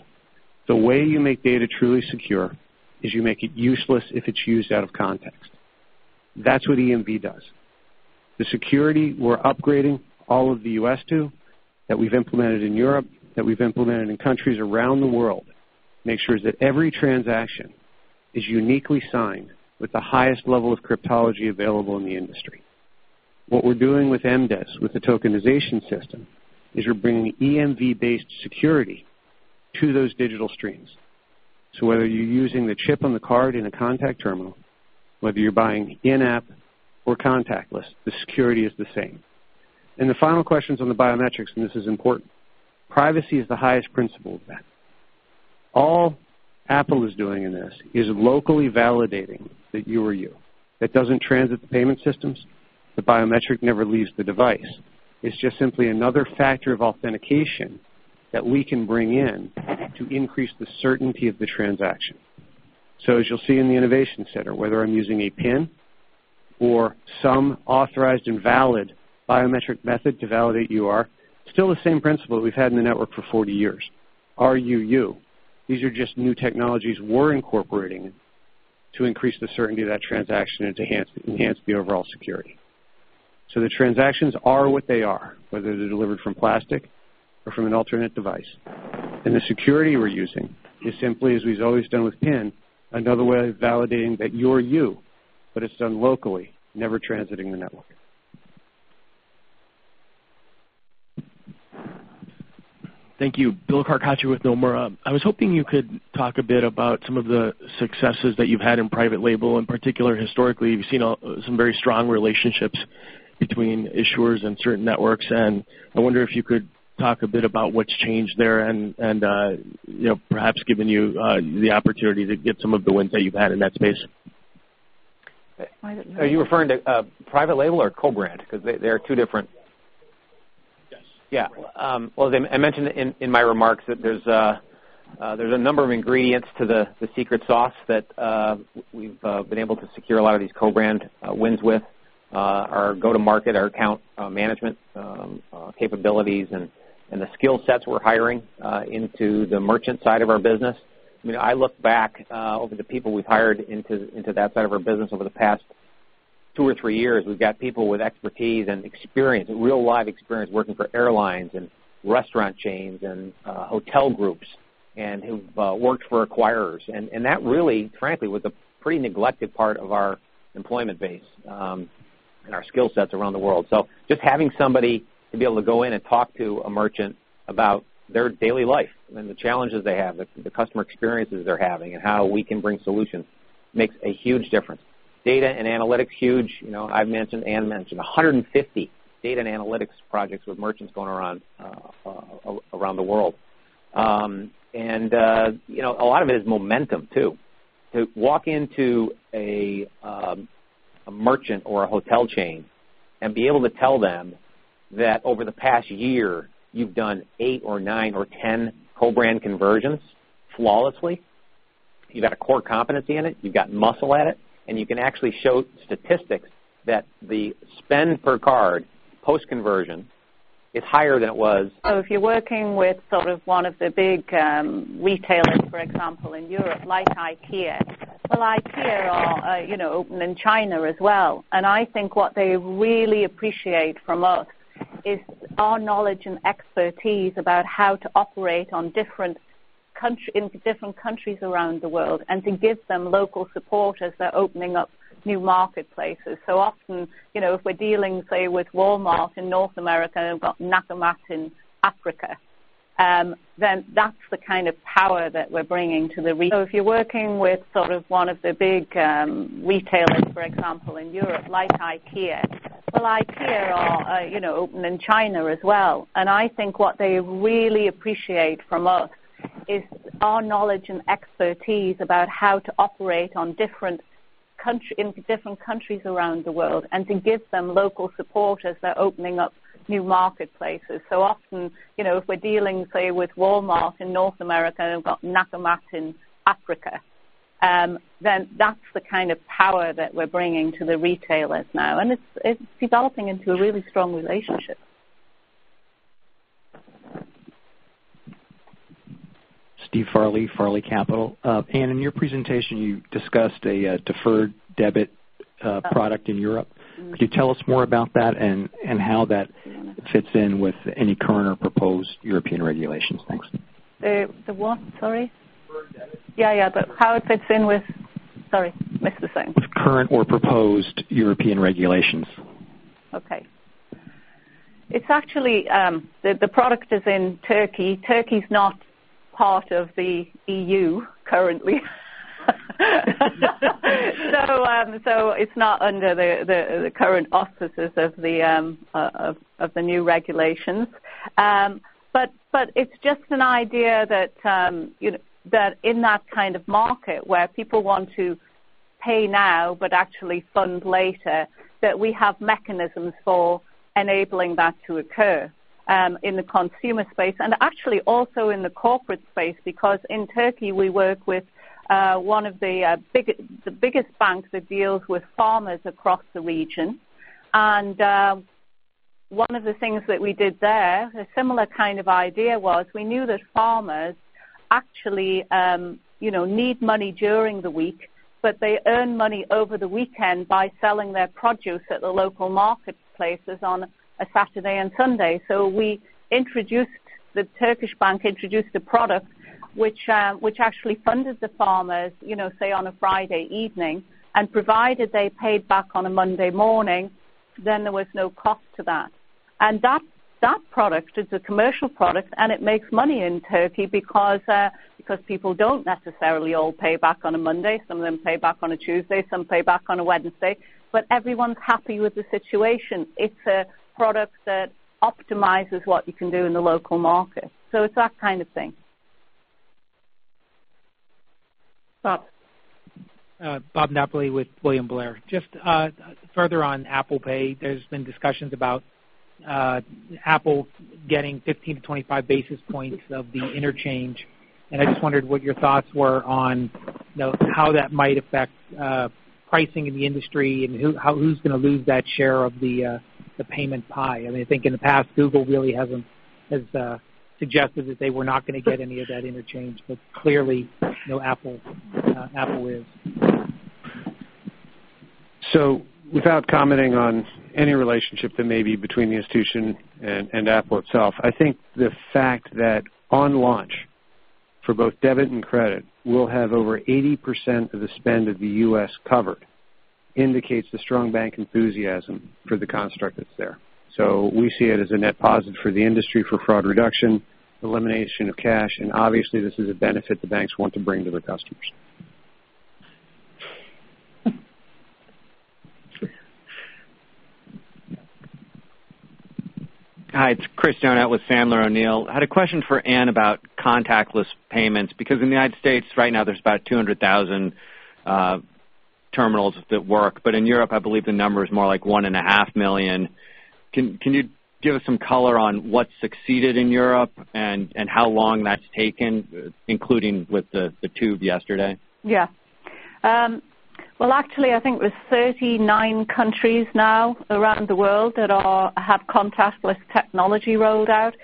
The way you make data truly secure is you make it useless if it's used out of context. That's what EMV does. The security we're upgrading all of the U.S. to, that we've implemented in Europe, that we've implemented in countries around the world, makes sure that every transaction is uniquely signed with the highest level of cryptology available in the industry. What we're doing with MDES, with the tokenization system, is you're bringing EMV-based security to those digital streams. Whether you're using the chip on the card in a contact terminal, whether you're buying in-app or contactless, the security is the same. The final question's on the biometrics, and this is important. Privacy is the highest principle of that. All Apple is doing in this is locally validating that you are you. That doesn't transit the payment systems. The biometric never leaves the device. It's just simply another factor of authentication that we can bring in to increase the certainty of the transaction. As you'll see in the innovation center, whether I'm using a pin or some authorized and valid biometric method to validate you are, still the same principle that we've had in the network for 40 years. Are you you? These are just new technologies we're incorporating to increase the certainty of that transaction and to enhance the overall security. The transactions are what they are, whether they're delivered from plastic or from an alternate device. The security we're using is simply, as we've always done with pin, another way of validating that you're you, but it's done locally, never transiting the network. Thank you. Bill Carcache with Nomura. I was hoping you could talk a bit about some of the successes that you've had in private label. In particular, historically, we've seen some very strong relationships between issuers and certain networks, and I wonder if you could talk a bit about what's changed there and perhaps given you the opportunity to get some of the wins that you've had in that space. Private label. Are you referring to private label or co-brand? Because they are two different- Yes. Yeah. Well, as I mentioned in my remarks that there's a number of ingredients to the secret sauce that we've been able to secure a lot of these co-brand wins with. Our go-to-market, our account management capabilities, and the skill sets we're hiring into the merchant side of our business. I look back over the people we've hired into that side of our business over the past two or three years. We've got people with expertise and experience, real live experience working for airlines and restaurant chains and hotel groups and who've worked for acquirers. That really, frankly, was a pretty neglected part of our employment base. Our skill sets around the world. Just having somebody to be able to go in and talk to a merchant about their daily life and the challenges they have, the customer experiences they're having, and how we can bring solutions, makes a huge difference. Data and analytics, huge. I've mentioned, Ann mentioned 150 data and analytics projects with merchants going around the world. A lot of it is momentum too. To walk into a merchant or a hotel chain and be able to tell them that over the past year, you've done eight or nine or 10 co-brand conversions flawlessly. You've got a core competency in it, you've got muscle at it, and you can actually show statistics that the spend per card post-conversion is higher than it was- If you're working with one of the big retailers, for example, in Europe, like IKEA, well, IKEA are open in China as well. I think what they really appreciate from us is our knowledge and expertise about how to operate in different countries around the world, and to give them local support as they're opening up new marketplaces. Often, if we're dealing, say, with Walmart in North America and we've got Nakumatt in Africa, that's the kind of power that we're bringing to the retailers now, and it's developing into a really strong relationship. Stephen Farley Capital. Ann, in your presentation, you discussed a deferred debit product in Europe. Could you tell us more about that and how that fits in with any current or proposed European regulations? Thanks. The what? Sorry. Deferred debit. Yeah. How it fits in with Sorry, missed the thing. With current or proposed European regulations. Okay. The product is in Turkey. Turkey's not part of the EU currently. It's not under the current auspices of the new regulations. It's just an idea that in that kind of market where people want to pay now but actually fund later, that we have mechanisms for enabling that to occur in the consumer space and actually also in the corporate space because in Turkey we work with one of the biggest banks that deals with farmers across the region. One of the things that we did there, a similar kind of idea was we knew that farmers actually need money during the week, but they earn money over the weekend by selling their produce at the local marketplaces on a Saturday and Sunday. The Turkish bank introduced a product which actually funded the farmers, say, on a Friday evening, and provided they paid back on a Monday morning, then there was no cost to that. That product is a commercial product, and it makes money in Turkey because people don't necessarily all pay back on a Monday. Some of them pay back on a Tuesday, some pay back on a Wednesday, but everyone's happy with the situation. It's a product that optimizes what you can do in the local market. It's that kind of thing. Bob. Bob Napoli with William Blair. Just further on Apple Pay, there's been discussions about Apple getting 15-25 basis points of the interchange, I just wondered what your thoughts were on how that might affect pricing in the industry and who's going to lose that share of the payment pie. I think in the past, Google really has suggested that they were not going to get any of that interchange, but clearly Apple is. Without commenting on any relationship that may be between the institution and Apple itself, I think the fact that on launch for both debit and credit, we'll have over 80% of the spend of the U.S. covered indicates the strong bank enthusiasm for the construct that's there. We see it as a net positive for the industry for fraud reduction, elimination of cash, and obviously this is a benefit the banks want to bring to their customers. Hi, it's Chris Donat with Sandler O'Neill. I had a question for Ann about contactless payments because in the United States right now there's about 200,000 terminals that work. In Europe, I believe the number is more like 1.5 million. Can you give us some color on what succeeded in Europe and how long that's taken including with the Tube yesterday? Yeah. Well, actually, I think there's 39 countries now around the world that have contactless technology rolled out.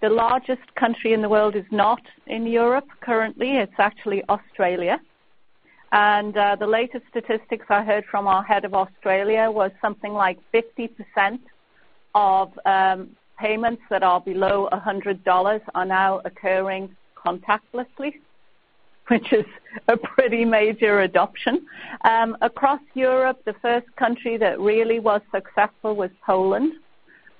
The largest country in the world is not in Europe currently. It's actually Australia. The latest statistics I heard from our head of Australia was something like 50% of payments that are below $100 are now occurring contactlessly. Which is a pretty major adoption. Across Europe, the first country that really was successful was Poland.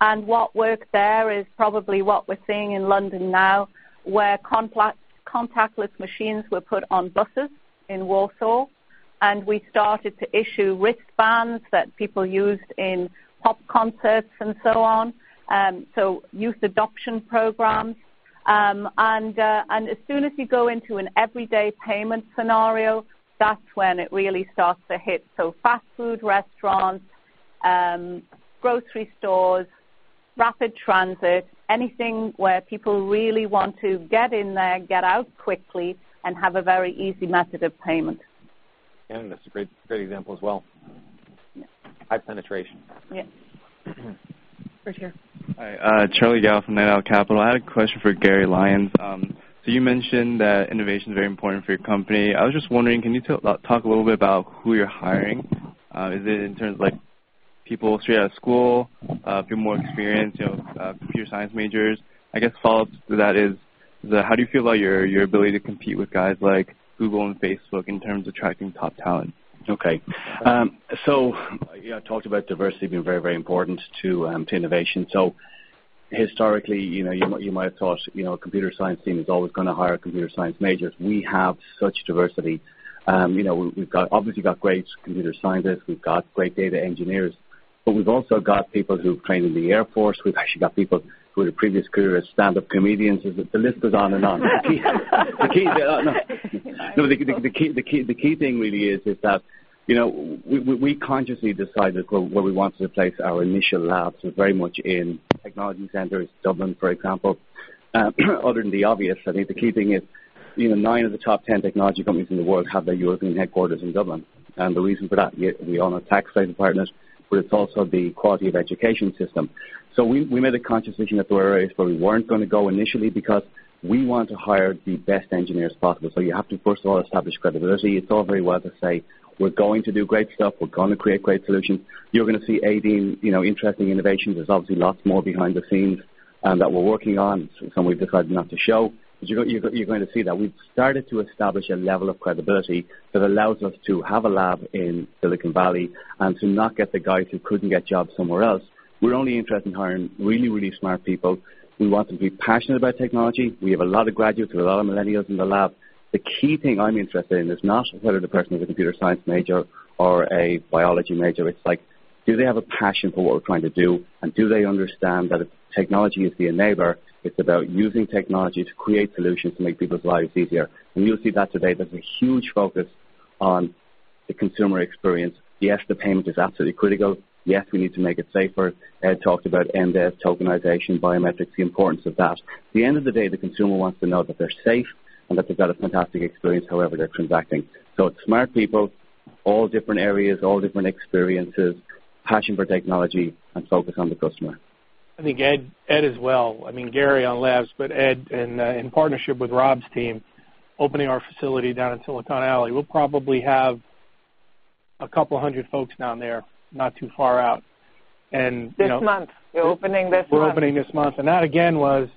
What worked there is probably what we're seeing in London now, where contactless machines were put on buses in Warsaw. We started to issue wristbands that people used in pop concerts and so on, so youth adoption programs. As soon as you go into an everyday payment scenario, that's when it really starts to hit. Fast food restaurants, grocery stores, rapid transit, anything where people really want to get in there, get out quickly, and have a very easy method of payment. That's a great example as well. Yeah. High penetration. Yeah. Rich here. Hi, Charlie Gallo from Ninth Island Capital. I had a question for Garry Lyons. You mentioned that innovation is very important for your company. I was just wondering, can you talk a little bit about who you're hiring? Is it in terms of people straight out of school, people more experienced, computer science majors? I guess follow-up to that is how do you feel about your ability to compete with guys like Google and Facebook in terms of attracting top talent? Okay. Yeah, I talked about diversity being very, very important to innovation. Historically, you might have thought a computer science team is always going to hire computer science majors. We have such diversity. We've obviously got great computer scientists. We've got great data engineers, but we've also got people who've trained in the Air Force. We've actually got people who had a previous career as stand-up comedians. The list goes on and on. The key thing really is that we consciously decided where we wanted to place our initial labs are very much in technology centers, Dublin, for example. Other than the obvious, I think the key thing is nine of the top 10 technology companies in the world have their European headquarters in Dublin. The reason for that, we own a tax safe partner, but it's also the quality of education system. We made a conscious decision that there were areas where we weren't going to go initially because we want to hire the best engineers possible. You have to first of all establish credibility. It's all very well to say, "We're going to do great stuff. We're going to create great solutions." You're going to see 18 interesting innovations. There's obviously lots more behind the scenes that we're working on, some we've decided not to show. You're going to see that we've started to establish a level of credibility that allows us to have a lab in Silicon Valley and to not get the guys who couldn't get jobs somewhere else. We're only interested in hiring really, really smart people. We want them to be passionate about technology. We have a lot of graduates. We have a lot of millennials in the lab. The key thing I'm interested in is not whether the person is a computer science major or a biology major. It's like, do they have a passion for what we're trying to do? Do they understand that if technology is the enabler, it's about using technology to create solutions to make people's lives easier. You'll see that today. There's a huge focus on the consumer experience. Yes, the payment is absolutely critical. Yes, we need to make it safer. Ed talked about MDES, tokenization, biometrics, the importance of that. At the end of the day, the consumer wants to know that they're safe and that they've got a fantastic experience however they're transacting. It's smart people, all different areas, all different experiences, passion for technology, and focus on the customer. I think Ed as well. I mean, Gary on Mastercard Labs, but Ed in partnership with Rob's team, opening our facility down in Silicon Alley. We'll probably have 200 folks down there not too far out. This month. We're opening this month. We're opening this month. That again, was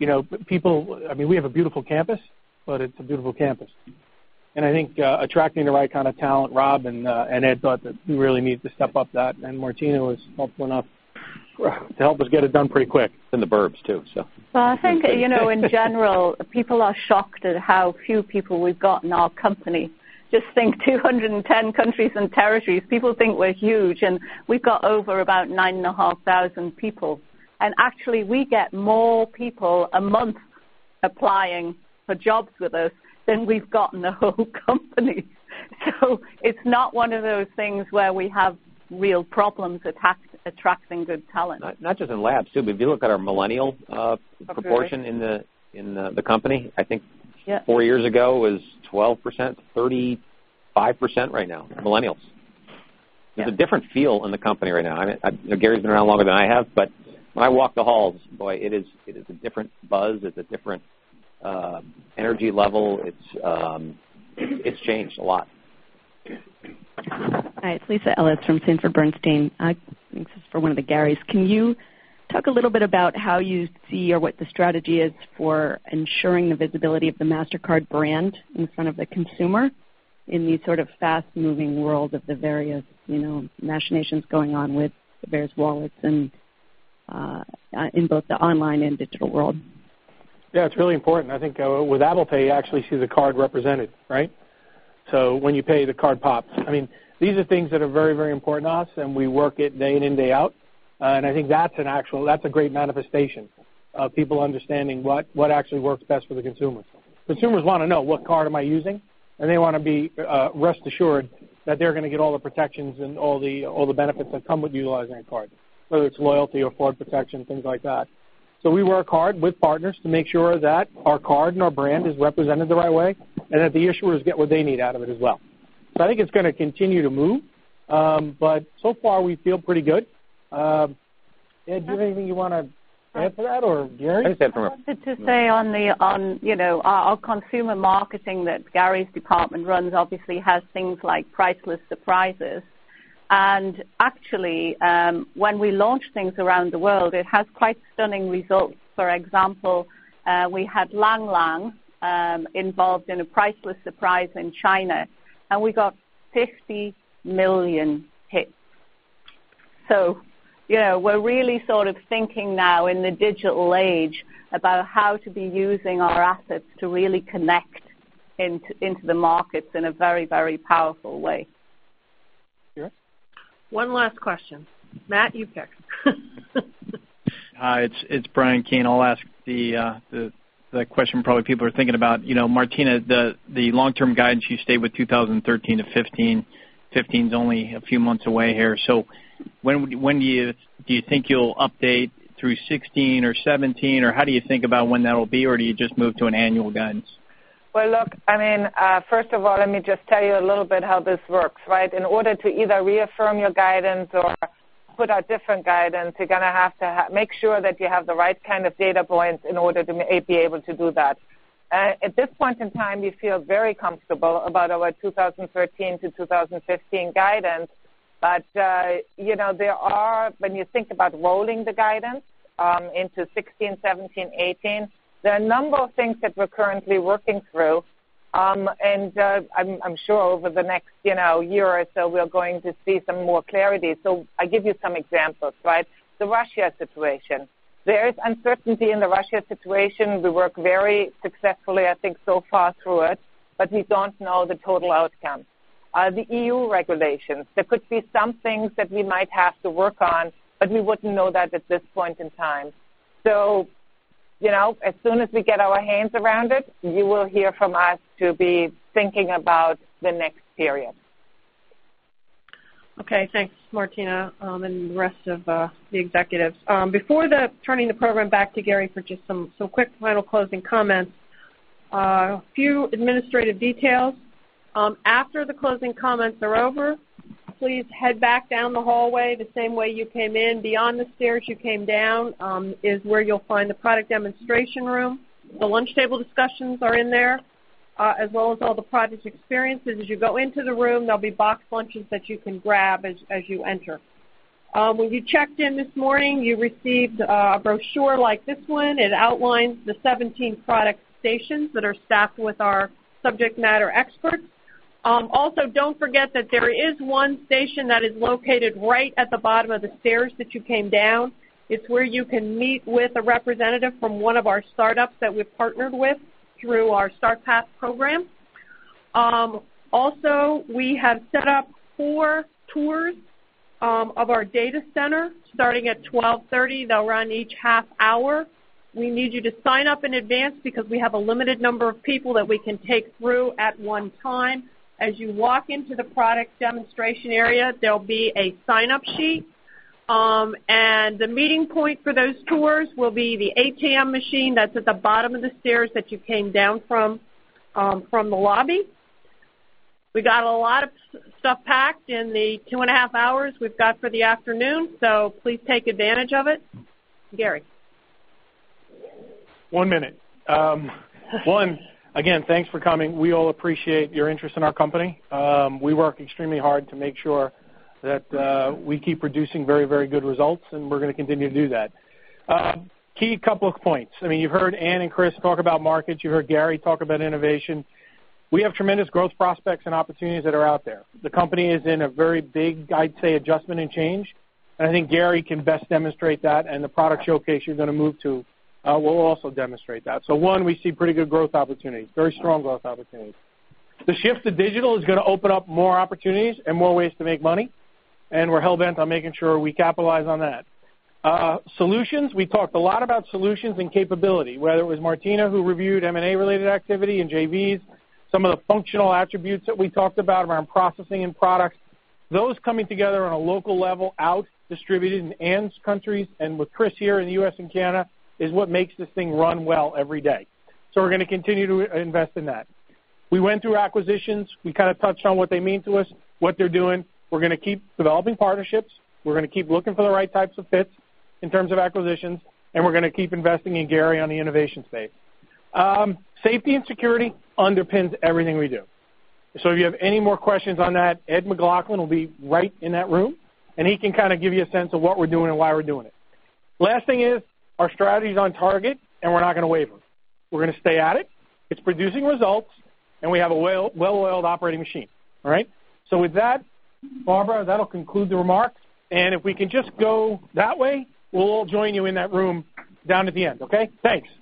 We have a beautiful campus, but it's a beautiful campus. I think attracting the right kind of talent, Rob and Ed thought that we really needed to step up that and Martina Hund-Mejean was helpful enough to help us get it done pretty quick. In the burbs, too. Well, I think, in general, people are shocked at how few people we've got in our company. Just think, 210 countries and territories. People think we're huge, and we've got over about 9,500 people. Actually, we get more people a month applying for jobs with us than we've got in the whole company. It's not one of those things where we have real problems attracting good talent. Not just in Mastercard Labs, too, but if you look at our millennial proportion in the company, I think four years ago was 12%, 35% right now. Millennials. Yeah. There's a different feel in the company right now. Gary's been around longer than I have, when I walk the halls, boy, it is a different buzz. It's a different energy level. It's changed a lot. Hi, it's Lisa Ellis from Sanford C. Bernstein. I think this is for one of the Garys. Can you talk a little bit about how you see or what the strategy is for ensuring the visibility of the Mastercard brand in front of the consumer in the sort of fast-moving world of the various machinations going on with various wallets and in both the online and digital world? Yeah, it's really important. I think with Apple Pay, you actually see the card represented, right? When you pay, the card pops. These are things that are very, very important to us, and we work it day in and day out. I think that's a great manifestation of people understanding what actually works best for the consumer. Consumers want to know what card am I using, and they want to be rest assured that they're going to get all the protections and all the benefits that come with utilizing a card, whether it's loyalty or fraud protection, things like that. We work hard with partners to make sure that our card and our brand is represented the right way and that the issuers get what they need out of it as well. I think it's going to continue to move. So far, we feel pretty good. Ed, do you have anything you want to add to that, or Gary? I just have room- I wanted to say on our consumer marketing that Gary's department runs obviously has things like Priceless Surprises. Actually, when we launch things around the world, it has quite stunning results. For example, we had Lang Lang involved in a Priceless surprise in China, and we got 50 million hits. We're really sort of thinking now in the digital age about how to be using our assets to really connect into the markets in a very, very powerful way. Sure. One last question. Matt, you pick. Hi, it's Bryan Keane. I'll ask the question probably people are thinking about. Martina, the long-term guidance, you stayed with 2013 to 2015. 2015's only a few months away here. When do you think you'll update through 2016 or 2017, or how do you think about when that'll be? Or do you just move to an annual guidance? Well, look, first of all, let me just tell you a little bit how this works, right? In order to either reaffirm your guidance or put out different guidance, you're going to have to make sure that you have the right kind of data points in order to be able to do that. At this point in time, we feel very comfortable about our 2013 to 2015 guidance. There are, when you think about rolling the guidance into 2016, 2017, 2018, there are a number of things that we're currently working through. I'm sure over the next year or so, we are going to see some more clarity. I give you some examples, right? The Russia situation. There is uncertainty in the Russia situation. We work very successfully, I think, so far through it, but we don't know the total outcome. The EU regulations, there could be some things that we might have to work on, but we wouldn't know that at this point in time. As soon as we get our hands around it, you will hear from us to be thinking about the next period. Okay. Thanks, Martina, and the rest of the executives. Before the turning the program back to Gary for just some quick final closing comments, a few administrative details. After the closing comments are over, please head back down the hallway the same way you came in. Beyond the stairs you came down, is where you'll find the product demonstration room. The lunch table discussions are in there, as well as all the product experiences. As you go into the room, there'll be boxed lunches that you can grab as you enter. When you checked in this morning, you received a brochure like this one. It outlines the 17 product stations that are staffed with our subject matter experts. Also, don't forget that there is one station that is located right at the bottom of the stairs that you came down. It's where you can meet with a representative from one of our startups that we've partnered with through our Start Path program. We have set up four tours of our data center starting at 12:30 P.M. They'll run each half hour. We need you to sign up in advance because we have a limited number of people that we can take through at one time. As you walk into the product demonstration area, there'll be a sign-up sheet. The meeting point for those tours will be the ATM machine that's at the bottom of the stairs that you came down from the lobby. We got a lot of stuff packed in the two and a half hours we've got for the afternoon, so please take advantage of it. Gary. One minute. Again, thanks for coming. We all appreciate your interest in our company. We work extremely hard to make sure that we keep producing very good results, and we're going to continue to do that. Key couple of points. You've heard Ann and Chris talk about markets. You heard Gary talk about innovation. We have tremendous growth prospects and opportunities that are out there. The company is in a very big, I'd say, adjustment and change, and I think Gary can best demonstrate that, and the product showcase you're going to move to will also demonstrate that. One, we see pretty good growth opportunities, very strong growth opportunities. The shift to digital is going to open up more opportunities and more ways to make money, and we're hell-bent on making sure we capitalize on that. Solutions, we talked a lot about solutions and capability, whether it was Martina who reviewed M&A-related activity and JVs, some of the functional attributes that we talked about around processing and products. Those coming together on a local level out distributed in Ann's countries and with Chris here in the U.S. and Canada is what makes this thing run well every day. We're going to continue to invest in that. We went through acquisitions. We kind of touched on what they mean to us, what they're doing. We're going to keep developing partnerships. We're going to keep looking for the right types of fits in terms of acquisitions, and we're going to keep investing in Gary on the innovation space. Safety and security underpins everything we do. If you have any more questions on that, Ed McLaughlin will be right in that room, and he can kind of give you a sense of what we're doing and why we're doing it. Last thing is our strategy's on target, and we're not going to waver. We're going to stay at it. It's producing results, and we have a well-oiled operating machine. All right? With that, Barbara, that'll conclude the remarks, and if we can just go that way, we'll all join you in that room down at the end, okay? Thanks.